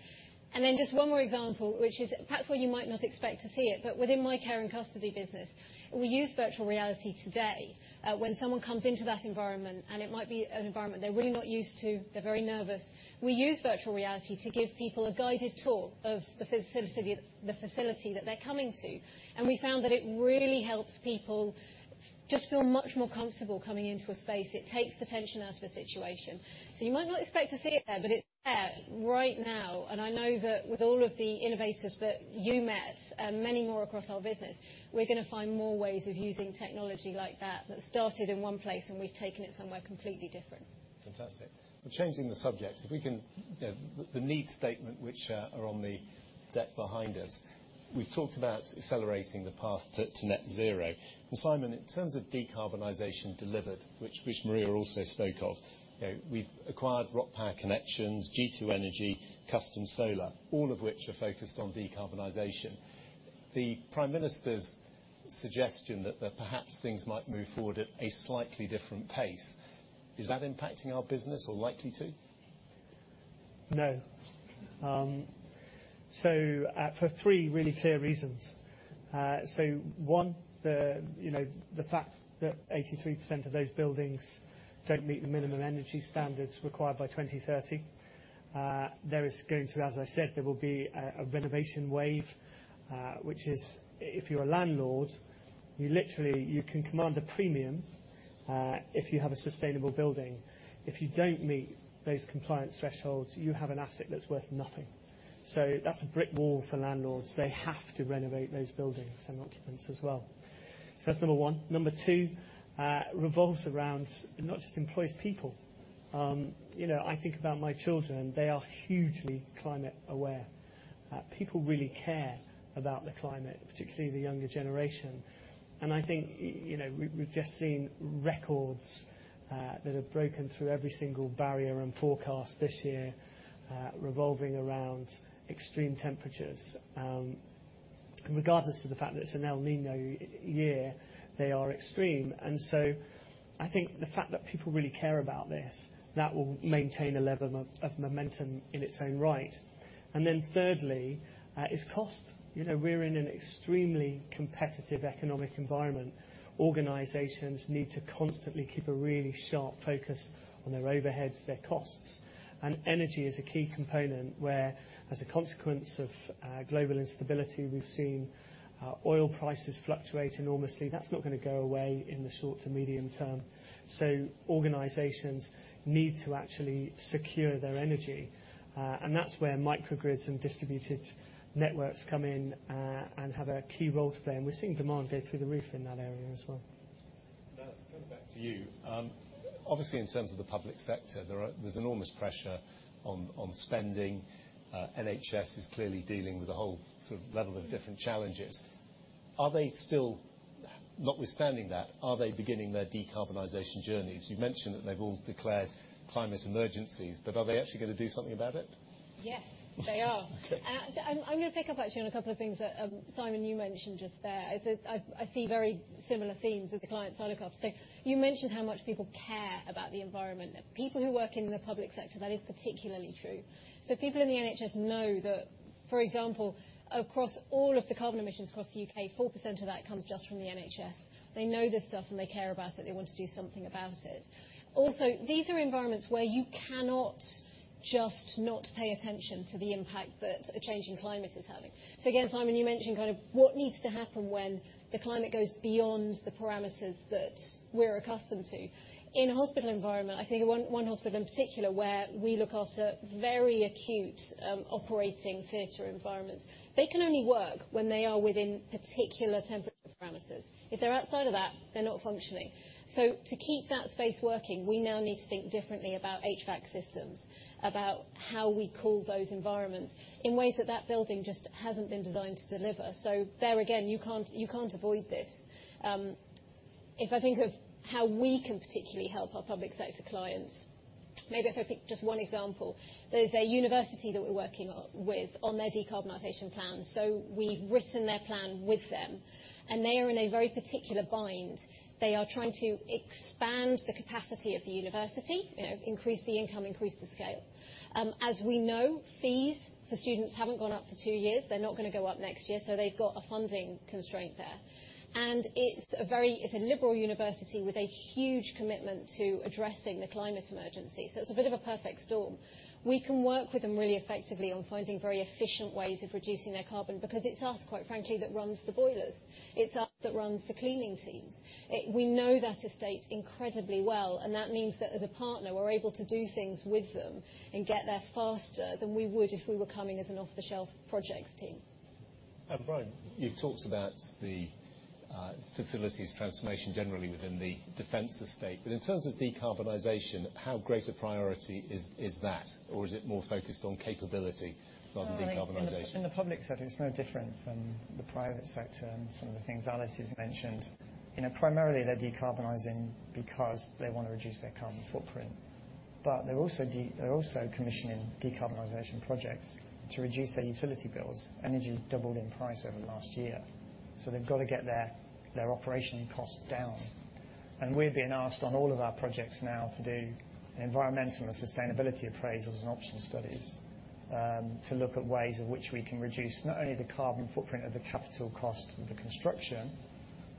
[SPEAKER 6] And then just one more example, which is perhaps where you might not expect to see it, but within my care and custody business, we use virtual reality today. When someone comes into that environment, and it might be an environment they're really not used to, they're very nervous, we use virtual reality to give people a guided tour of the facility, the facility that they're coming to. And we found that it really helps people just feel much more comfortable coming into a space. It takes the tension out of a situation. So you might not expect to see it there, but it's there right now, and I know that with all of the innovators that you met, many more across our business, we're gonna find more ways of using technology like that, that started in one place, and we've taken it somewhere completely different.
[SPEAKER 10] Fantastic. We're changing the subject. If we can, you know, the needs statement, which are on the deck behind us, we've talked about accelerating the path to net zero. Well, Simon, in terms of Decarbonization Delivered, which Maria also spoke of, you know, we've acquired Rock Power Connections, G2 Energy, Custom Solar, all of which are focused on decarbonization. The Prime Minister's suggestion that perhaps things might move forward at a slightly different pace, is that impacting our business or likely to?
[SPEAKER 9] No. For three really clear reasons. One, the, you know, the fact that 83% of those buildings don't meet the minimum energy standards required by 2030, there is going to be, as I said, there will be a renovation wave, which is, if you're a landlord, you literally, you can command a premium if you have a sustainable building. If you don't meet those compliance thresholds, you have an asset that's worth nothing. That's a brick wall for landlords. They have to renovate those buildings and occupants as well. That's number one. Number two revolves around not just employees, people. You know, I think about my children, they are hugely climate aware. People really care about the climate, particularly the younger generation, and I think, you know, we've just seen records that have broken through every single barrier and forecast this year, revolving around extreme temperatures. Regardless of the fact that it's an El Niño year, they are extreme. And so I think the fact that people really care about this, that will maintain a level of momentum in its own right. And then thirdly, is cost. You know, we're in an extremely competitive economic environment. Organizations need to constantly keep a really sharp focus on their overheads, their costs, and energy is a key component, where, as a consequence of global instability, we've seen oil prices fluctuate enormously. That's not gonna go away in the short to medium term. Organizations need to actually secure their energy, and that's where microgrids and distributed networks come in, and have a key role to play. We're seeing demand go through the roof in that area as well.
[SPEAKER 10] Alice, coming back to you. Obviously, in terms of the public sector, there's enormous pressure on spending. NHS is clearly dealing with a whole sort of level of different challenges. Are they still... Notwithstanding that, are they beginning their decarbonization journeys? You've mentioned that they've all declared climate emergencies, but are they actually gonna do something about it?
[SPEAKER 6] Yes, they are.
[SPEAKER 10] Okay.
[SPEAKER 6] And I'm gonna pick up actually on a couple of things that Simon you mentioned just there is that I see very similar themes with the clients I look after. So you mentioned how much people care about the environment. People who work in the public sector, that is particularly true. So people in the NHS know that, for example, across all of the carbon emissions across the U.K., 4% of that comes just from the NHS. They know this stuff, and they care about it. They want to do something about it. Also, these are environments where you cannot just not pay attention to the impact that a changing climate is having. So again, Simon, you mentioned kind of what needs to happen when the climate goes beyond the parameters that we're accustomed to. In a hospital environment, I think one, one hospital in particular, where we look after very acute, operating theater environments, they can only work when they are within particular temperature parameters. If they're outside of that, they're not functioning. So to keep that space working, we now need to think differently about HVAC systems, about how we cool those environments in ways that that building just hasn't been designed to deliver. So there again, you can't, you can't avoid this. If I think of how we can particularly help our public sector clients, maybe if I pick just one example, there's a university that we're working on, with on their decarbonization plan. So we've written their plan with them, and they are in a very particular bind. They are trying to expand the capacity of the university, you know, increase the income, increase the scale. As we know, fees for students haven't gone up for two years. They're not gonna go up next year, so they've got a funding constraint there. It's a liberal university with a huge commitment to addressing the climate emergency, so it's a bit of a perfect storm. We can work with them really effectively on finding very efficient ways of reducing their carbon, because it's us, quite frankly, that runs the boilers. It's us that runs the cleaning teams. We know that estate incredibly well, and that means that as a partner, we're able to do things with them and get there faster than we would if we were coming as an off-the-shelf projects team.
[SPEAKER 10] Brian, you've talked about the facilities transformation generally within the defense estate, but in terms of decarbonization, how great a priority is that? Or is it more focused on capability rather than decarbonization?
[SPEAKER 11] In the public sector, it's no different from the private sector and some of the things Alice has mentioned. You know, primarily, they're decarbonizing because they want to reduce their carbon footprint, but they're also commissioning decarbonization projects to reduce their utility bills. Energy doubled in price over the last year, so they've got to get their operational costs down. And we're being asked on all of our projects now to do environmental and sustainability appraisals and optional studies to look at ways in which we can reduce not only the carbon footprint of the capital cost of the construction,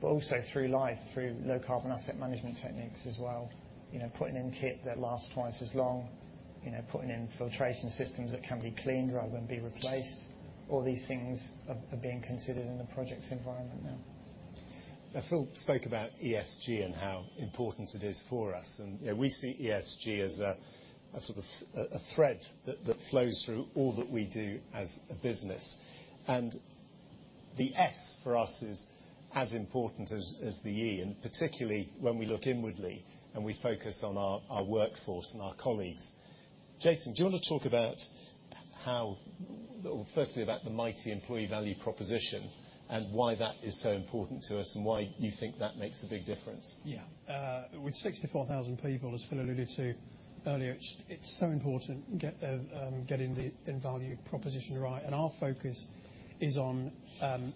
[SPEAKER 11] but also through life, through low carbon asset management techniques as well. You know, putting in kit that lasts twice as long, you know, putting in filtration systems that can be cleaned rather than be replaced.
[SPEAKER 9] All these things are being considered in the projects environment now.
[SPEAKER 10] Now, Phil spoke about ESG and how important it is for us, and, you know, we see ESG as a sort of a thread that flows through all that we do as a business. And the S for us is as important as the E, and particularly when we look inwardly and we focus on our workforce and our colleagues. Jason, do you want to talk about how, firstly, about the Mitie employee value proposition and why that is so important to us, and why you think that makes a big difference?
[SPEAKER 8] Yeah. With 64,000 people, as Phil alluded to earlier, it's so important getting the end value proposition right. And our focus is on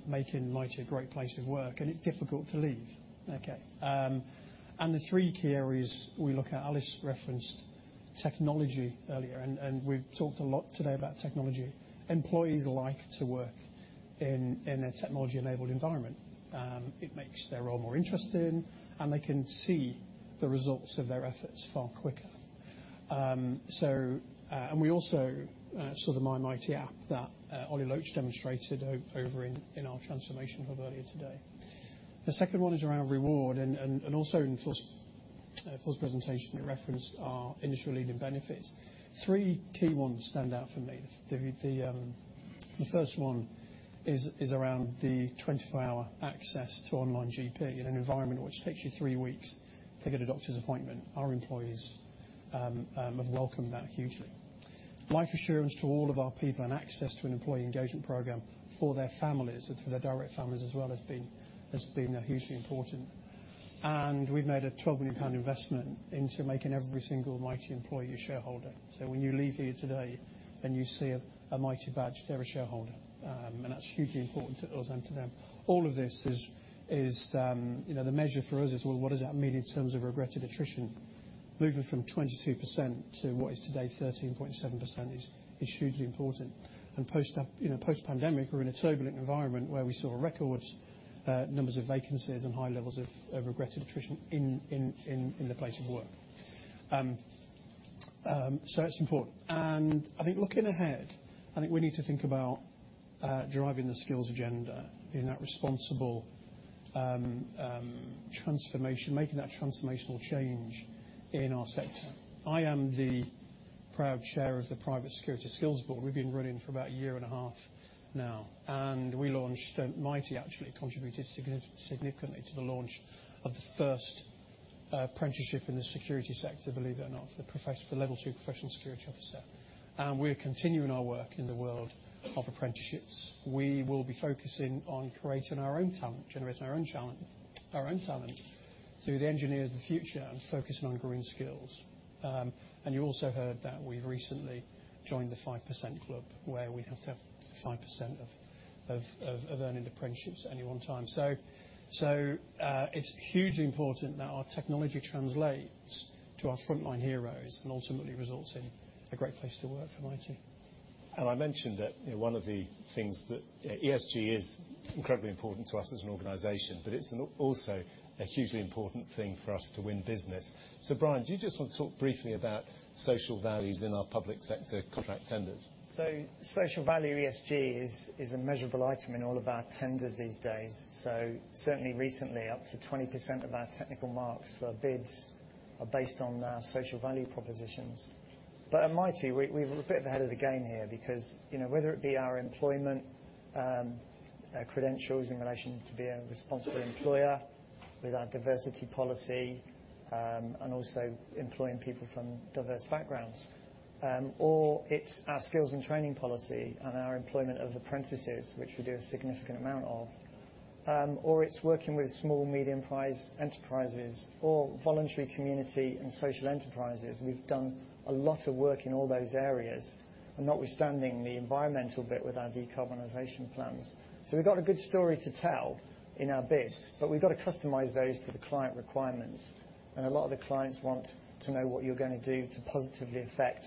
[SPEAKER 8] making Mitie a great place to work, and it's difficult to leave, okay? And the three key areas we look at, Alice referenced technology earlier, and we've talked a lot today about technology. Employees like to work in a technology-enabled environment. It makes their role more interesting, and they can see the results of their efforts far quicker. So, and we also saw the My Mitie app that Ollie Loach demonstrated over in our transformation hub earlier today. The second one is around reward and also in Phil's presentation, he referenced our industry-leading benefits. Three key ones stand out for me. The first one is around the 24-hour access to online GP in an environment which takes you 3 weeks to get a doctor's appointment. Our employees have welcomed that hugely. Life assurance to all of our people and access to an employee engagement program for their families, and for their direct families as well, has been hugely important. And we've made a 12 million pound investment into making every single Mitie employee a shareholder. So when you leave here today and you see a Mitie badge, they're a shareholder, and that's hugely important to us and to them. All of this is, you know, the measure for us is, well, what does that mean in terms of regretted attrition? Moving from 22% to what is today 13.7% is hugely important. Post-pandemic, we're in a turbulent environment where we saw record numbers of vacancies and high levels of regretted attrition in the place of work. You know, that's important. I think looking ahead, I think we need to think about driving the skills agenda in that responsible transformation, making that transformational change in our sector. I am the proud chair of the Private Security Skills Board. We've been running for about a year and a half now, and we launched, Mitie actually contributed significantly to the launch of the first apprenticeship in the security sector, believe it or not, for the Level Two Professional Security Officer, and we're continuing our work in the world of apprenticeships. We will be focusing on creating our own talent, generating our own talent, our own talent, through the Engineers of the Future, and focusing on green skills. You also heard that we've recently joined the Five Percent Club, where we have to have 5% of earned apprentices any one time. It's hugely important that our technology translates to our frontline heroes and ultimately results in a great place to work for Mitie.
[SPEAKER 10] I mentioned that, you know, one of the things that, ESG is incredibly important to us as an organization, but it's also a hugely important thing for us to win business. So, Brian, do you just want to talk briefly about social values in our public sector contract tenders?
[SPEAKER 11] So social value ESG is a measurable item in all of our tenders these days. So certainly recently, up to 20% of our technical marks for bids are based on our social value propositions. But at Mitie, we're a bit ahead of the game here because, you know, whether it be our employment credentials in relation to being a responsible employer, with our diversity policy, and also employing people from diverse backgrounds, or it's our skills and training policy and our employment of apprentices, which we do a significant amount of, or it's working with small medium-sized enterprises or voluntary community and social enterprises. We've done a lot of work in all those areas, and notwithstanding the environmental bit with our decarbonization plans. So we've got a good story to tell in our bids, but we've got to customize those to the client requirements, and a lot of the clients want to know what you're going to do to positively affect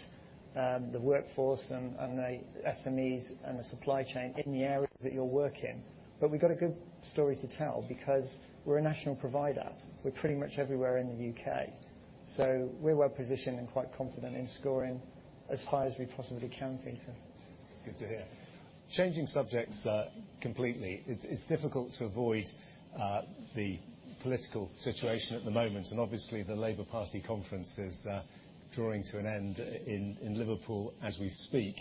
[SPEAKER 11] the workforce and the SMEs and the supply chain in the areas that you're working. But we've got a good story to tell because we're a national provider. We're pretty much everywhere in the U.K., so we're well-positioned and quite confident in scoring as high as we possibly can, Peter.
[SPEAKER 10] That's good to hear. Changing subjects completely, it's difficult to avoid the political situation at the moment, and obviously, the Labour Party conference is drawing to an end in Liverpool as we speak.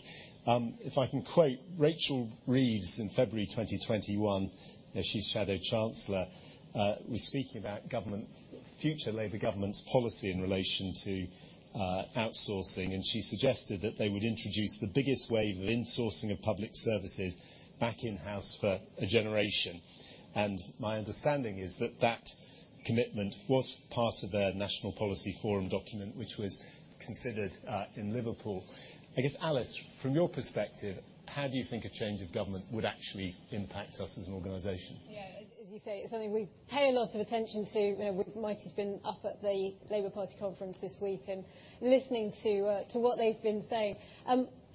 [SPEAKER 10] If I can quote Rachel Reeves in February 2021, as she's Shadow Chancellor, was speaking about government, future Labour government's policy in relation to outsourcing, and she suggested that they would introduce the biggest wave of insourcing of public services back in-house for a generation. My understanding is that that commitment was part of their National Policy Forum document, which was considered in Liverpool. I guess, Alice, from your perspective, how do you think a change of government would actually impact us as an organization?
[SPEAKER 6] Yeah, as you say, it's something we pay a lot of attention to. You know, Mitie has been up at the Labour Party conference this week and listening to what they've been saying.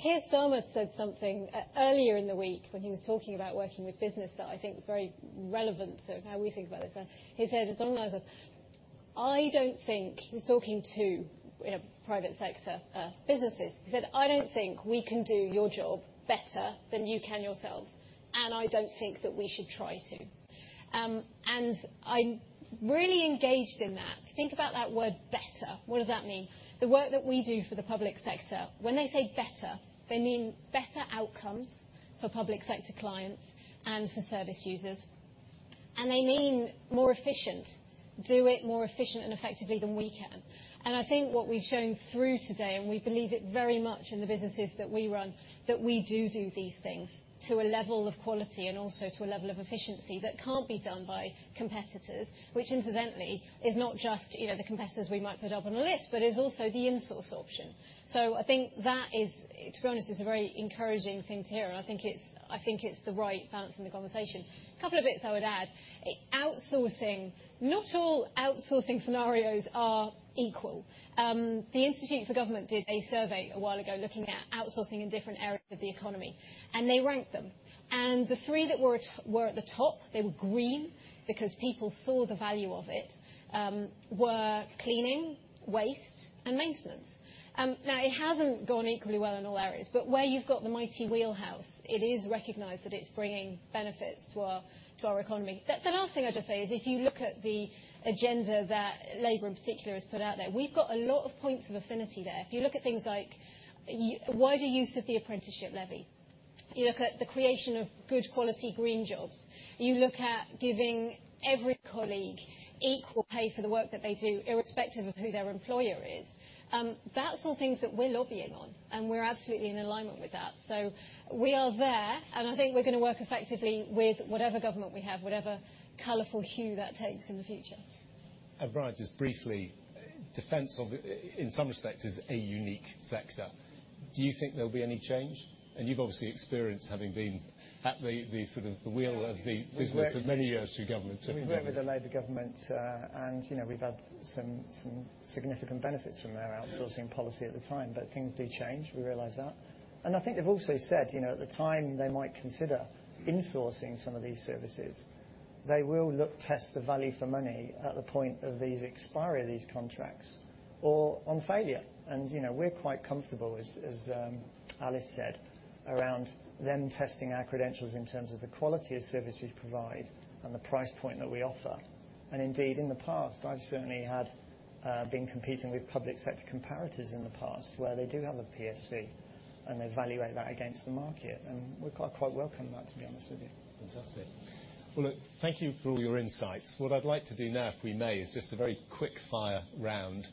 [SPEAKER 6] Keir Starmer said something earlier in the week when he was talking about working with business that I think was very relevant to how we think about this. He said, as long as I... "I don't think," he's talking to, you know, private sector businesses. He said, "I don't think we can do your job better than you can yourselves, and I don't think that we should try to." And I'm really engaged in that. Think about that word better. What does that mean? The work that we do for the public sector, when they say better, they mean better outcomes for public sector clients and for service users, and they mean more efficient, do it more efficient and effectively than we can. And I think what we've shown through today, and we believe it very much in the businesses that we run, that we do, do these things to a level of quality and also to a level of efficiency that can't be done by competitors, which incidentally, is not just, you know, the competitors we might put up on a list, but is also the insource option. So I think that is, to be honest, is a very encouraging thing to hear, and I think it's, I think it's the right balance in the conversation. A couple of bits I would add. Outsourcing, not all outsourcing scenarios are equal. The Institute for Government did a survey a while ago, looking at outsourcing in different areas of the economy, and they ranked them. The three that were at the top, they were green, because people saw the value of it, were cleaning, waste, and maintenance.... Now it hasn't gone equally well in all areas, but where you've got the mighty wheelhouse, it is recognized that it's bringing benefits to our, to our economy. The last thing I'll just say is, if you look at the agenda that Labour in particular has put out there, we've got a lot of points of affinity there. If you look at things like wider use of the apprenticeship levy, you look at the creation of good quality green jobs, you look at giving every colleague equal pay for the work that they do, irrespective of who their employer is. That's all things that we're lobbying on, and we're absolutely in alignment with that. So we are there, and I think we're going to work effectively with whatever government we have, whatever colorful hue that takes in the future.
[SPEAKER 10] Brian, just briefly, defense of, in some respects, is a unique sector. Do you think there'll be any change? You've obviously experienced, having been at the, the sort of, the wheel of the business for many years through government.
[SPEAKER 11] We worked with the Labour government, and, you know, we've had some significant benefits from their outsourcing policy at the time, but things do change. We realize that. And I think they've also said, you know, at the time, they might consider insourcing some of these services. They will look, test the value for money at the point of these expiry of these contracts or on failure. And, you know, we're quite comfortable, as Alice said, around them testing our credentials in terms of the quality of services we provide and the price point that we offer. And indeed, in the past, I've certainly been competing with public sector comparators in the past, where they do have a PSC, and they evaluate that against the market, and we quite welcome that, to be honest with you.
[SPEAKER 10] Fantastic. Well, look, thank you for all your insights. What I'd like to do now, if we may, is just a very quick fire round.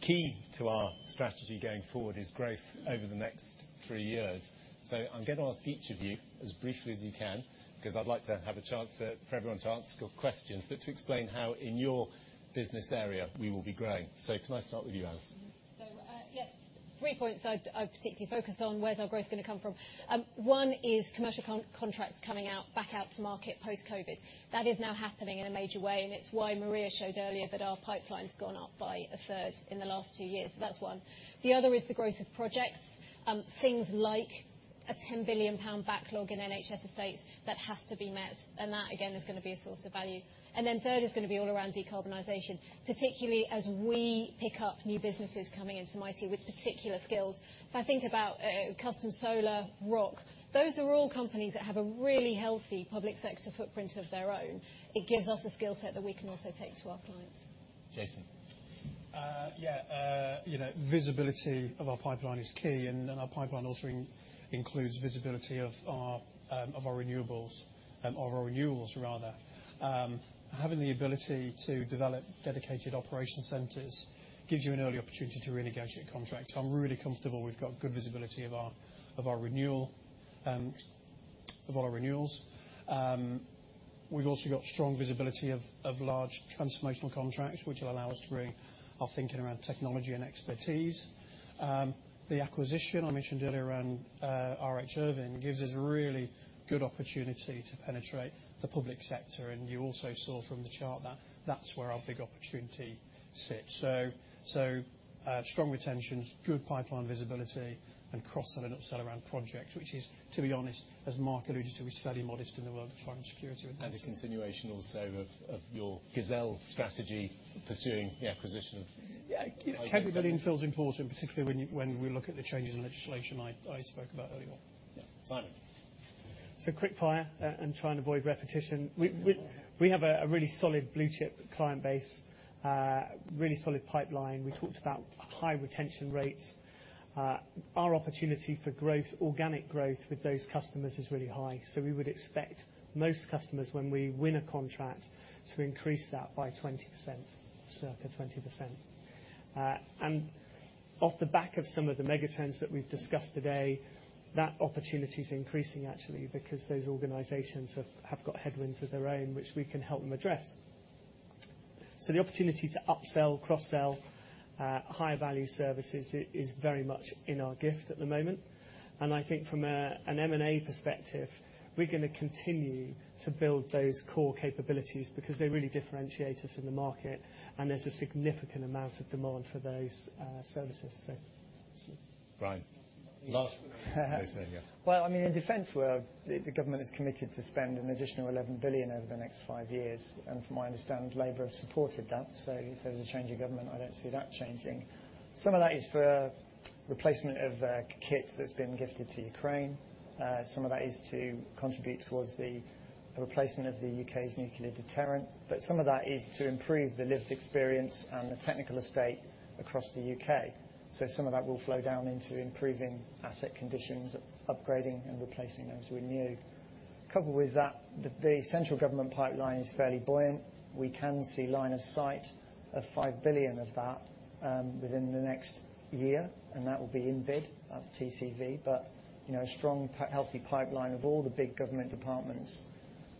[SPEAKER 10] Key to our strategy going forward is growth over the next three years. So I'm going to ask each of you, as briefly as you can, because I'd like to have a chance for everyone to ask your questions, but to explain how, in your business area, we will be growing. So can I start with you, Alice?
[SPEAKER 6] So, yeah, three points I'd particularly focus on where our growth is going to come from. One is commercial contracts coming out, back out to market, post-COVID. That is now happening in a major way, and it's why Maria showed earlier that our pipeline's gone up by a third in the last two years. So that's one. The other is the growth of projects. Things like a 10 billion pound backlog in NHS estates that has to be met, and that, again, is going to be a source of value. And then third is going to be all around decarbonization, particularly as we pick up new businesses coming into Mitie with particular skills. If I think about, Custom Solar, Rock, those are all companies that have a really healthy public sector footprint of their own. It gives us a skill set that we can also take to our clients.
[SPEAKER 10] Jason?
[SPEAKER 8] Yeah, you know, visibility of our pipeline is key, and, and our pipeline also includes visibility of our, of our renewables, of our renewals, rather. Having the ability to develop dedicated operation centers gives you an early opportunity to renegotiate contracts. I'm really comfortable we've got good visibility of our, of our renewal, of all our renewals. We've also got strong visibility of, of large transformational contracts, which will allow us to bring our thinking around technology and expertise. The acquisition I mentioned earlier around R H Irving gives us a really good opportunity to penetrate the public sector, and you also saw from the chart that that's where our big opportunity sits. Strong retentions, good pipeline visibility, and cross-sell and upsell around projects, which is, to be honest, as Mark alluded to, is fairly modest in the world of finance security.
[SPEAKER 10] A continuation also of your gazelle strategy, pursuing the acquisition of-
[SPEAKER 8] Yeah, capability feels important, particularly when we look at the changes in legislation I spoke about earlier.
[SPEAKER 10] Yeah. Simon?
[SPEAKER 9] So quick fire, and try and avoid repetition. We have a really solid blue chip client base, really solid pipeline. We talked about high retention rates. Our opportunity for growth, organic growth, with those customers is really high. So we would expect most customers, when we win a contract, to increase that by 20%, circa 20%. And off the back of some of the mega trends that we've discussed today, that opportunity is increasing, actually, because those organizations have got headwinds of their own, which we can help them address. So the opportunity to upsell, cross-sell, higher value services is very much in our gift at the moment. I think from an M&A perspective, we're going to continue to build those core capabilities because they really differentiate us in the market, and there's a significant amount of demand for those services. So.
[SPEAKER 10] Brian?
[SPEAKER 11] Well, I mean, in defense work, the government is committed to spend an additional 11 billion over the next five years, and from my understanding, Labour have supported that. So if there's a change in government, I don't see that changing. Some of that is for replacement of kit that's been gifted to Ukraine. Some of that is to contribute towards the replacement of the UK's nuclear deterrent, but some of that is to improve the lived experience and the technical estate across the UK. So some of that will flow down into improving asset conditions, upgrading and replacing those we knew. Coupled with that, the central government pipeline is fairly buoyant. We can see line of sight of 5 billion of that, within the next year, and that will be in bid, that's TCV, but, you know, a strong, healthy pipeline of all the big government departments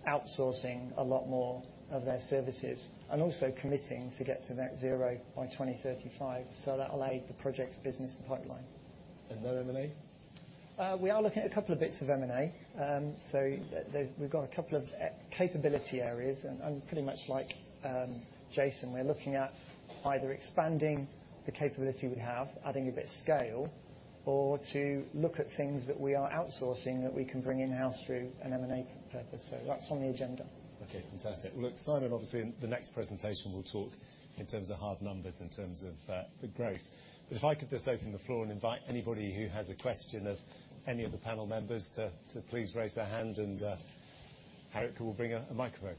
[SPEAKER 11] outsourcing a lot more of their services and also committing to get to Net Zero by 2035, so that will aid the Projects business and pipeline.
[SPEAKER 10] And that M&A?
[SPEAKER 11] We are looking at a couple of bits of M&A. So we've got a couple of capability areas, and, and pretty much like, Jason, we're looking at either expanding the capability we have, adding a bit of scale or to look at things that we are outsourcing that we can bring in-house through an M&A purpose. So that's on the agenda.
[SPEAKER 10] Okay, fantastic. Look, Simon, obviously, in the next presentation, will talk in terms of hard numbers, in terms of, the growth. But if I could just open the floor and invite anybody who has a question of any of the panel members to, to please raise their hand, and, Eric will bring a microphone.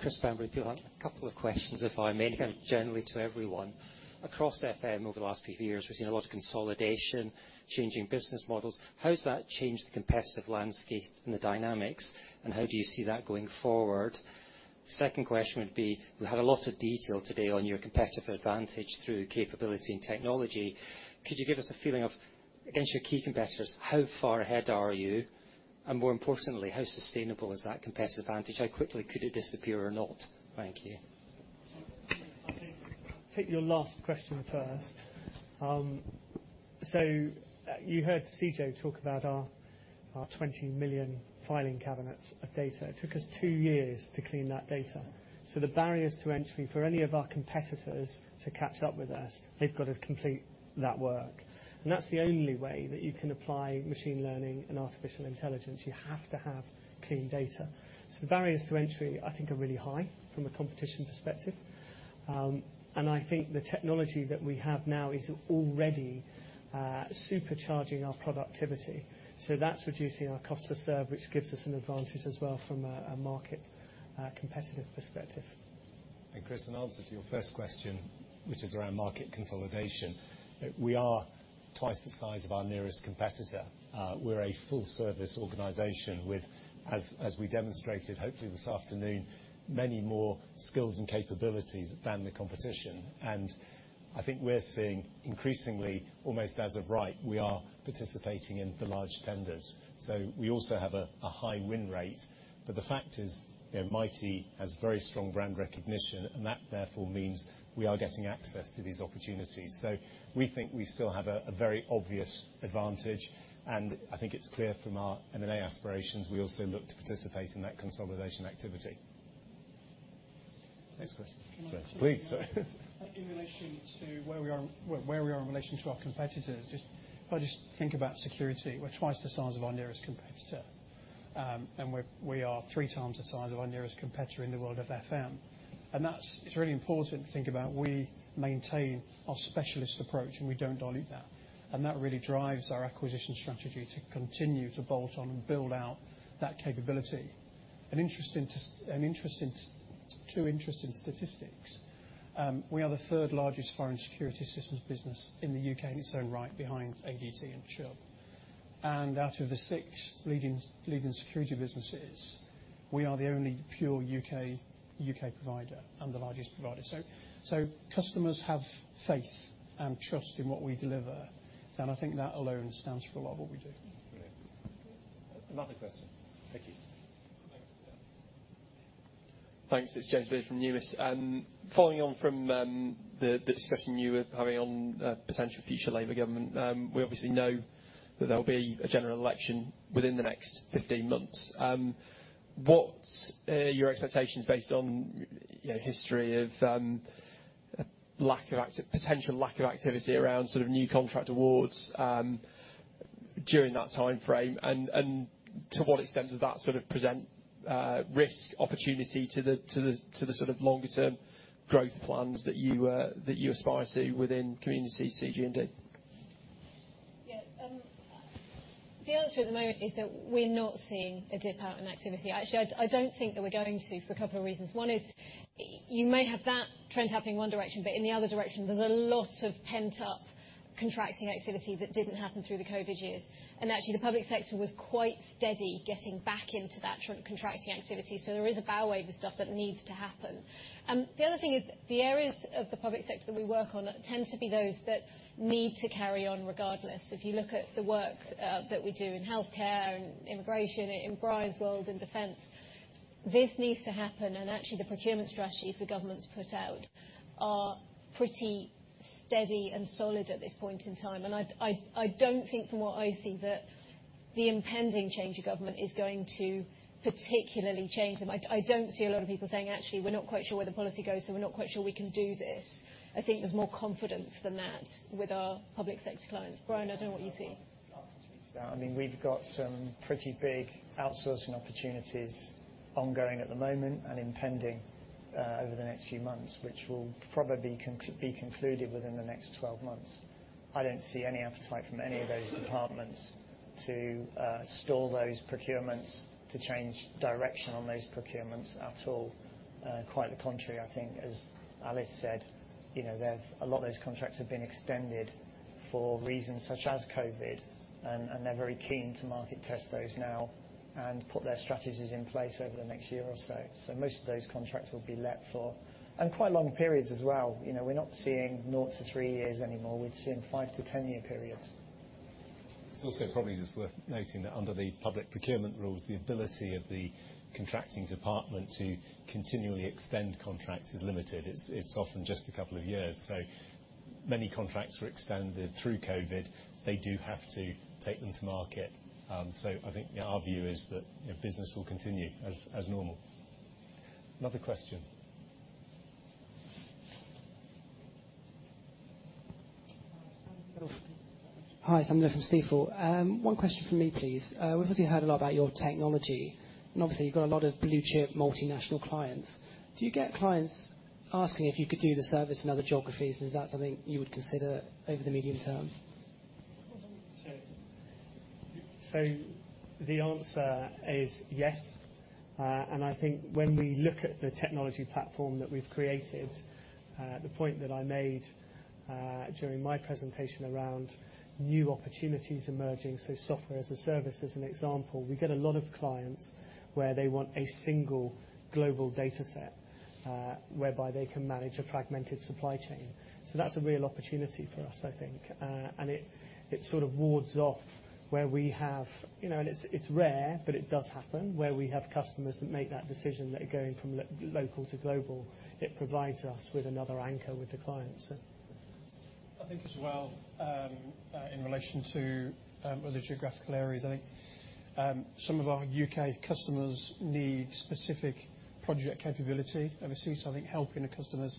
[SPEAKER 5] Chris Bambury, PwC. A couple of questions, if I may, kind of generally to everyone. Across FM over the last few years, we've seen a lot of consolidation, changing business models. How has that changed the competitive landscape and the dynamics, and how do you see that going forward? Second question would be, we had a lot of detail today on your competitive advantage through capability and technology. Could you give us a feeling of, against your key competitors, how far ahead are you? And more importantly, how sustainable is that competitive advantage? How quickly could it disappear or not? Thank you.
[SPEAKER 8] I'll take your last question first. So you heard Cijo talk about our 20 million filing cabinets of data. It took us two years to clean that data. So the barriers to entry for any of our competitors to catch up with us, they've got to complete that work. And that's the only way that you can apply machine learning and artificial intelligence. You have to have clean data. So the barriers to entry, I think, are really high from a competition perspective. And I think the technology that we have now is already supercharging our productivity, so that's reducing our cost per serve, which gives us an advantage as well from a market competitive perspective.
[SPEAKER 10] Chris, in answer to your first question, which is around market consolidation, we are twice the size of our nearest competitor. We're a full-service organization with, as, as we demonstrated, hopefully this afternoon, many more skills and capabilities than the competition. And I think we're seeing increasingly, almost as of right, we are participating in the large tenders. So we also have a, a high win rate. But the fact is, you know, Mitie has very strong brand recognition, and that therefore means we are getting access to these opportunities. So we think we still have a, a very obvious advantage, and I think it's clear from our M&A aspirations, we also look to participate in that consolidation activity. Thanks, Chris.
[SPEAKER 5] Please.
[SPEAKER 8] In relation to where we are, where we are in relation to our competitors, just, if I just think about security, we're twice the size of our nearest competitor. And we're, we are three times the size of our nearest competitor in the world of FM. And that's. It's really important to think about. We maintain our specialist approach, and we don't dilute that. And that really drives our acquisition strategy to continue to bolt on and build out that capability. Two interesting statistics. We are the third largest foreign security systems business in the UK in its own right, behind ADT and Shell. And out of the six leading security businesses, we are the only pure UK provider and the largest provider. So, customers have faith and trust in what we deliver, and I think that alone stands for a lot of what we do.
[SPEAKER 10] Brilliant. Another question. Thank you.
[SPEAKER 12] Thanks. Thanks, it's James Beard from Numis. Following on from, the discussion you were having on the potential future Labour government, we obviously know that there'll be a general election within the next 15 months. What are your expectations based on, you know, history of, potential lack of activity around sort of new contract awards, during that time frame? And, to what extent does that sort of present, risk, opportunity to the, to the, to the sort of longer-term growth plans that you, that you aspire to see within Communities, CG&D?
[SPEAKER 6] Yeah, the answer at the moment is that we're not seeing a dip out in activity. Actually, I don't think that we're going to, for a couple of reasons. One is, you may have that trend happening in one direction, but in the other direction, there's a lot of pent-up contracting activity that didn't happen through the COVID years. And actually, the public sector was quite steady getting back into that trend contracting activity, so there is a bow wave of stuff that needs to happen. The other thing is, the areas of the public sector that we work on tend to be those that need to carry on regardless. If you look at the work that we do in healthcare, in immigration, in Brian's world, in defense, this needs to happen, and actually, the procurement strategies the government's put out are pretty steady and solid at this point in time. I don't think, from what I see, that the impending change of government is going to particularly change them. I don't see a lot of people saying, "Actually, we're not quite sure where the policy goes, so we're not quite sure we can do this." I think there's more confidence than that with our public sector clients. Brian, I don't know what you see.
[SPEAKER 11] I mean, we've got some pretty big outsourcing opportunities ongoing at the moment and impending over the next few months, which will probably be concluded within the next 12 months. I don't see any appetite from any of those departments to stall those procurements, to change direction on those procurements at all. Quite the contrary, I think, as Alice said, you know, they've-- a lot of those contracts have been extended for reasons such as COVID, and, and they're very keen to market test those now and put their strategies in place over the next year or so. Most of those contracts will be let for... and quite long periods as well. You know, we're not seeing nought to 3 years anymore. We're seeing 5-10 year periods.
[SPEAKER 10] It's also probably just worth noting that under the public procurement rules, the ability of the contracting department to continually extend contracts is limited. It's often just a couple of years. So many contracts were extended through COVID. They do have to take them to market. So I think our view is that, you know, business will continue as normal....
[SPEAKER 13] Another question?
[SPEAKER 14] Hi, Sandra from Stifel. One question from me, please. We've obviously heard a lot about your technology, and obviously, you've got a lot of blue-chip, multinational clients. Do you get clients asking if you could do the service in other geographies, and is that something you would consider over the medium term?
[SPEAKER 9] So the answer is yes. And I think when we look at the technology platform that we've created, the point that I made during my presentation around new opportunities emerging, so software as a service, as an example, we get a lot of clients where they want a single global data set, whereby they can manage a fragmented supply chain. So that's a real opportunity for us, I think. And it, it sort of wards off where we have... You know, and it's, it's rare, but it does happen, where we have customers that make that decision, that are going from local to global. It provides us with another anchor with the clients, so.
[SPEAKER 8] I think as well, in relation to other geographical areas, I think some of our U.K. customers need specific project capability. Obviously, I think helping the customers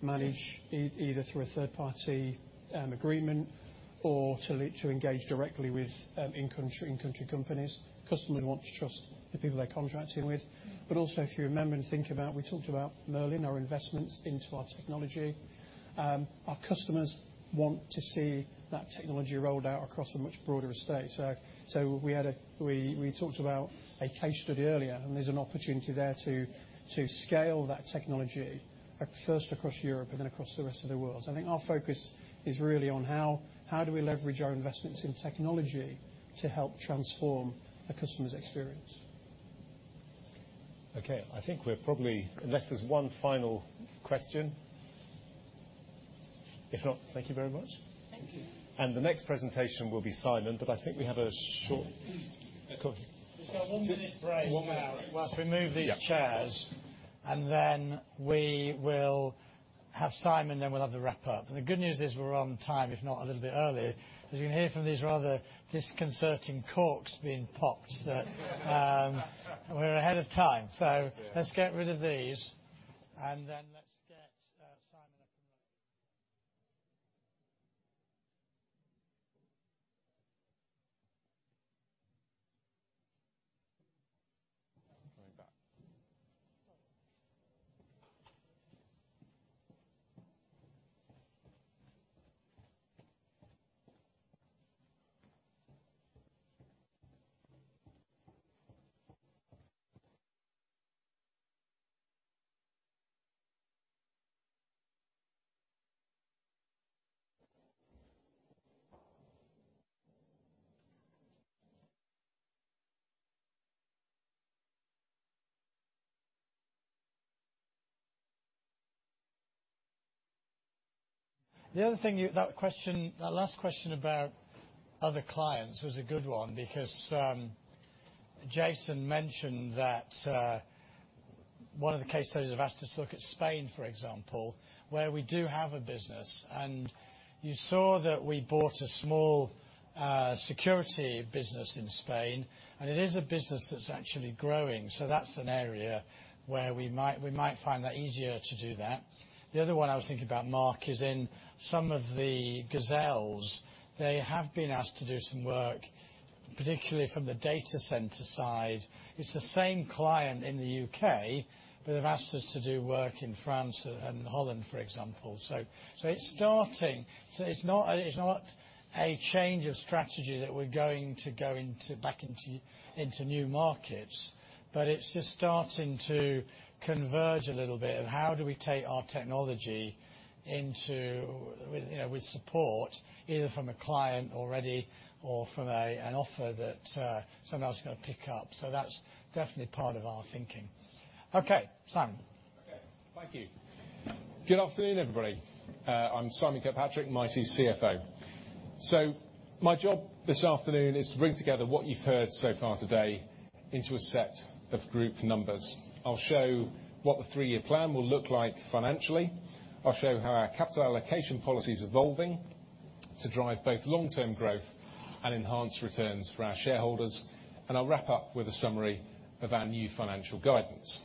[SPEAKER 8] manage either through a third-party agreement or to engage directly with in-country companies. Customers want to trust the people they're contracting with. Also, if you remember and think about, we talked about Merlin, our investments into our technology. Our customers want to see that technology rolled out across a much broader estate. We talked about a case study earlier, and there's an opportunity there to scale that technology, first across Europe and then across the rest of the world. I think our focus is really on how we leverage our investments in technology to help transform a customer's experience.
[SPEAKER 13] Okay, I think we're probably... Unless there's one final question? If not, thank you very much.
[SPEAKER 9] Thank you.
[SPEAKER 8] Thank you.
[SPEAKER 13] The next presentation will be Simon, but I think we have a short-
[SPEAKER 2] Okay, we've got a 1-minute break.
[SPEAKER 13] One minute.
[SPEAKER 2] While we move these chairs, and then we will have Simon, then we'll have the wrap up. And the good news is we're on time, if not a little bit early. As you can hear from these rather disconcerting corks being popped, that we're ahead of time. So let's get rid of these, and then let's get Simon up. Coming back. The other thing you... That question, that last question about other clients was a good one, because Jason mentioned that one of the case studies have asked us to look at Spain, for example, where we do have a business. And you saw that we bought a small security business in Spain, and it is a business that's actually growing, so that's an area where we might, we might find that easier to do that. The other one I was thinking about, Mark, is in some of the Gazelles; they have been asked to do some work, particularly from the data center side. It's the same client in the UK, but they've asked us to do work in France and Holland, for example. So it's starting. So it's not a change of strategy that we're going to go into, back into new markets, but it's just starting to converge a little bit of how do we take our technology into, with, you know, with support, either from a client already or from an offer that someone else is going to pick up. So that's definitely part of our thinking. Okay, Simon.
[SPEAKER 13] Okay, thank you. Good afternoon, everybody. I'm Simon Kirkpatrick, Mitie's CFO. My job this afternoon is to bring together what you've heard so far today into a set of group numbers. I'll show what the three-year plan will look like financially. I'll show how our capital allocation policy is evolving to drive both long-term growth and enhance returns for our shareholders. I'll wrap up with a summary of our new financial guidance.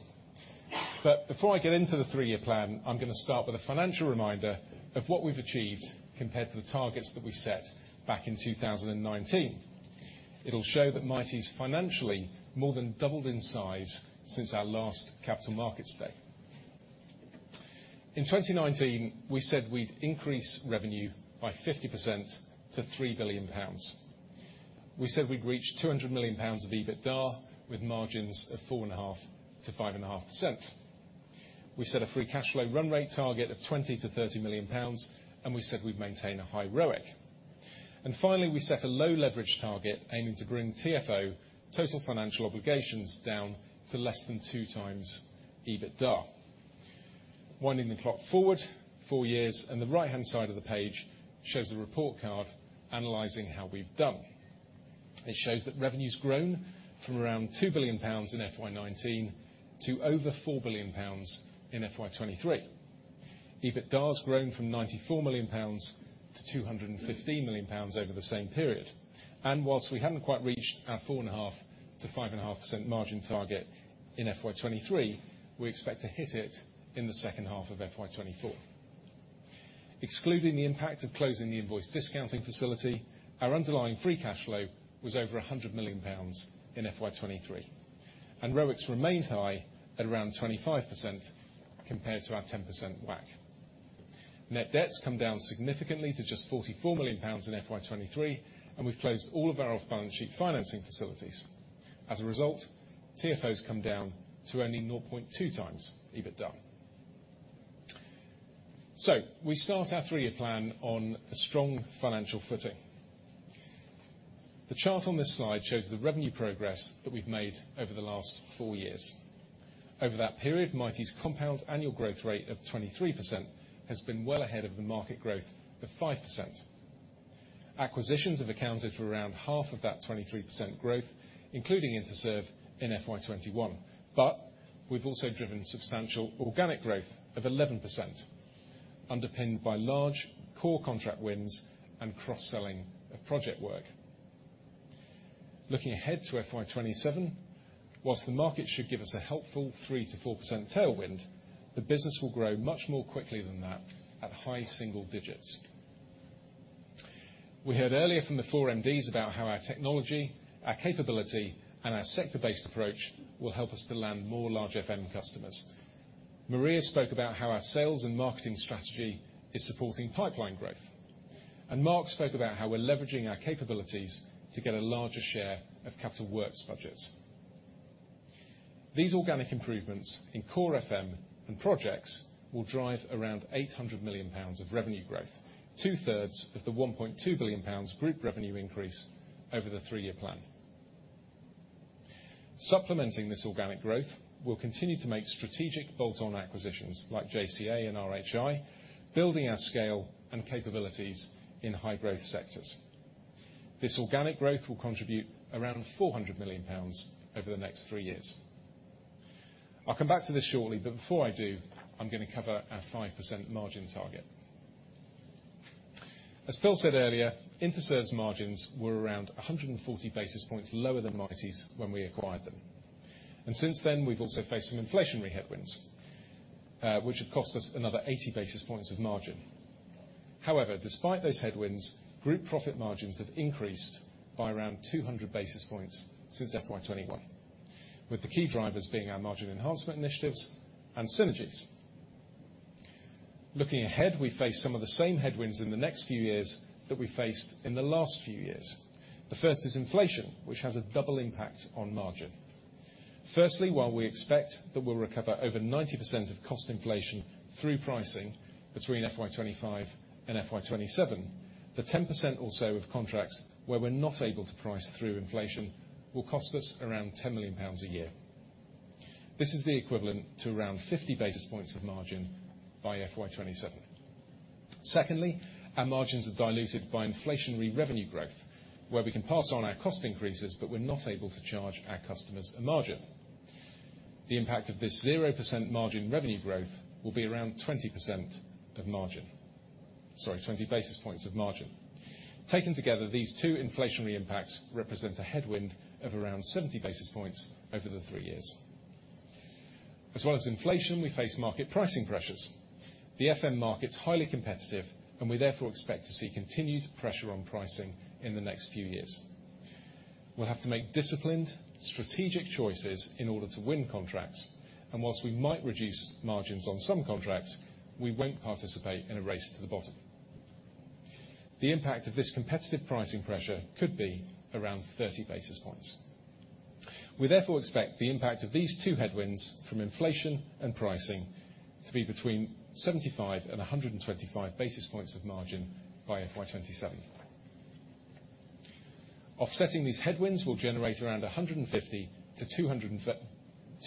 [SPEAKER 13] Before I get into the three-year plan, I'm going to start with a financial reminder of what we've achieved compared to the targets that we set back in 2019. It'll show that Mitie's financially more than doubled in size since our last capital markets day. In 2019, we said we'd increase revenue by 50% to 3 billion pounds. We said we'd reach 200 million pounds of EBITDA, with margins of 4.5%-5.5%. We set a free cash flow run rate target of 20 million-30 million pounds, and we said we'd maintain a high ROIC. And finally, we set a low leverage target, aiming to bring TFO, Total Financial Obligations, down to less than 2x EBITDA. Winding the clock forward 4 years, and the right-hand side of the page shows the report card analyzing how we've done. It shows that revenue's grown from around 2 billion pounds in FY 2019 to over 4 billion pounds in FY 2023. EBITDA has grown from 94 million pounds to 215 million pounds over the same period, and while we haven't quite reached our 4.5%-5.5% margin target in FY 2023, we expect to hit it in the second half of FY 2024. Excluding the impact of closing the invoice discounting facility, our underlying free cash flow was over 100 million pounds in FY 2023, and ROIC remained high at around 25% compared to our 10% WACC. Net debt's come down significantly to just 44 million pounds in FY 2023, and we've closed all of our off-balance sheet financing facilities. As a result, TFOs come down to only 0.2x EBITDA. So we start our three-year plan on a strong financial footing. The chart on this slide shows the revenue progress that we've made over the last 4 years. Over that period, Mitie's compound annual growth rate of 23% has been well ahead of the market growth of 5%. Acquisitions have accounted for around half of that 23% growth, including Interserve in FY 2021. But we've also driven substantial organic growth of 11%, underpinned by large core contract wins and cross-selling of project work. Looking ahead to FY 2027, whilst the market should give us a helpful 3%-4% tailwind, the business will grow much more quickly than that at high single digits. We heard earlier from the four MDs about how our technology, our capability, and our sector-based approach will help us to land more large FM customers. Maria spoke about how our sales and marketing strategy is supporting pipeline growth, and Mark spoke about how we're leveraging our capabilities to get a larger share of capital works budgets. These organic improvements in core FM and projects will drive around 800 million pounds of revenue growth, two-thirds of the 1.2 billion pounds group revenue increase over the three-year plan. Supplementing this organic growth, we'll continue to make strategic bolt-on acquisitions like JCA and RHI, building our scale and capabilities in high-growth sectors. This organic growth will contribute around 400 million pounds over the next three years. I'll come back to this shortly, but before I do, I'm going to cover our 5% margin target. As Phil said earlier, Interserve's margins were around 140 basis points lower than Mitie's when we acquired them, and since then, we've also faced some inflationary headwinds, which have cost us another 80 basis points of margin. However, despite those headwinds, group profit margins have increased by around 200 basis points since FY 2021, with the key drivers being our margin enhancement initiatives and synergies. Looking ahead, we face some of the same headwinds in the next few years that we faced in the last few years. The first is inflation, which has a double impact on margin. Firstly, while we expect that we'll recover over 90% of cost inflation through pricing between FY 2025 and FY 2027, the 10% or so of contracts where we're not able to price through inflation will cost us around 10 million pounds a year. This is the equivalent to around 50 basis points of margin by FY 2027. Secondly, our margins are diluted by inflationary revenue growth, where we can pass on our cost increases, but we're not able to charge our customers a margin. The impact of this 0% margin revenue growth will be around 20% of margin—sorry, 20 basis points of margin. Taken together, these two inflationary impacts represent a headwind of around 70 basis points over the 3 years. As well as inflation, we face market pricing pressures. The FM market's highly competitive, and we therefore expect to see continued pressure on pricing in the next few years. We'll have to make disciplined, strategic choices in order to win contracts, and while we might reduce margins on some contracts, we won't participate in a race to the bottom. The impact of this competitive pricing pressure could be around 30 basis points. We therefore expect the impact of these two headwinds from inflation and pricing to be between 75 and 125 basis points of margin by FY 2027. Offsetting these headwinds will generate around 150 to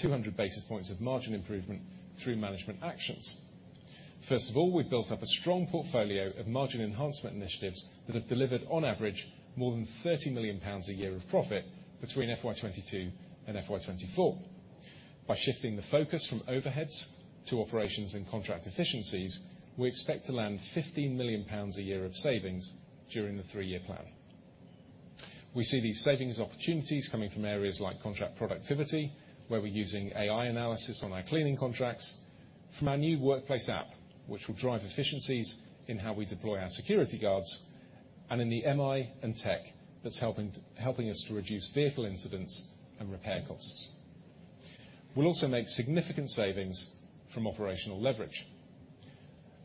[SPEAKER 13] 200 basis points of margin improvement through management actions. First of all, we've built up a strong portfolio of margin enhancement initiatives that have delivered, on average, more than 30 million pounds a year of profit between FY 2022 and FY 2024. By shifting the focus from overheads to operations and contract efficiencies, we expect to land 15 million pounds a year of savings during the three-year plan. We see these savings opportunities coming from areas like contract productivity, where we're using AI analysis on our cleaning contracts, from our new workplace app, which will drive efficiencies in how we deploy our security guards, and in the AI and tech that's helping us to reduce vehicle incidents and repair costs. We'll also make significant savings from operational leverage.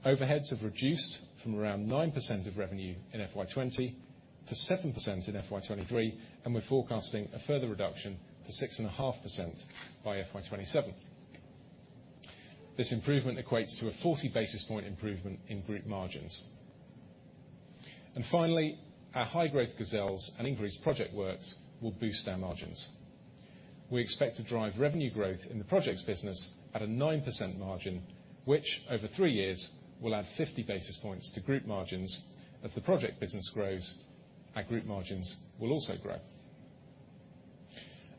[SPEAKER 13] Overheads have reduced from around 9% of revenue in FY 2020 to 7% in FY 2023, and we're forecasting a further reduction to 6.5% by FY 2027. This improvement equates to a 40 basis point improvement in group margins. And finally, our high-growth gazelles and increased project works will boost our margins. We expect to drive revenue growth in the Projects business at a 9% margin, which, over three years, will add 50 basis points to group margins. As the project business grows, our group margins will also grow.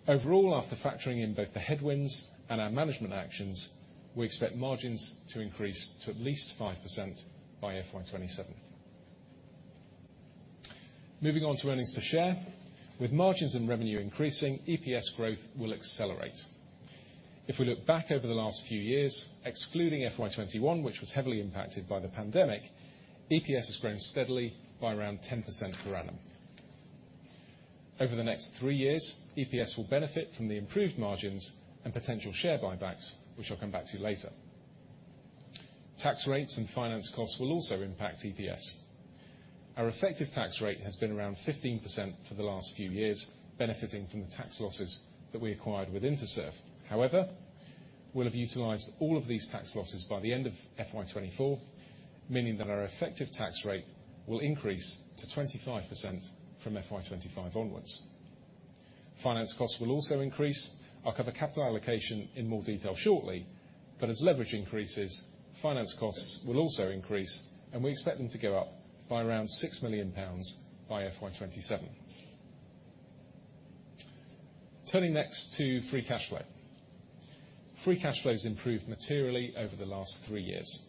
[SPEAKER 13] Overall, after factoring in both the headwinds and our management actions, we expect margins to increase to at least 5% by FY 2027. Moving on to earnings per share. With margins and revenue increasing, EPS growth will accelerate. If we look back over the last few years, excluding FY 2021, which was heavily impacted by the pandemic, EPS has grown steadily by around 10% per annum. Over the next three years, EPS will benefit from the improved margins and potential share buybacks, which I'll come back to later. Tax rates and finance costs will also impact EPS. Our effective tax rate has been around 15% for the last few years, benefiting from the tax losses that we acquired with Interserve. However, we'll have utilized all of these tax losses by the end of FY 2024, meaning that our effective tax rate will increase to 25% from FY 2025 onwards. Finance costs will also increase. I'll cover capital allocation in more detail shortly, but as leverage increases, finance costs will also increase, and we expect them to go up by around 6 million pounds by FY 2027. Turning next to free cash flow. Free cash flow has improved materially over the last three years,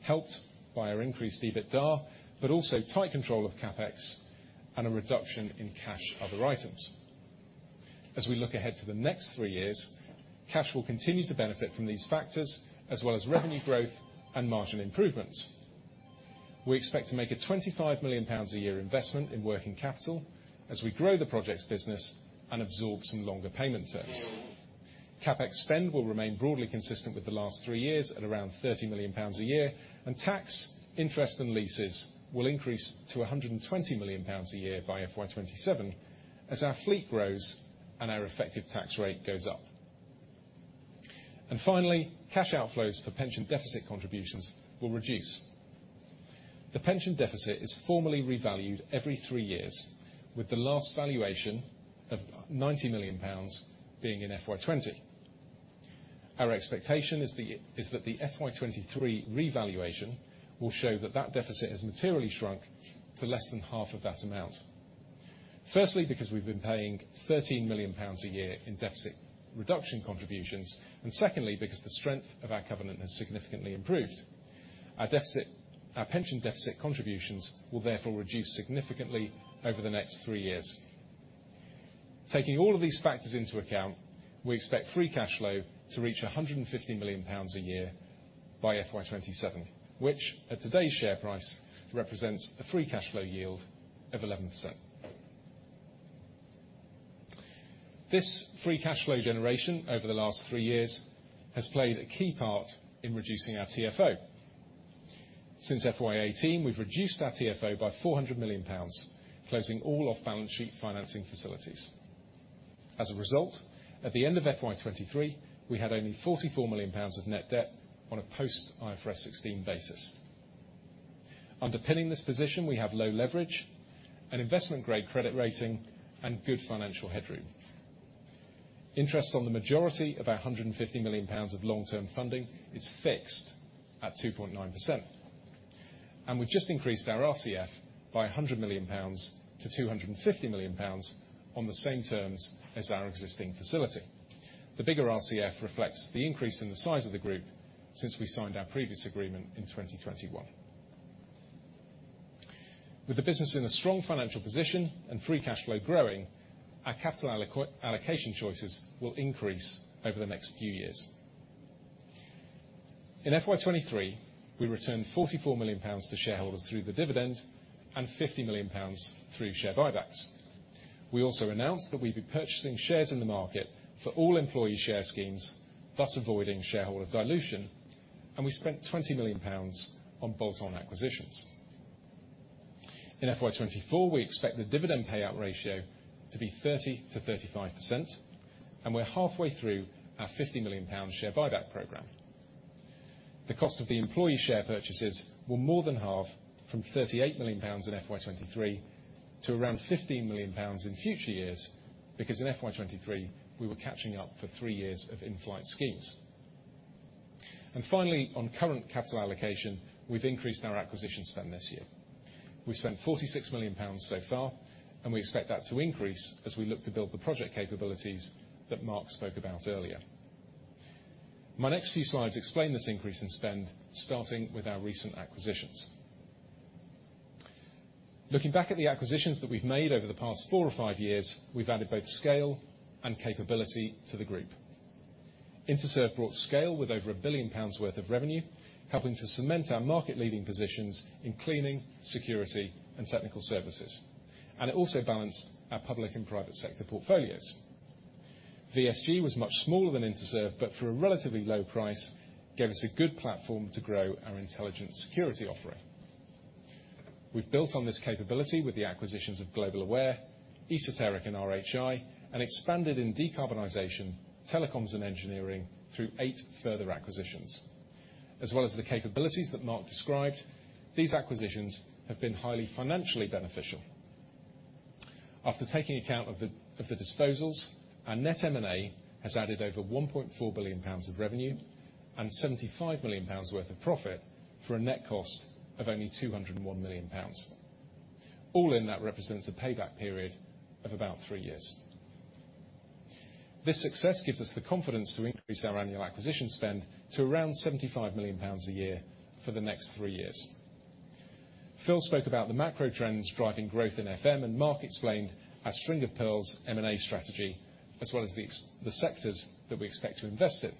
[SPEAKER 13] helped by our increased EBITDA, but also tight control of CapEx and a reduction in cash other items. As we look ahead to the next three years, cash will continue to benefit from these factors, as well as revenue growth and margin improvements. We expect to make a 25 million pounds a year investment in working capital as we grow the Projects business and absorb some longer payment terms. CapEx spend will remain broadly consistent with the last three years at around 30 million pounds a year, and tax interest and leases will increase to 120 million pounds a year by FY 2027 as our fleet grows and our effective tax rate goes up. And finally, cash outflows for pension deficit contributions will reduce. The pension deficit is formally revalued every three years, with the last valuation of 90 million pounds being in FY 2020. Our expectation is that the FY 2023 revaluation will show that deficit has materially shrunk to less than half of that amount. Firstly, because we've been paying 13 million pounds a year in deficit reduction contributions, and secondly, because the strength of our covenant has significantly improved. Our deficit, our pension deficit contributions will therefore reduce significantly over the next three years. Taking all of these factors into account, we expect free cash flow to reach 150 million pounds a year by FY 2027, which, at today's share price, represents a free cash flow yield of 11%. This free cash flow generation over the last three years has played a key part in reducing our TFO. Since FY 2018, we've reduced our TFO by 400 million pounds, closing all off-balance sheet financing facilities. As a result, at the end of FY 2023, we had only GBP 44 million of net debt on a post-IFRS 16 basis. Underpinning this position, we have low leverage, an investment-grade credit rating, and good financial headroom. Interest on the majority of our 150 million pounds of long-term funding is fixed at 2.9%, and we've just increased our RCF by 100 million pounds to 250 million pounds on the same terms as our existing facility. The bigger RCF reflects the increase in the size of the group since we signed our previous agreement in 2021. With the business in a strong financial position and free cash flow growing, our capital allocation choices will increase over the next few years. In FY 2023, we returned GBP 44 million to shareholders through the dividend and GBP 50 million through share buybacks. We also announced that we'd be purchasing shares in the market for all employee share schemes, thus avoiding shareholder dilution, and we spent 20 million pounds on bolt-on acquisitions. In FY 2024, we expect the dividend payout ratio to be 30%-35%, and we're halfway through our 50 million pound share buyback program. The cost of the employee share purchases will more than halve from 38 million pounds in FY 2023 to around 15 million pounds in future years, because in FY 2023, we were catching up for three years of in-flight schemes. And finally, on current capital allocation, we've increased our acquisition spend this year. We've spent 46 million pounds so far, and we expect that to increase as we look to build the project capabilities that Mark spoke about earlier. My next few slides explain this increase in spend, starting with our recent acquisitions. Looking back at the acquisitions that we've made over the past four or five years, we've added both scale and capability to the group. Interserve brought scale with over 1 billion pounds worth of revenue, helping to cement our market-leading positions in cleaning, security, and technical services. It also balanced our public and private sector portfolios. VSG was much smaller than Interserve, but for a relatively low price, gave us a good platform to grow our intelligent security offering. We've built on this capability with the acquisitions of Global Aware, Esoteric and RHI, and expanded in decarbonization, telecoms, and engineering through 8 further acquisitions. As well as the capabilities that Mark described, these acquisitions have been highly financially beneficial. After taking account of the disposals, our net M&A has added over 1.4 billion pounds of revenue and 75 million pounds worth of profit for a net cost of only 201 million pounds. All in, that represents a payback period of about 3 years. This success gives us the confidence to increase our annual acquisition spend to around 75 million pounds a year for the next 3 years. Phil spoke about the macro trends driving growth in FM, and Mark explained our string of pearls M&A strategy, as well as the sectors that we expect to invest in.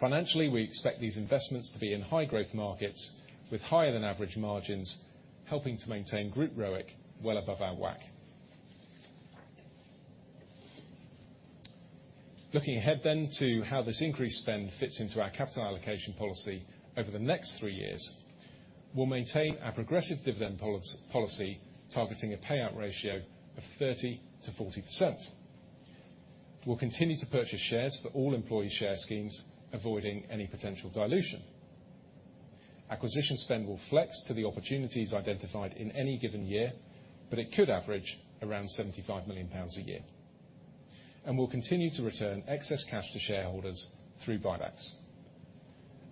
[SPEAKER 13] Financially, we expect these investments to be in high growth markets with higher than average margins, helping to maintain group ROIC well above our WACC. Looking ahead then to how this increased spend fits into our capital allocation policy over the next three years, we'll maintain our progressive dividend policy, targeting a payout ratio of 30%-40%. We'll continue to purchase shares for all employee share schemes, avoiding any potential dilution. Acquisition spend will flex to the opportunities identified in any given year, but it could average around 75 million pounds a year. And we'll continue to return excess cash to shareholders through buybacks.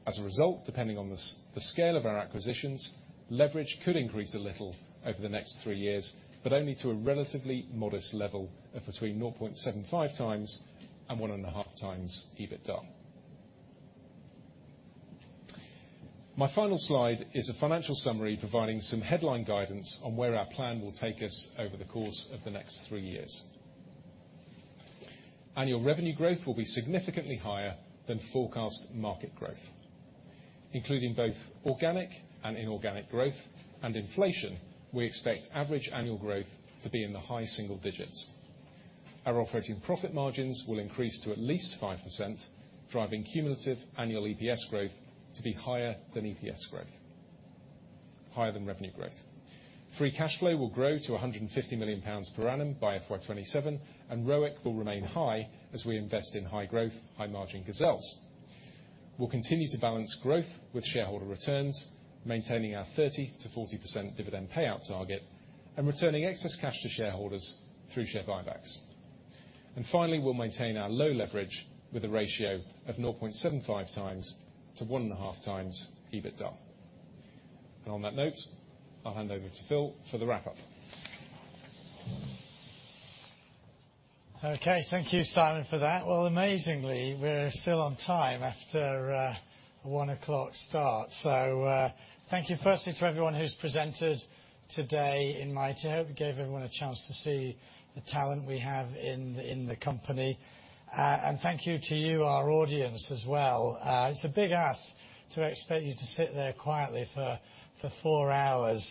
[SPEAKER 13] As a result, depending on the scale of our acquisitions, leverage could increase a little over the next three years, but only to a relatively modest level of between 0.75 times and 1.5 times EBITDA. My final slide is a financial summary, providing some headline guidance on where our plan will take us over the course of the next three years. Annual revenue growth will be significantly higher than forecast market growth, including both organic and inorganic growth and inflation. We expect average annual growth to be in the high single digits. Our operating profit margins will increase to at least 5%, driving cumulative annual EPS growth to be higher than revenue growth. Free cash flow will grow to 150 million pounds per annum by FY 2027, and ROIC will remain high as we invest in high growth, high margin gazelles. We'll continue to balance growth with shareholder returns, maintaining our 30%-40% dividend payout target and returning excess cash to shareholders through share buybacks. Finally, we'll maintain our low leverage with a ratio of 0.75x to 1.5x EBITDA. On that note, I'll hand over to Phil for the wrap-up.
[SPEAKER 2] Okay, thank you, Simon, for that. Well, amazingly, we're still on time after a 1:00 P.M. start. So, thank you firstly to everyone who's presented today in Mitie. I hope we gave everyone a chance to see the talent we have in the company. And thank you to you, our audience as well. It's a big ask to expect you to sit there quietly for four hours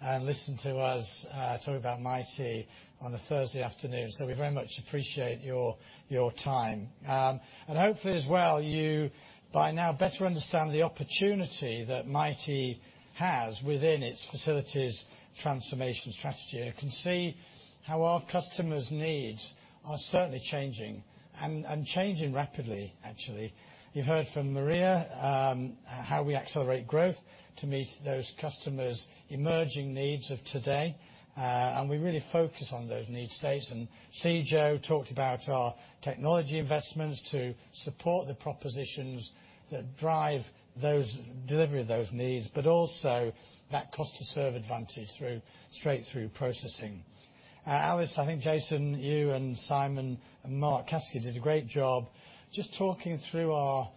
[SPEAKER 2] and listen to us talk about Mitie on a Thursday afternoon. So we very much appreciate your time. And hopefully, as well, you by now better understand the opportunity that Mitie has within its facilities transformation strategy, and can see how our customers' needs are certainly changing, and changing rapidly, actually. You heard from Maria how we accelerate growth to meet those customers' emerging needs of today, and we really focus on those needs today. Cijo talked about our technology investments to support the propositions that drive those delivery of those needs, but also that cost to serve advantage through straight-through processing. Alice, I think Jason, you and Simon and Mark Caskey did a great job just talking through our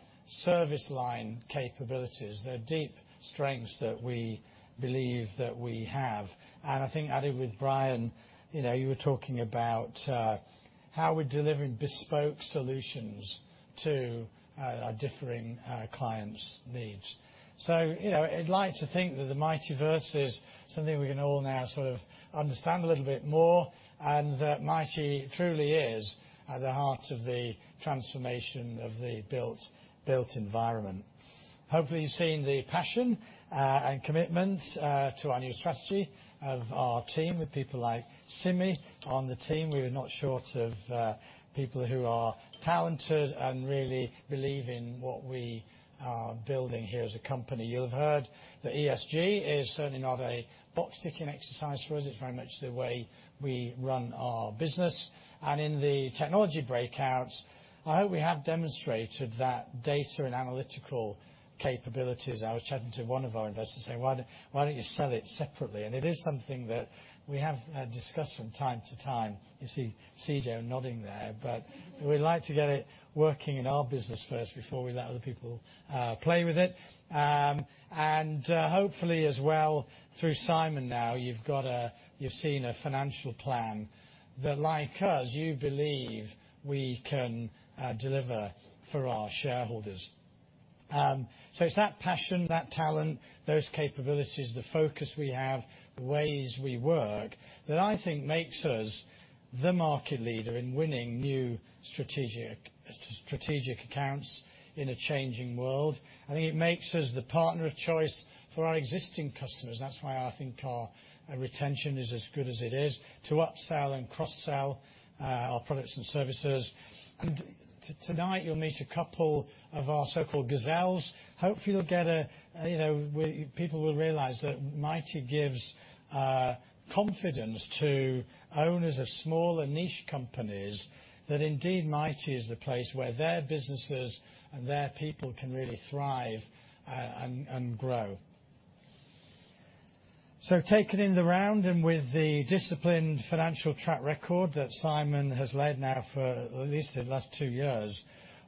[SPEAKER 2] service line capabilities, the deep strengths that we believe that we have. I think, added with Brian, you know, you were talking about how we're delivering bespoke solutions to our differing clients' needs. So, you know, I'd like to think that the MitieVerse is something we can all now sort of understand a little bit more, and that Mitie truly is at the heart of the transformation of the built, built environment. Hopefully, you've seen the passion and commitment to our new strategy of our team, with people like Simi on the team. We are not short of people who are talented and really believe in what we are building here as a company. You'll have heard that ESG is certainly not a box-ticking exercise for us; it's very much the way we run our business. And in the technology breakouts, I hope we have demonstrated that data and analytical capabilities. I was chatting to one of our investors saying: Why don't you sell it separately? And it is something that we have discussed from time to time. You see Cijo nodding there, but we'd like to get it working in our business first before we let other people play with it. And, hopefully as well, through Simon now, you've got a—you've seen a financial plan that, like us, you believe we can deliver for our shareholders. So it's that passion, that talent, those capabilities, the focus we have, the ways we work, that I think makes us the market leader in winning new strategic accounts in a changing world. I think it makes us the partner of choice for our existing customers. That's why I think our retention is as good as it is, to upsell and cross-sell our products and services. And tonight, you'll meet a couple of our so-called gazelles. Hopefully, you'll get a, you know, people will realize that Mitie gives confidence to owners of smaller niche companies that indeed, Mitie is the place where their businesses and their people can really thrive, and grow. So taking in the round, and with the disciplined financial track record that Simon has led now for at least the last 2 years,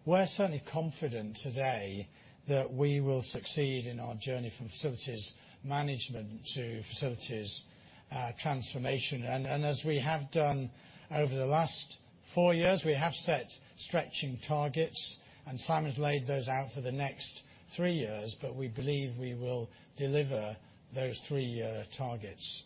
[SPEAKER 2] we're certainly confident today that we will succeed in our journey from facilities management to facilities transformation. And as we have done over the last 4 years, we have set stretching targets, and Simon's laid those out for the next 3 years, but we believe we will deliver those 3-year targets.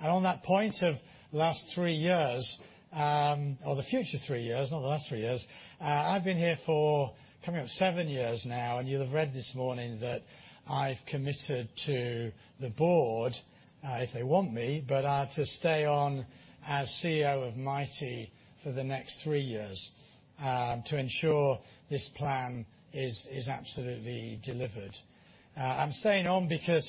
[SPEAKER 2] And on that point of last 3 years, or the future 3 years, not the last 3 years, I've been here for coming up 7 years now, and you'll have read this morning that I've committed to the board, if they want me, but to stay on as CEO of Mitie for the next 3 years, to ensure this plan is absolutely delivered. I'm staying on because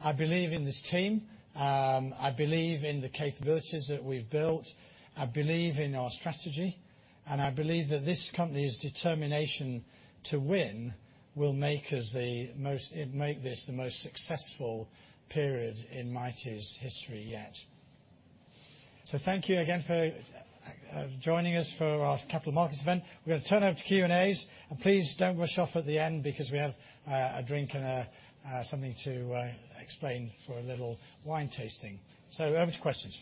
[SPEAKER 2] I believe in this team, I believe in the capabilities that we've built, I believe in our strategy, and I believe that this company's determination to win will make us the most... It make this the most successful period in Mitie's history yet. So thank you again for joining us for our capital markets event. We're gonna turn over to Q and A's, and please don't rush off at the end because we have a drink and something to explain for a little wine tasting. So over to questions.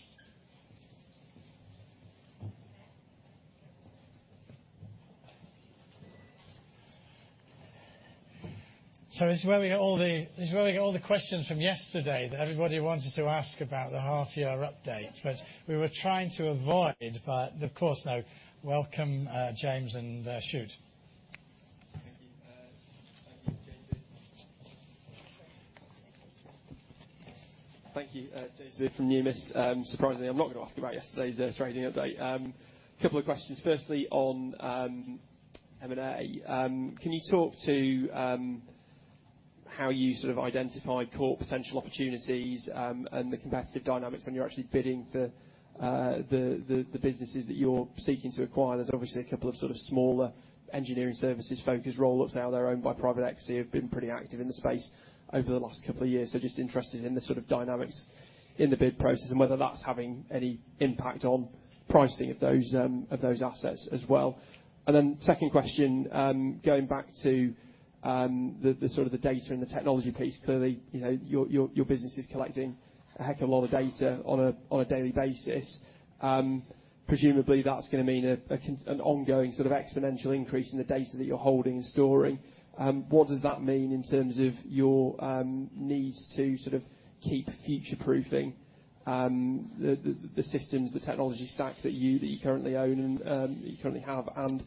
[SPEAKER 2] So this is where we get all the, this is where we get all the questions from yesterday that everybody wanted to ask about the half year update, which we were trying to avoid, but of course, now, welcome James, and shoot.
[SPEAKER 15] Thank you. James from Numis. Surprisingly, I'm not gonna ask you about yesterday's trading update. Couple of questions. Firstly, on M&A. Can you talk to how you sort of identify core potential opportunities, and the competitive dynamics when you're actually bidding for the, the, the businesses that you're seeking to acquire? There's obviously a couple of sort of smaller engineering services, focused roll-ups, now they're owned by private equity, have been pretty active in the space over the last couple of years. So just interested in the sort of dynamics in the bid process, and whether that's having any impact on pricing of those, of those assets as well. Then second question, going back to the sort of the data and the technology piece, clearly, you know, your business is collecting a heck of a lot of data on a daily basis. Presumably, that's gonna mean an ongoing, sort of, exponential increase in the data that you're holding in storage. What does that mean in terms of your needs to sort of keep future-proofing the systems, the technology stack that you currently own and that you currently have? And,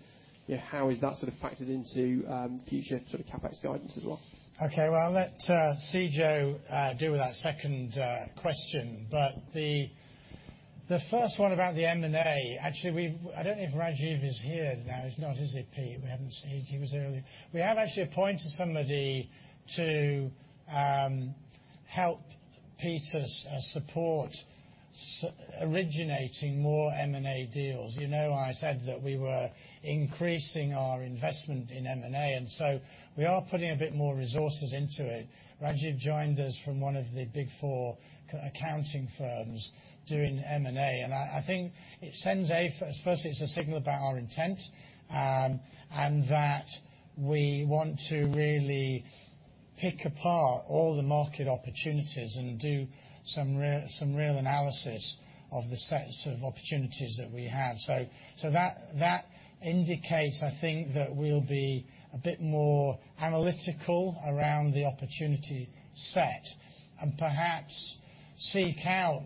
[SPEAKER 15] how is that sort of factored into future sort of CapEx guidance as well?
[SPEAKER 2] Okay, well, I'll let Cijo deal with that second question. But the first one about the M&A, actually, we've... I don't know if Rajiv is here now. He's not, is he, Pete? We haven't seen him. He was earlier. We have actually appointed somebody to help Peter support originating more M&A deals. You know, I said that we were increasing our investment in M&A, and so we are putting a bit more resources into it. Rajiv joined us from one of the Big Four accounting firms doing M&A, and I think it sends a... Firstly, it's a signal about our intent, and that we want to really pick apart all the market opportunities and do some real analysis of the sets of opportunities that we have. So that indicates, I think, that we'll be a bit more analytical around the opportunity set, and perhaps seek out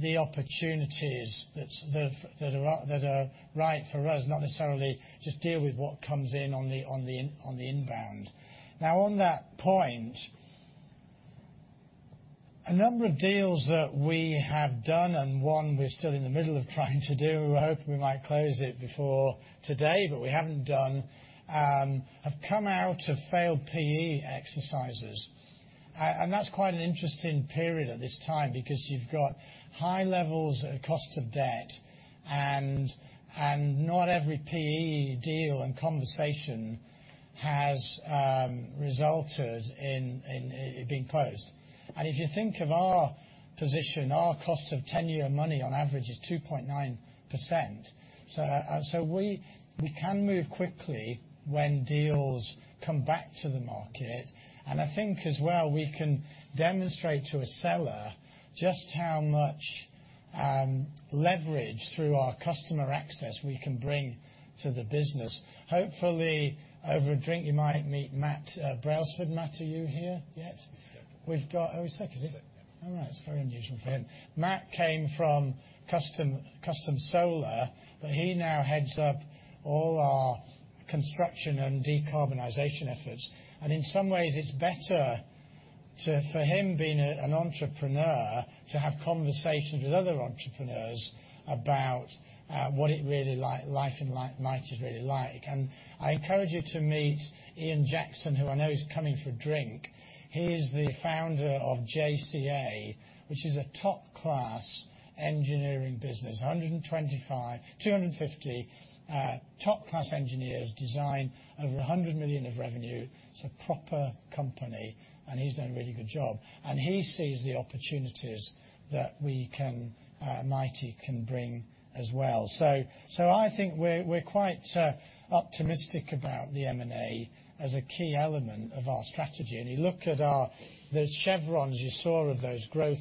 [SPEAKER 2] the opportunities that are right for us, not necessarily just deal with what comes in on the inbound. Now, on that point, a number of deals that we have done, and one we're still in the middle of trying to do, we were hoping we might close it before today, but we haven't done, have come out of failed PE exercises. And that's quite an interesting period at this time because you've got high levels of cost of debt, and not every PE deal and conversation has resulted in it being closed. And if you think of our position, our cost of ten-year money on average is 2.9%. So, so we, we can move quickly when deals come back to the market, and I think as well, we can demonstrate to a seller just how much, leverage, through our customer access, we can bring to the business. Hopefully, over a drink, you might meet Matt Brailsford. Matt, are you here yet?
[SPEAKER 5] He's sick.
[SPEAKER 2] We've got... Oh, he's sick, is he?
[SPEAKER 5] Yeah.
[SPEAKER 2] All right. It's very unusual for him. Matt came from Custom Solar, but he now heads up all our construction and decarbonization efforts. And in some ways, it's better for him, being an entrepreneur, to have conversations with other entrepreneurs about what life in Mitie is really like. And I encourage you to meet Ian Jackson, who I know is coming for a drink. He is the founder of JCA, which is a top-class engineering business. 125-250 top-class engineers design over 100 million of revenue. It's a proper company, and he's done a really good job. And he sees the opportunities that we can, Mitie can bring as well. So I think we're quite optimistic about the M&A as a key element of our strategy. And you look at our, those chevrons you saw of those growth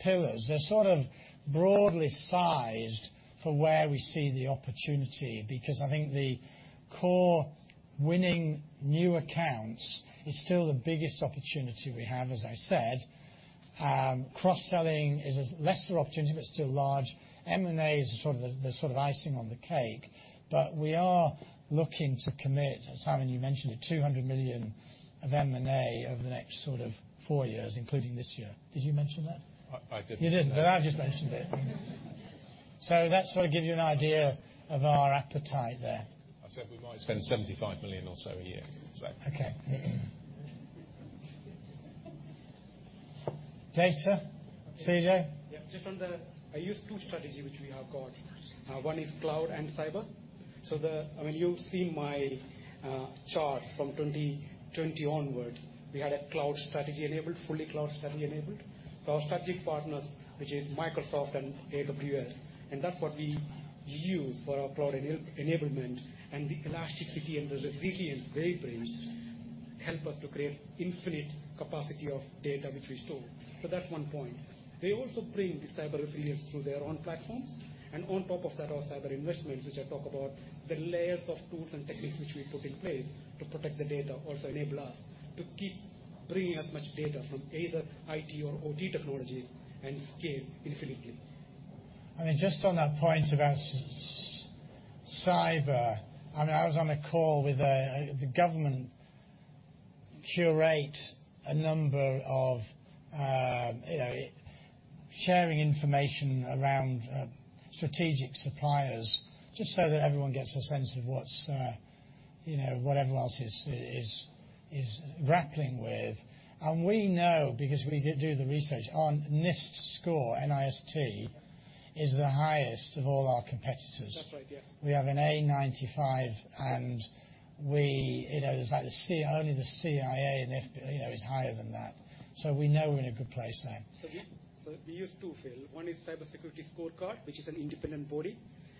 [SPEAKER 2] pillars, they're sort of broadly sized for where we see the opportunity, because I think the core winning new accounts is still the biggest opportunity we have, as I said. Cross-selling is a lesser opportunity, but still large. M&A is sort of the sort of icing on the cake, but we are looking to commit, Simon, you mentioned it, 200 million of M&A over the next sort of four years, including this year. Did you mention that?
[SPEAKER 13] I didn't.
[SPEAKER 2] You didn't, but I've just mentioned it. So that sort of gives you an idea of our appetite there.
[SPEAKER 13] I said we might spend 75 million or so a year. So...
[SPEAKER 2] Okay. Data, Cijo?
[SPEAKER 4] Yeah, just on the... I use two strategy, which we have got. One is cloud and cyber. So the... I mean, you've seen my chart from 2020 onwards. We had a cloud strategy enabled, fully cloud strategy enabled. So our strategic partners, which is Microsoft and AWS, and that's what we use for our cloud enablement, and the elasticity and the resiliency they bring help us to create infinite capacity of data which we store. So that's one point. They also bring the cyber resilience through their own platforms, and on top of that, our cyber investments, which I talk about, the layers of tools and techniques which we put in place to protect the data, also enable us to keep bringing as much data from either IT or OT technologies and scale infinitely.
[SPEAKER 2] I mean, just on that point about cyber, I mean, I was on a call with the government to curate a number of, you know, sharing information around strategic suppliers, just so that everyone gets a sense of what's the, you know, what everyone else is grappling with. And we know, because we do the research, on NIST score, N-I-S-T, is the highest of all our competitors.
[SPEAKER 4] That's right, yeah.
[SPEAKER 2] We have an A 95, and we, you know, it's like the C only the CIA and FBI, you know, is higher than that. So we know we're in a good place there.
[SPEAKER 4] So we use two, Phil. One is Cybersecurity Scorecard, which is an independent body,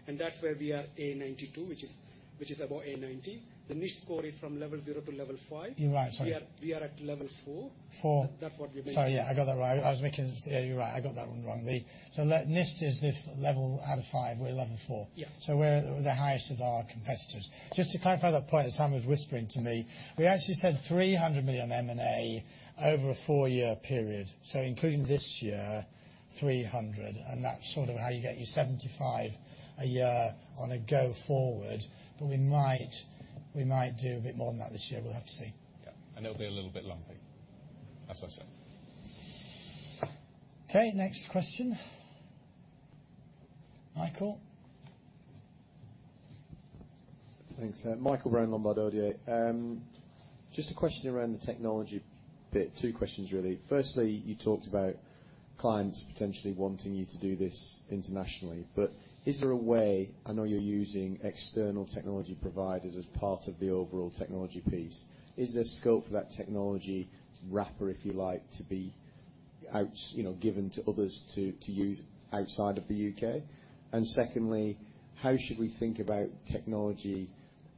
[SPEAKER 4] and that's where we are A 92, which is about A 90. The NIST score is from level zero to level five.
[SPEAKER 2] You're right. Sorry.
[SPEAKER 4] We are at level four.
[SPEAKER 2] Four.
[SPEAKER 4] That's what we meant.
[SPEAKER 2] Sorry, yeah, I got that right. I was mixing... Yeah, you're right. I got that one wrong. NIST is this level out of 5, we're level 4.
[SPEAKER 4] Yeah.
[SPEAKER 2] So we're the highest of our competitors. Just to clarify that point, as Simon was whispering to me, we actually said 300 million M&A over a 4-year period. So including this year, 300, and that's sort of how you get your 75 a year on a go forward. But we might, we might do a bit more than that this year. We'll have to see.
[SPEAKER 13] Yeah. It'll be a little bit lumpy, as I said.
[SPEAKER 2] Okay, next question. Michael?
[SPEAKER 16] Thanks, Michael Brown, Lombard Odier. Just a question around the technology bit. Two questions, really. Firstly, you talked about clients potentially wanting you to do this internationally, but is there a way... I know you're using external technology providers as part of the overall technology piece. Is there scope for that technology wrapper, if you like, to be out, you know, given to others to, to use outside of the UK? And secondly, how should we think about technology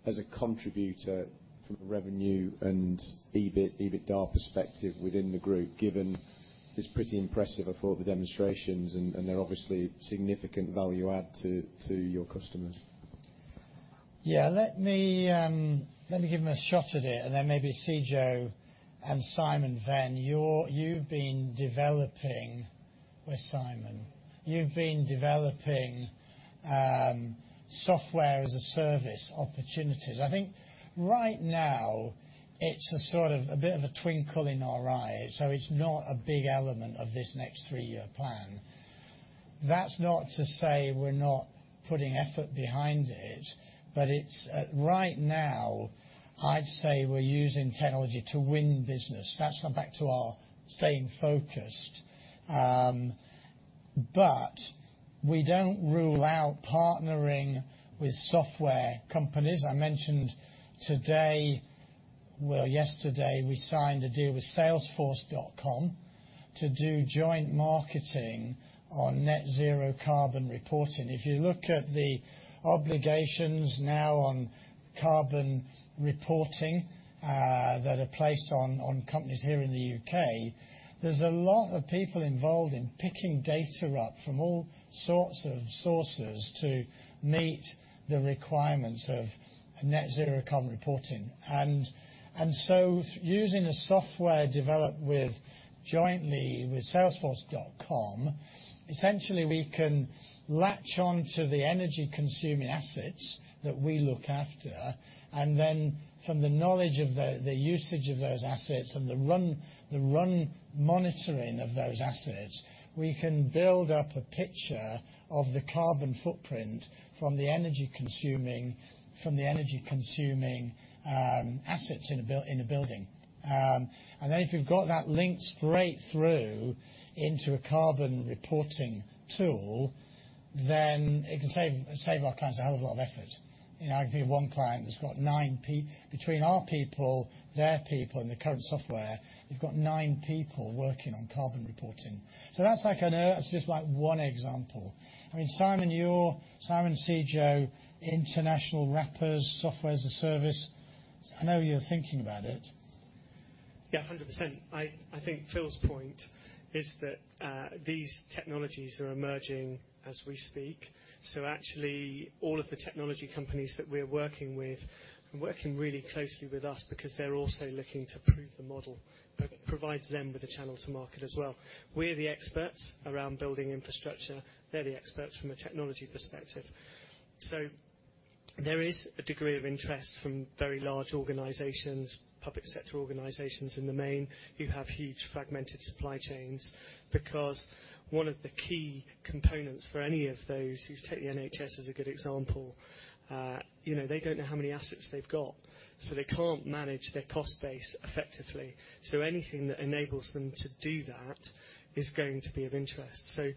[SPEAKER 16] as a contributor from a revenue and EBIT, EBITDA perspective within the group, given this pretty impressive, I thought, the demonstrations, and, and they're obviously significant value add to, to your customers?
[SPEAKER 2] Yeah, let me, let me give them a shot at it, and then maybe Cijo and Simon then. You're- you've been developing... Where's Simon? You've been developing, software-as-a-service opportunities. I think right now, it's a sort of a bit of a twinkle in our eye, so it's not a big element of this next three-year plan. That's not to say we're not putting effort behind it, but it's, right now, I'd say we're using technology to win business. That's going back to our staying focused. But we don't rule out partnering with software companies. I mentioned today, well, yesterday, we signed a deal with Salesforce.com to do joint marketing on net zero carbon reporting. If you look at the obligations now on carbon reporting, that are placed on companies here in the UK, there's a lot of people involved in picking data up from all sorts of sources to meet the requirements of net zero carbon reporting. And so using a software developed with, jointly with Salesforce.com, essentially, we can latch on to the energy-consuming assets that we look after, and then from the knowledge of the usage of those assets and the run monitoring of those assets, we can build up a picture of the carbon footprint from the energy consuming assets in a building. And then if you've got that linked straight through into a carbon reporting tool, then it can save our clients a hell of a lot of effort. You know, I can think of one client that's got nine between our people, their people, and the current software, they've got nine people working on carbon reporting. So that's like that's just like one example. I mean, Simon, you're Simon Cijo, international wrappers, software as a service. I know you're thinking about it.
[SPEAKER 9] Yeah, 100%. I think Phil's point is that these technologies are emerging as we speak, so actually, all of the technology companies that we're working with are working really closely with us because they're also looking to prove the model, but it provides them with a channel to market as well. We're the experts around building infrastructure. They're the experts from a technology perspective. So there is a degree of interest from very large organizations, public sector organizations, in the main, who have huge fragmented supply chains, because one of the key components for any of those, if you take the NHS as a good example, you know, they don't know how many assets they've got, so they can't manage their cost base effectively. So anything that enables them to do that is going to be of interest. So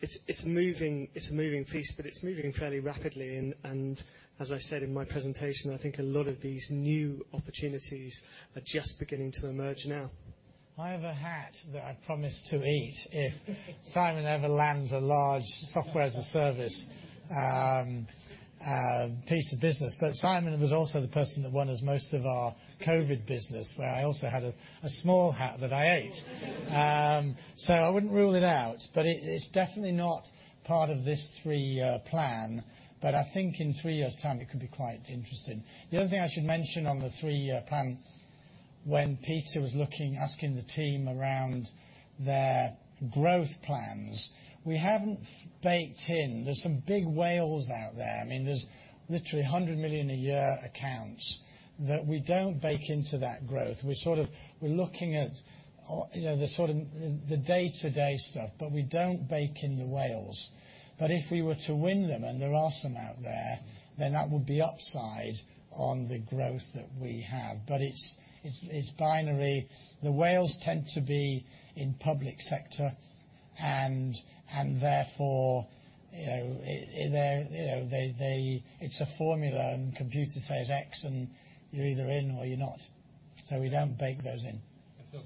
[SPEAKER 9] it's moving. It's a moving piece, but it's moving fairly rapidly, and as I said in my presentation, I think a lot of these new opportunities are just beginning to emerge now.
[SPEAKER 2] I have a hat that I promised to eat if Simon ever lands a large software as a service piece of business. But Simon was also the person that won us most of our COVID business, where I also had a small hat that I ate. So I wouldn't rule it out, but it's definitely not part of this three-year plan, but I think in three years' time it could be quite interesting. The other thing I should mention on the three-year plan, when Peter was looking, asking the team around their growth plans, we haven't baked in. There's some big whales out there. I mean, there's literally 100 million-a-year accounts that we don't bake into that growth. We're sort of, we're looking at, you know, the sort of the day-to-day stuff, but we don't bake in the whales. But if we were to win them, and there are some out there, then that would be upside on the growth that we have. But it's binary. The whales tend to be in public sector and, therefore, you know, they're, you know, they—it's a formula, and computer says X, and you're either in or you're not. So we don't bake those in.
[SPEAKER 16] And Phil,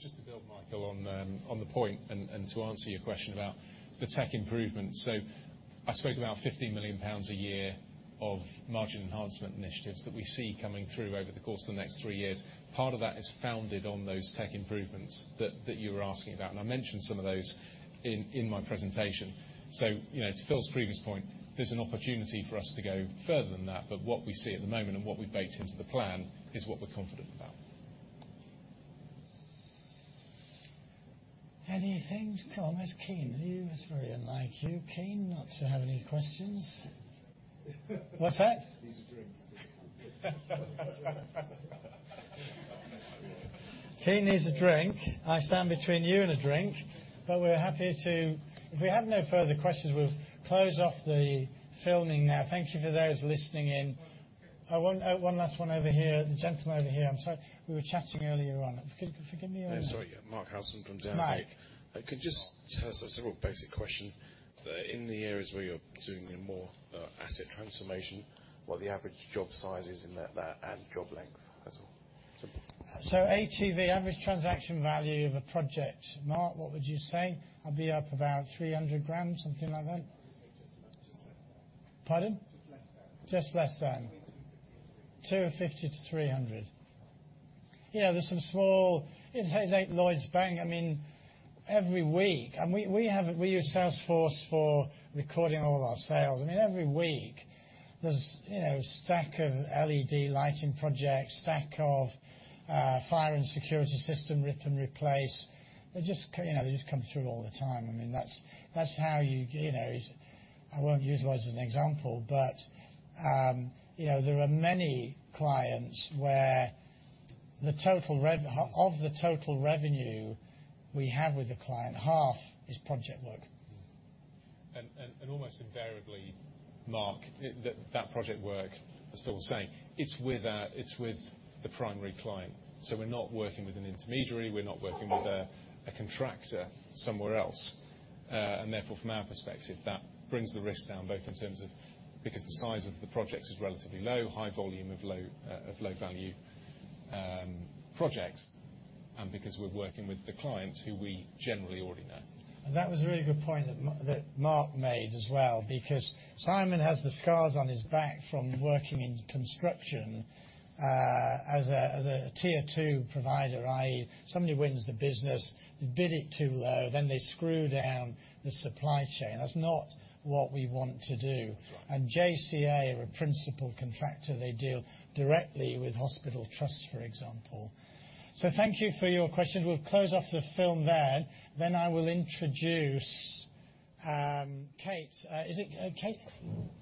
[SPEAKER 16] just to build Michael on, on the point and to answer your question about the tech improvements. So I spoke about 50 million pounds a year of margin enhancement initiatives that we see coming through over the course of the next 3 years. Part of that is founded on those tech improvements that you were asking about, and I mentioned some of those in my presentation. So, you know, to Phil's previous point, there's an opportunity for us to go further than that, but what we see at the moment and what we've baked into the plan is what we're confident about.
[SPEAKER 2] Anything? Come on, where's Kean? It's very unlike you, Kean, not to have any questions. What's that?
[SPEAKER 6] Needs a drink.
[SPEAKER 2] Kean needs a drink. I stand between you and a drink, but we're happy to... If we have no further questions, we'll close off the filming now. Thank you for those listening in. One last one over here. The gentleman over here. I'm sorry. We were chatting earlier on. Forgive, forgive me.
[SPEAKER 17] Yeah, sorry. Mark Harrison from Downer-
[SPEAKER 2] Mark.
[SPEAKER 17] Could you just tell us a sort of basic question, that in the areas where you're doing more asset transformation, what the average job size is in that, and job length as well. Simple.
[SPEAKER 2] So HEV, average transaction value of a project. Mark, what would you say? I'd be up about 300,000, something like that? I'd say just less, just less than that. Pardon? Just less than that. Just less than. Between GBP 250,000 and 300,000. 250,000 to 300,000. Yeah, there's some small... It's like Lloyds Bank. I mean, every week, we use Salesforce for recording all our sales. I mean, every week, there's, you know, a stack of LED lighting projects, stack of, fire and security system rip and replace. They just come, you know, they just come through all the time. I mean, that's, that's how you, you know, it's-- I won't use Lloyds as an example, but, you know, there are many clients where the total rev-- of the total revenue we have with the client, half is project work.
[SPEAKER 13] almost invariably, Mark, that project work, as Phil was saying, it's with the primary client. So we're not working with an intermediary, we're not working with a contractor somewhere else. And therefore, from our perspective, that brings the risk down, both in terms of, because the size of the projects is relatively low, high volume of low value projects, and because we're working with the clients who we generally already know.
[SPEAKER 2] That was a really good point that Mark made as well, because Simon has the scars on his back from working in construction, as a tier two provider, i.e., somebody wins the business, they bid it too low, then they screw down the supply chain. That's not what we want to do.
[SPEAKER 13] That's right.
[SPEAKER 2] JCA, our principal contractor, they deal directly with hospital trusts, for example. Thank you for your questions. We'll close off the film there. I will introduce Kate. Is it Kate?
[SPEAKER 6] Yes.